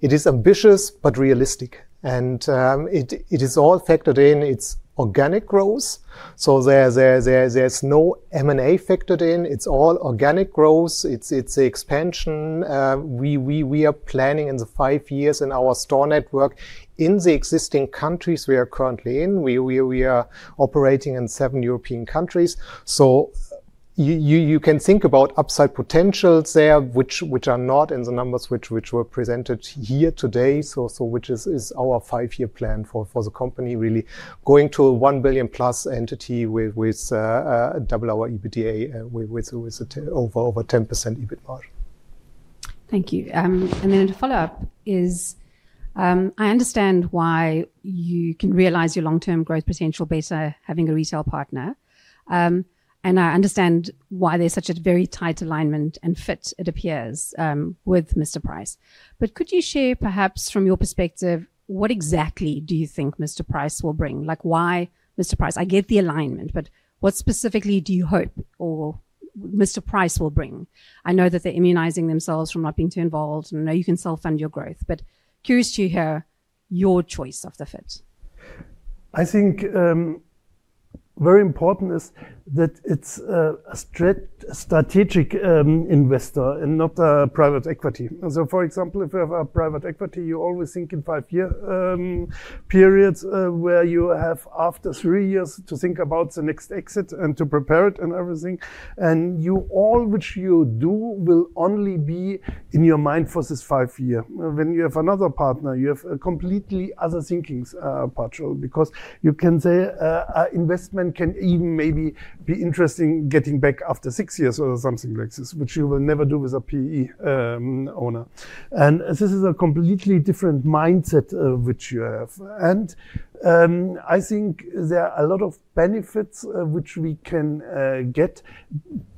It is ambitious but realistic. It is all factored in. It's organic growth, so there's no M&A factored in. It's all organic growth. It's expansion. We are planning in the five years in our store network in the existing countries we are currently in. We are operating in seven European countries. You can think about upside potentials there which are not in the numbers which were presented here today, which is our five-year plan for the company really: going to a 1+ billion entity with double our EBITDA, with over 10% EBIT margin. Thank you. To follow up, I understand why you can realize your long-term growth potential better having a retail partner. I understand why there's such a very tight alignment and fit, it appears, with Mr Price. Could you share perhaps from your perspective, what exactly do you think Mr Price will bring? Like, why Mr Price? I get the alignment, but what specifically do you hope or Mr Price will bring? I know that they're immunizing themselves from not being too involved, and I know you can self-fund your growth, but curious to hear your choice of the fit. I think, very important is that it's a strategic investor and not a private equity. For example, if you have a private equity, you always think in five-year periods, where you have after three years to think about the next exit and to prepare it and everything. All which you do will only be in your mind for these five years. When you have another partner, you have a completely other thinkings part, because you can say, investment can even maybe be interesting getting back after six years or something like this, which you will never do with a PE owner. This is a completely different mindset of which you have. I think there are a lot of benefits which we can get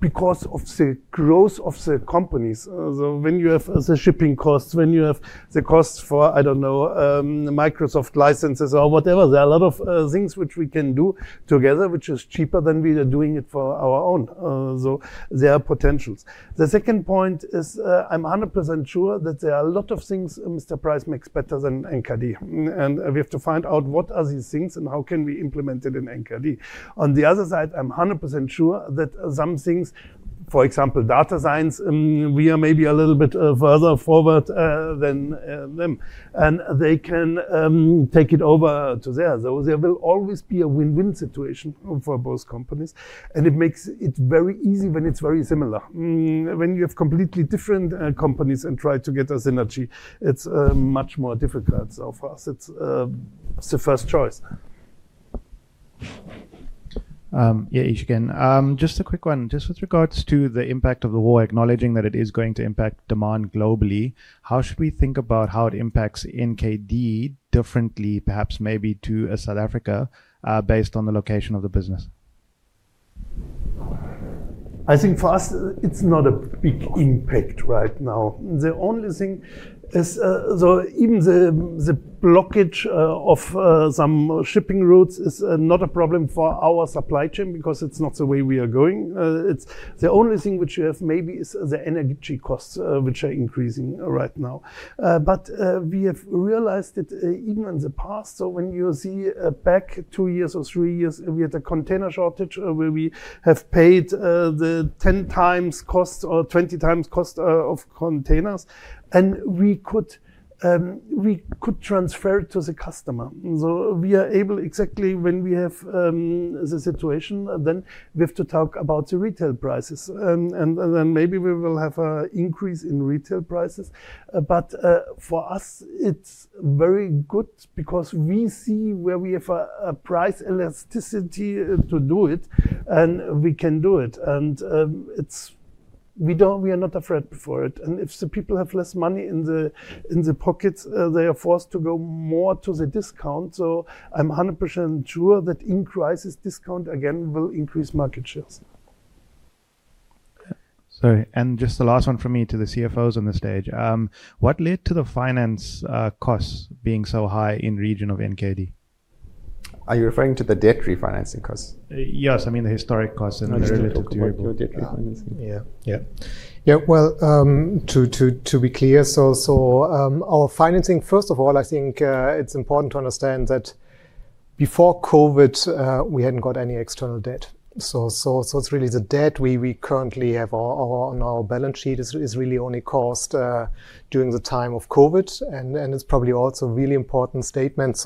because of the growth of the companies. When you have the shipping costs, when you have the costs for, I don't know, the Microsoft licenses or whatever, there are a lot of things which we can do together which is cheaper than we are doing it for our own. There are potentials. The second point is, I'm 100% sure that there are a lot of things Mr Price makes better than NKD. We have to find out what are these things and how can we implement it in NKD. On the other side, I'm 100% sure that some things, for example, data science, we are maybe a little bit further forward than them, and they can take it over to there. There will always be a win-win situation for both companies, and it makes it very easy when it's very similar. When you have completely different companies and try to get a synergy, it's much more difficult. For us, it's the first choice. Ya'eesh again. Just a quick one. Just with regards to the impact of the war, acknowledging that it is going to impact demand globally, how should we think about how it impacts NKD differently, perhaps, maybe to South Africa, based on the location of the business? I think for us, it's not a big impact right now. The only thing is, even the blockage of some shipping routes is not a problem for our supply chain because it's not the way we are going. The only thing which you have maybe is the energy costs, which are increasing right now. We have realized that, even in the past, so when you see back two years or three years, we had a container shortage, where we have paid the 10x cost or 20x cost of containers, and we could transfer it to the customer. We are able exactly when we have the situation, then we have to talk about the retail prices. Maybe we will have an increase in retail prices. For us, it's very good because we see where we have a price elasticity to do it, and we can do it. We are not afraid for it. If the people have less money in their pockets, they are forced to go more to the discount. I'm 100% sure that in crisis, discount again will increase market shares. Sorry. Just the last one from me to the CFOs on the stage. What led to the finance costs being so high in region of NKD? Are you referring to the debt refinancing costs? Yes. I mean, the historical costs and the relatively durable. I was gonna talk about your debt refinancing. Yeah. Yeah. Yeah. Well, to be clear, our financing, first of all, I think it's important to understand that before COVID, we hadn't got any external debt. It's really the debt we currently have on our balance sheet is really only cost during the time of COVID. It's probably also a really important statement.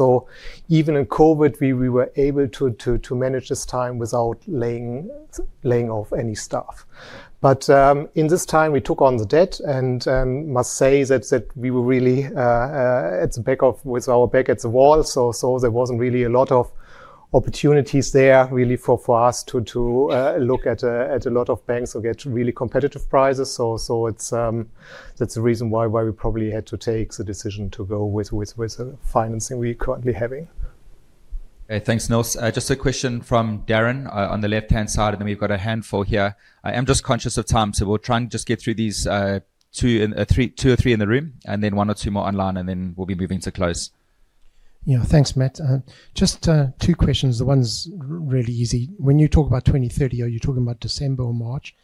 Even in COVID, we were able to manage this time without laying off any staff. In this time, we took on the debt and must say that we were really with our back at the wall. There wasn't really a lot of opportunities there really for us to look at a lot of banks or get really competitive prices. It's, that's the reason why we probably had to take the decision to go with the financing we're currently having. Okay, thanks, Nils. Just a question from Darren on the left-hand side, and then we've got a handful here. I am just conscious of time, so we'll try and just get through these two or three in the room and then one or two more online, and then we'll be moving to close. Yeah. Thanks, Matt. Just two questions. The one's really easy. When you talk about 2030, are you talking about December or March?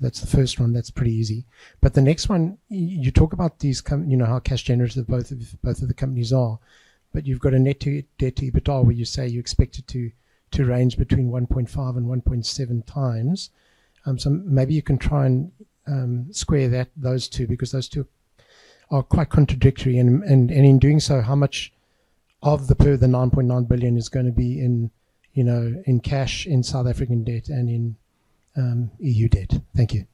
That's the first one. That's pretty easy. The next one, you talk about these you know, how cash generative both of the companies are, but you've got a net debt to EBITDA, where you say you expect it to range between 1.5x and 1.7x. Maybe you can try and square that, those two, because those two are quite contradictory. In doing so, how much of the 9.9 billion is gonna be in you know, in cash in South African debt and in EU debt? Thank you.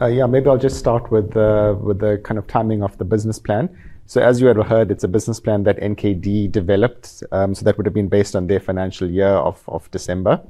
Maybe I'll just start with the kind of timing of the business plan. As you had heard, it's a business plan that NKD developed, so that would have been based on their financial year of December.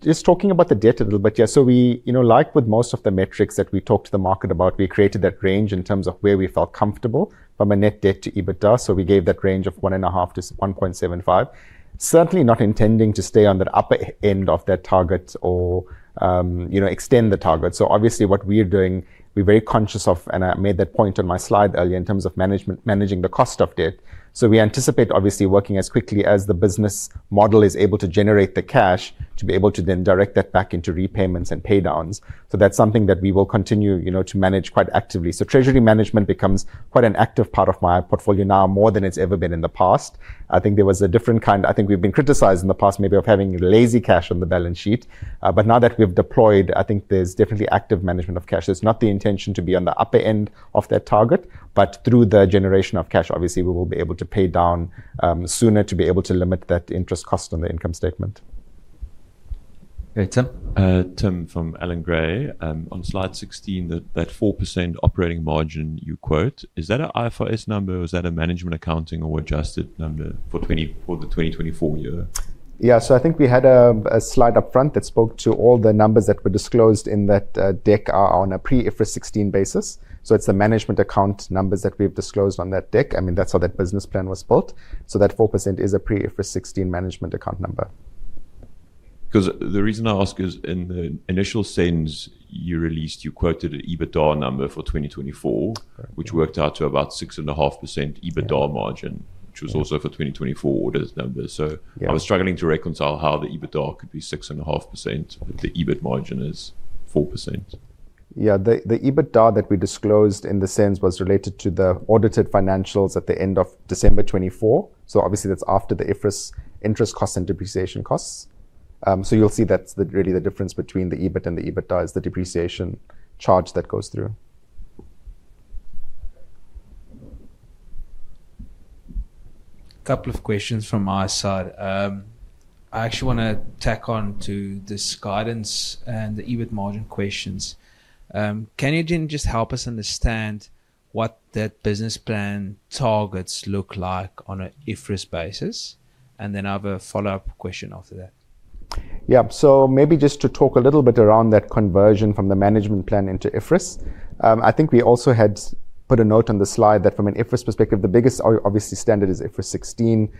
Just talking about the debt a little bit. We, you know, like with most of the metrics that we talk to the market about, created that range in terms of where we felt comfortable from a net debt to EBITDA. We gave that range of 1.5x-1.75. Certainly not intending to stay on that upper end of that target or, you know, extend the target. Obviously, what we are doing, we're very conscious of, and I made that point on my slide earlier in terms of management, managing the cost of debt. We anticipate, obviously, working as quickly as the business model is able to generate the cash to be able to then direct that back into repayments and pay downs. That's something that we will continue, you know, to manage quite actively. Treasury management becomes quite an active part of my portfolio now, more than it's ever been in the past. I think we've been criticized in the past maybe of having lazy cash on the balance sheet. Now that we've deployed, I think there's definitely active management of cash. There's not the intention to be on the upper end of that target, but through the generation of cash, obviously, we will be able to pay down sooner to be able to limit that interest cost on the income statement. Great. Tim? Tim from Allan Gray. On slide 16, that 4% operating margin you quote, is that an IFRS number or is that a management accounting or adjusted number for the 2024 year? Yeah. I think we had a slide up front that spoke to all the numbers that were disclosed in that deck are on a pre-IFRS 16 basis. It's the management account numbers that we've disclosed on that deck. I mean, that's how that business plan was built. That 4% is a pre-IFRS 16 management account number. 'Cause the reason I ask is in the initial SENS you released, you quoted an EBITDA number for 2024 which worked out to about 6.5% EBITDA margin. Which was also for 2024 order numbers. I was struggling to reconcile how the EBITDA could be 6.5% if the EBIT margin is 4%. Yeah. The EBITDA that we disclosed in the SENS was related to the audited financials at the end of December 2024. Obviously that's after the IFRS interest cost and depreciation costs. You'll see that's really the difference between the EBIT and the EBITDA, is the depreciation charge that goes through. Couple of questions from my side. I actually wanna tack on to this guidance and the EBIT margin questions. Can you then just help us understand what that business plan targets look like on a IFRS basis? I have a follow-up question after that. Yeah. Maybe just to talk a little bit around that conversion from the management plan into IFRS. I think we also had put a note on the slide that from an IFRS perspective, the biggest obviously standard is IFRS 16,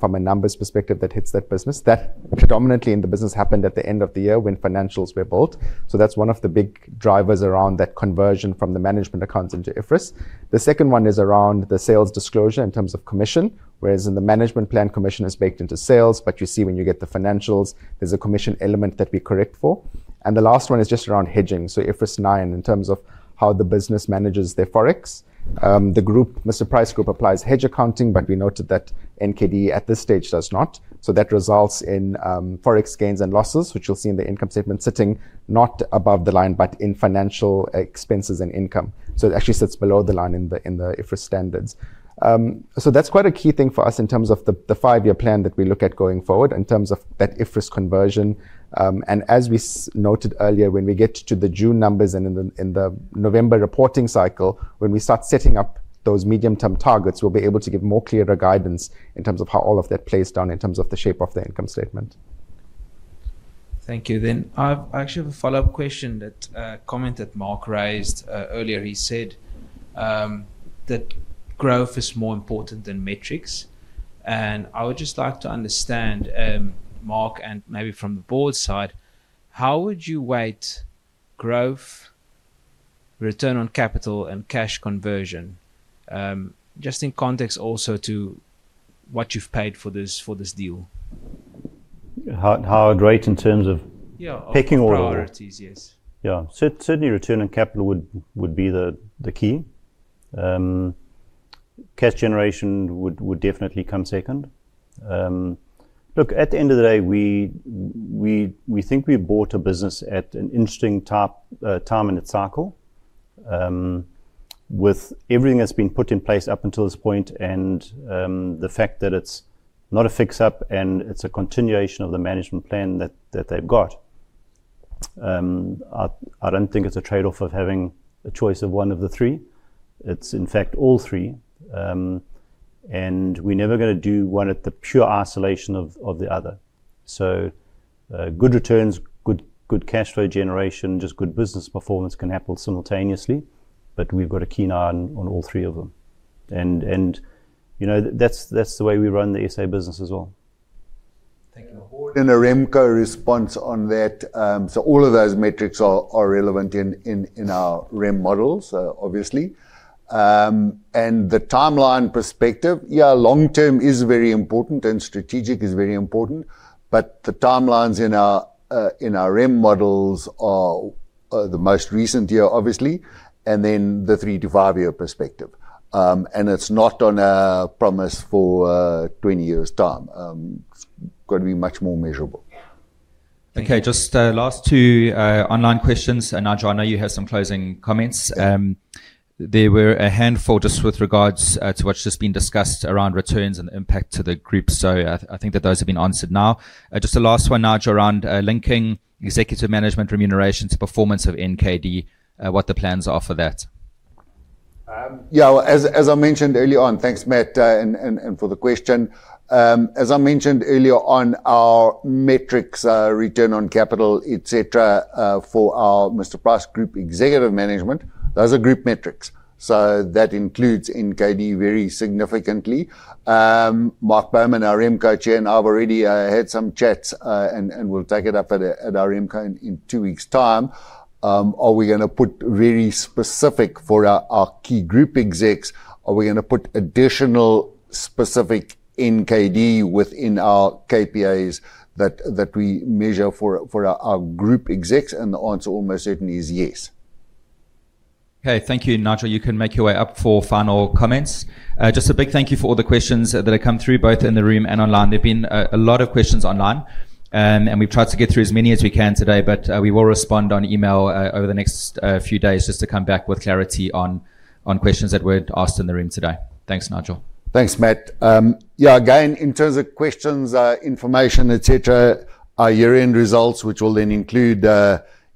from a numbers perspective that hits that business. That predominantly in the business happened at the end of the year when financials were built. That's one of the big drivers around that conversion from the management accounts into IFRS. The second one is around the sales disclosure in terms of commission. Whereas in the management plan, commission is baked into sales, but you see when you get the financials, there's a commission element that we correct for. The last one is just around hedging. IFRS 9 in terms of how the business manages their forex. The group, Mr. Price Group applies hedge accounting, but we noted that NKD at this stage does not. That results in forex gains and losses, which you'll see in the income statement sitting not above the line, but in financial expenses and income. It actually sits below the line in the IFRS standards. That's quite a key thing for us in terms of the five-year plan that we look at going forward in terms of that IFRS conversion. As we noted earlier, when we get to the June numbers and in the November reporting cycle, when we start setting up those medium term targets, we'll be able to give more clearer guidance in terms of how all of that plays out in terms of the shape of the income statement. Thank you. I've actually have a follow-up comment that Mark raised earlier. He said that growth is more important than metrics. I would just like to understand, Mark, and maybe from the Board's side, how would you weight growth, return on capital and cash conversion? Just in context also to what you've paid for this deal. How I'd rate in terms of— Yeah Pecking order? Of priorities, yes. Yeah. Certainly return on capital would be the key. Cash generation would definitely come second. Look, at the end of the day, we think we bought a business at an interesting time in its cycle. With everything that's been put in place up until this point and the fact that it's not a fix up and it's a continuation of the management plan that they've got. I don't think it's a trade-off of having a choice of one of the three. It's in fact all three. We're never gonna do one at the pure isolation of the other. Good returns, good cash flow generation, just good business performance can happen simultaneously, but we've got a keen eye on all three of them. You know, that's the way we run the SA business as well. Thank you. A RemCo response on that. So all of those metrics are relevant in our RemCo models, obviously. The timeline perspective, long term is very important and strategic is very important, but the timelines in our RemCo models are the most recent year, obviously, and then the three- to five-year perspective. It's not a promise for 20 years' time. It's gonna be much more measurable. Yeah. Okay. Just last two online questions. Nigel, I know you have some closing comments. There were a handful just with regards to what's just been discussed around returns and impact to the group. I think that those have been answered now. Just a last one, Nigel, around linking executive management remuneration to performance of NKD, what the plans are for that. As I mentioned early on, thanks, Matt, and for the question. As I mentioned earlier on our metrics, return on capital, et cetera, for our Mr Price Group executive management, those are group metrics, so that includes NKD very significantly. Mark Bowman, our RemCo chair, and I have already had some chats, and we'll take it up at our RemCo in two weeks' time. Are we gonna put very specific for our key group execs? Are we gonna put additional specific NKD within our KPIs that we measure for our group execs? The answer almost certainly is yes. Okay. Thank you, Nigel. You can make your way up for final comments. Just a big thank you for all the questions that have come through both in the room and online. There've been a lot of questions online, and we've tried to get through as many as we can today, but we will respond on email over the next few days just to come back with clarity on questions that weren't asked in the room today. Thanks, Nigel. Thanks, Matt. Yeah, again, in terms of questions, information, et cetera, our year-end results, which will then include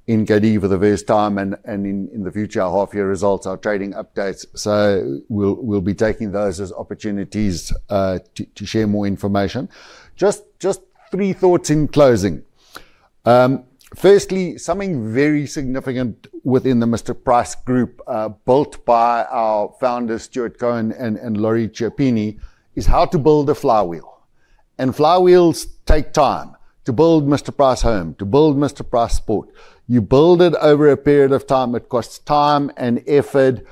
NKD for the first time and in the future our half year results, our trading updates. We'll be taking those as opportunities to share more information. Just three thoughts in closing. Firstly, something very significant within the Mr Price Group, built by our founders, Stewart Cohen and Laurie Chiappini, is how to build a flywheel. Flywheels take time, to build Mr Price Home, to build Mr Price Sport. You build it over a period of time. It costs time and effort.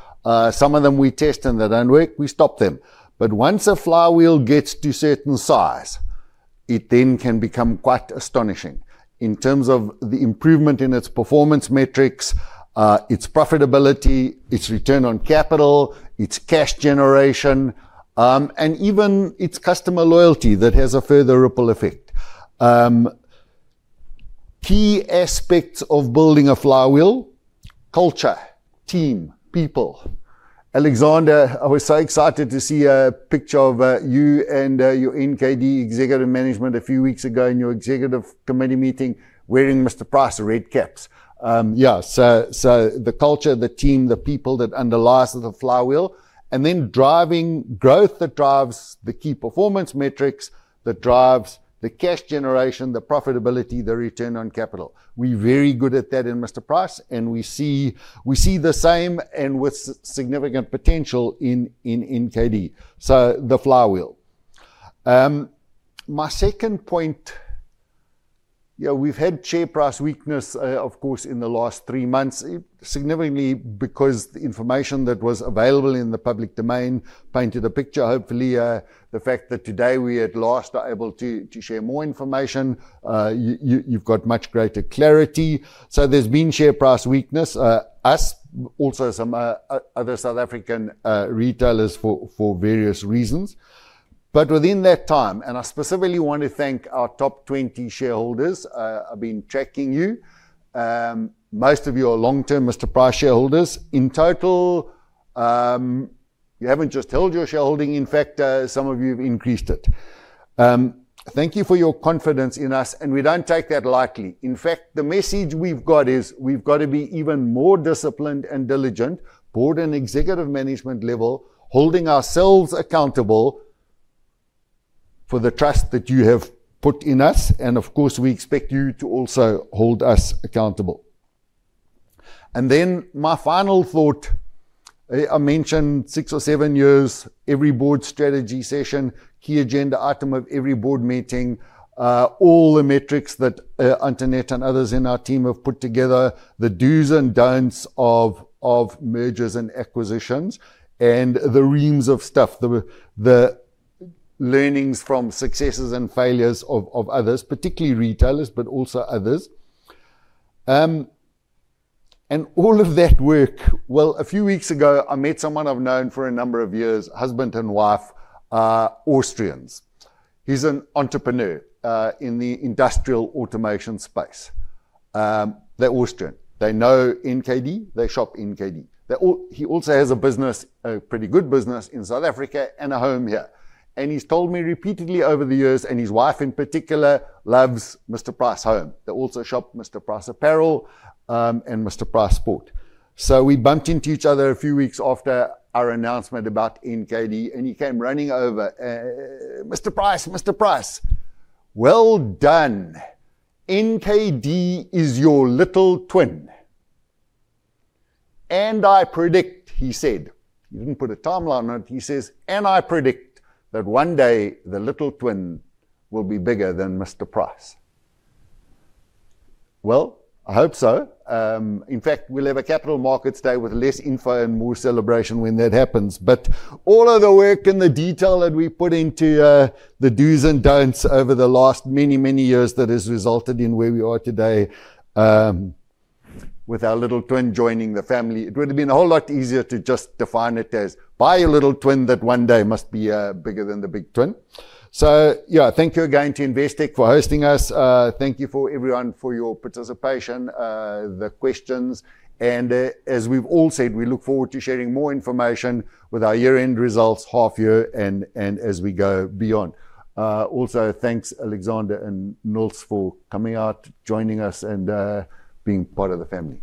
Some of them we test and they don't work, we stop them. Once a flywheel gets to a certain size, it then can become quite astonishing in terms of the improvement in its performance metrics, its profitability, its return on capital, its cash generation, and even its customer loyalty that has a further ripple effect. Key aspects of building a flywheel, culture, team, people. Alexander, I was so excited to see a picture of you and your NKD executive management a few weeks ago in your executive committee meeting wearing Mr Price red caps. The culture, the team, the people that underlies the flywheel, and then driving growth that drives the key performance metrics, that drives the cash generation, the profitability, the return on capital. We're very good at that in Mr Price, and we see the same and with significant potential in NKD. The flywheel. My second point, you know, we've had share price weakness, of course, in the last 3 months, significantly because the information that was available in the public domain painted a picture. Hopefully, the fact that today we at last are able to share more information, you've got much greater clarity. There's been share price weakness, also some other South African retailers for various reasons. Within that time, I specifically want to thank our top 20 shareholders, I've been tracking you. Most of you are long-term Mr Price shareholders. In total, you haven't just held your shareholding, in fact, some of you have increased it. Thank you for your confidence in us, and we don't take that lightly. In fact, the message we've got is we've got to be even more disciplined and diligent, board and executive management level, holding ourselves accountable for the trust that you have put in us, and of course, we expect you to also hold us accountable. My final thought, I mentioned six or seven years, every board strategy session, key agenda item of every board meeting, all the metrics that Antoinette and others in our team have put together. The dos and don'ts of mergers and acquisitions, and the reams of stuff, the learnings from successes and failures of others, particularly retailers, but also others. All of that work. Well, a few weeks ago, I met someone I've known for a number of years, husband and wife are Austrians. He's an entrepreneur in the industrial automation space. They're Austrian. They know NKD, they shop NKD. He also has a business, a pretty good business, in South Africa and a home here. He's told me repeatedly over the years, and his wife in particular, loves Mr Price Home. They also shop Mr Price Apparel, and Mr Price Sport. We bumped into each other a few weeks after our announcement about NKD, and he came running over. "Mr Price, Mr Price, well done. NKD is your little twin. And I predict," he said. He didn't put a timeline on it. He says, "And I predict that one day the little twin will be bigger than Mr Price." Well, I hope so. In fact, we'll have a Capital Markets Day with less info and more celebration when that happens. All of the work and the detail that we put into the dos and don'ts over the last many, many years that has resulted in where we are today, with our little twin joining the family, it would have been a whole lot easier to just define it as, "Buy a little twin that one day must be bigger than the big twin." Yeah, thank you again to Investec for hosting us. Thank you to everyone for your participation, the questions, and as we've all said, we look forward to sharing more information with our year-end results, half year and as we go beyond. Also, thanks, Alexander and Nils, for coming out, joining us, and being part of the family.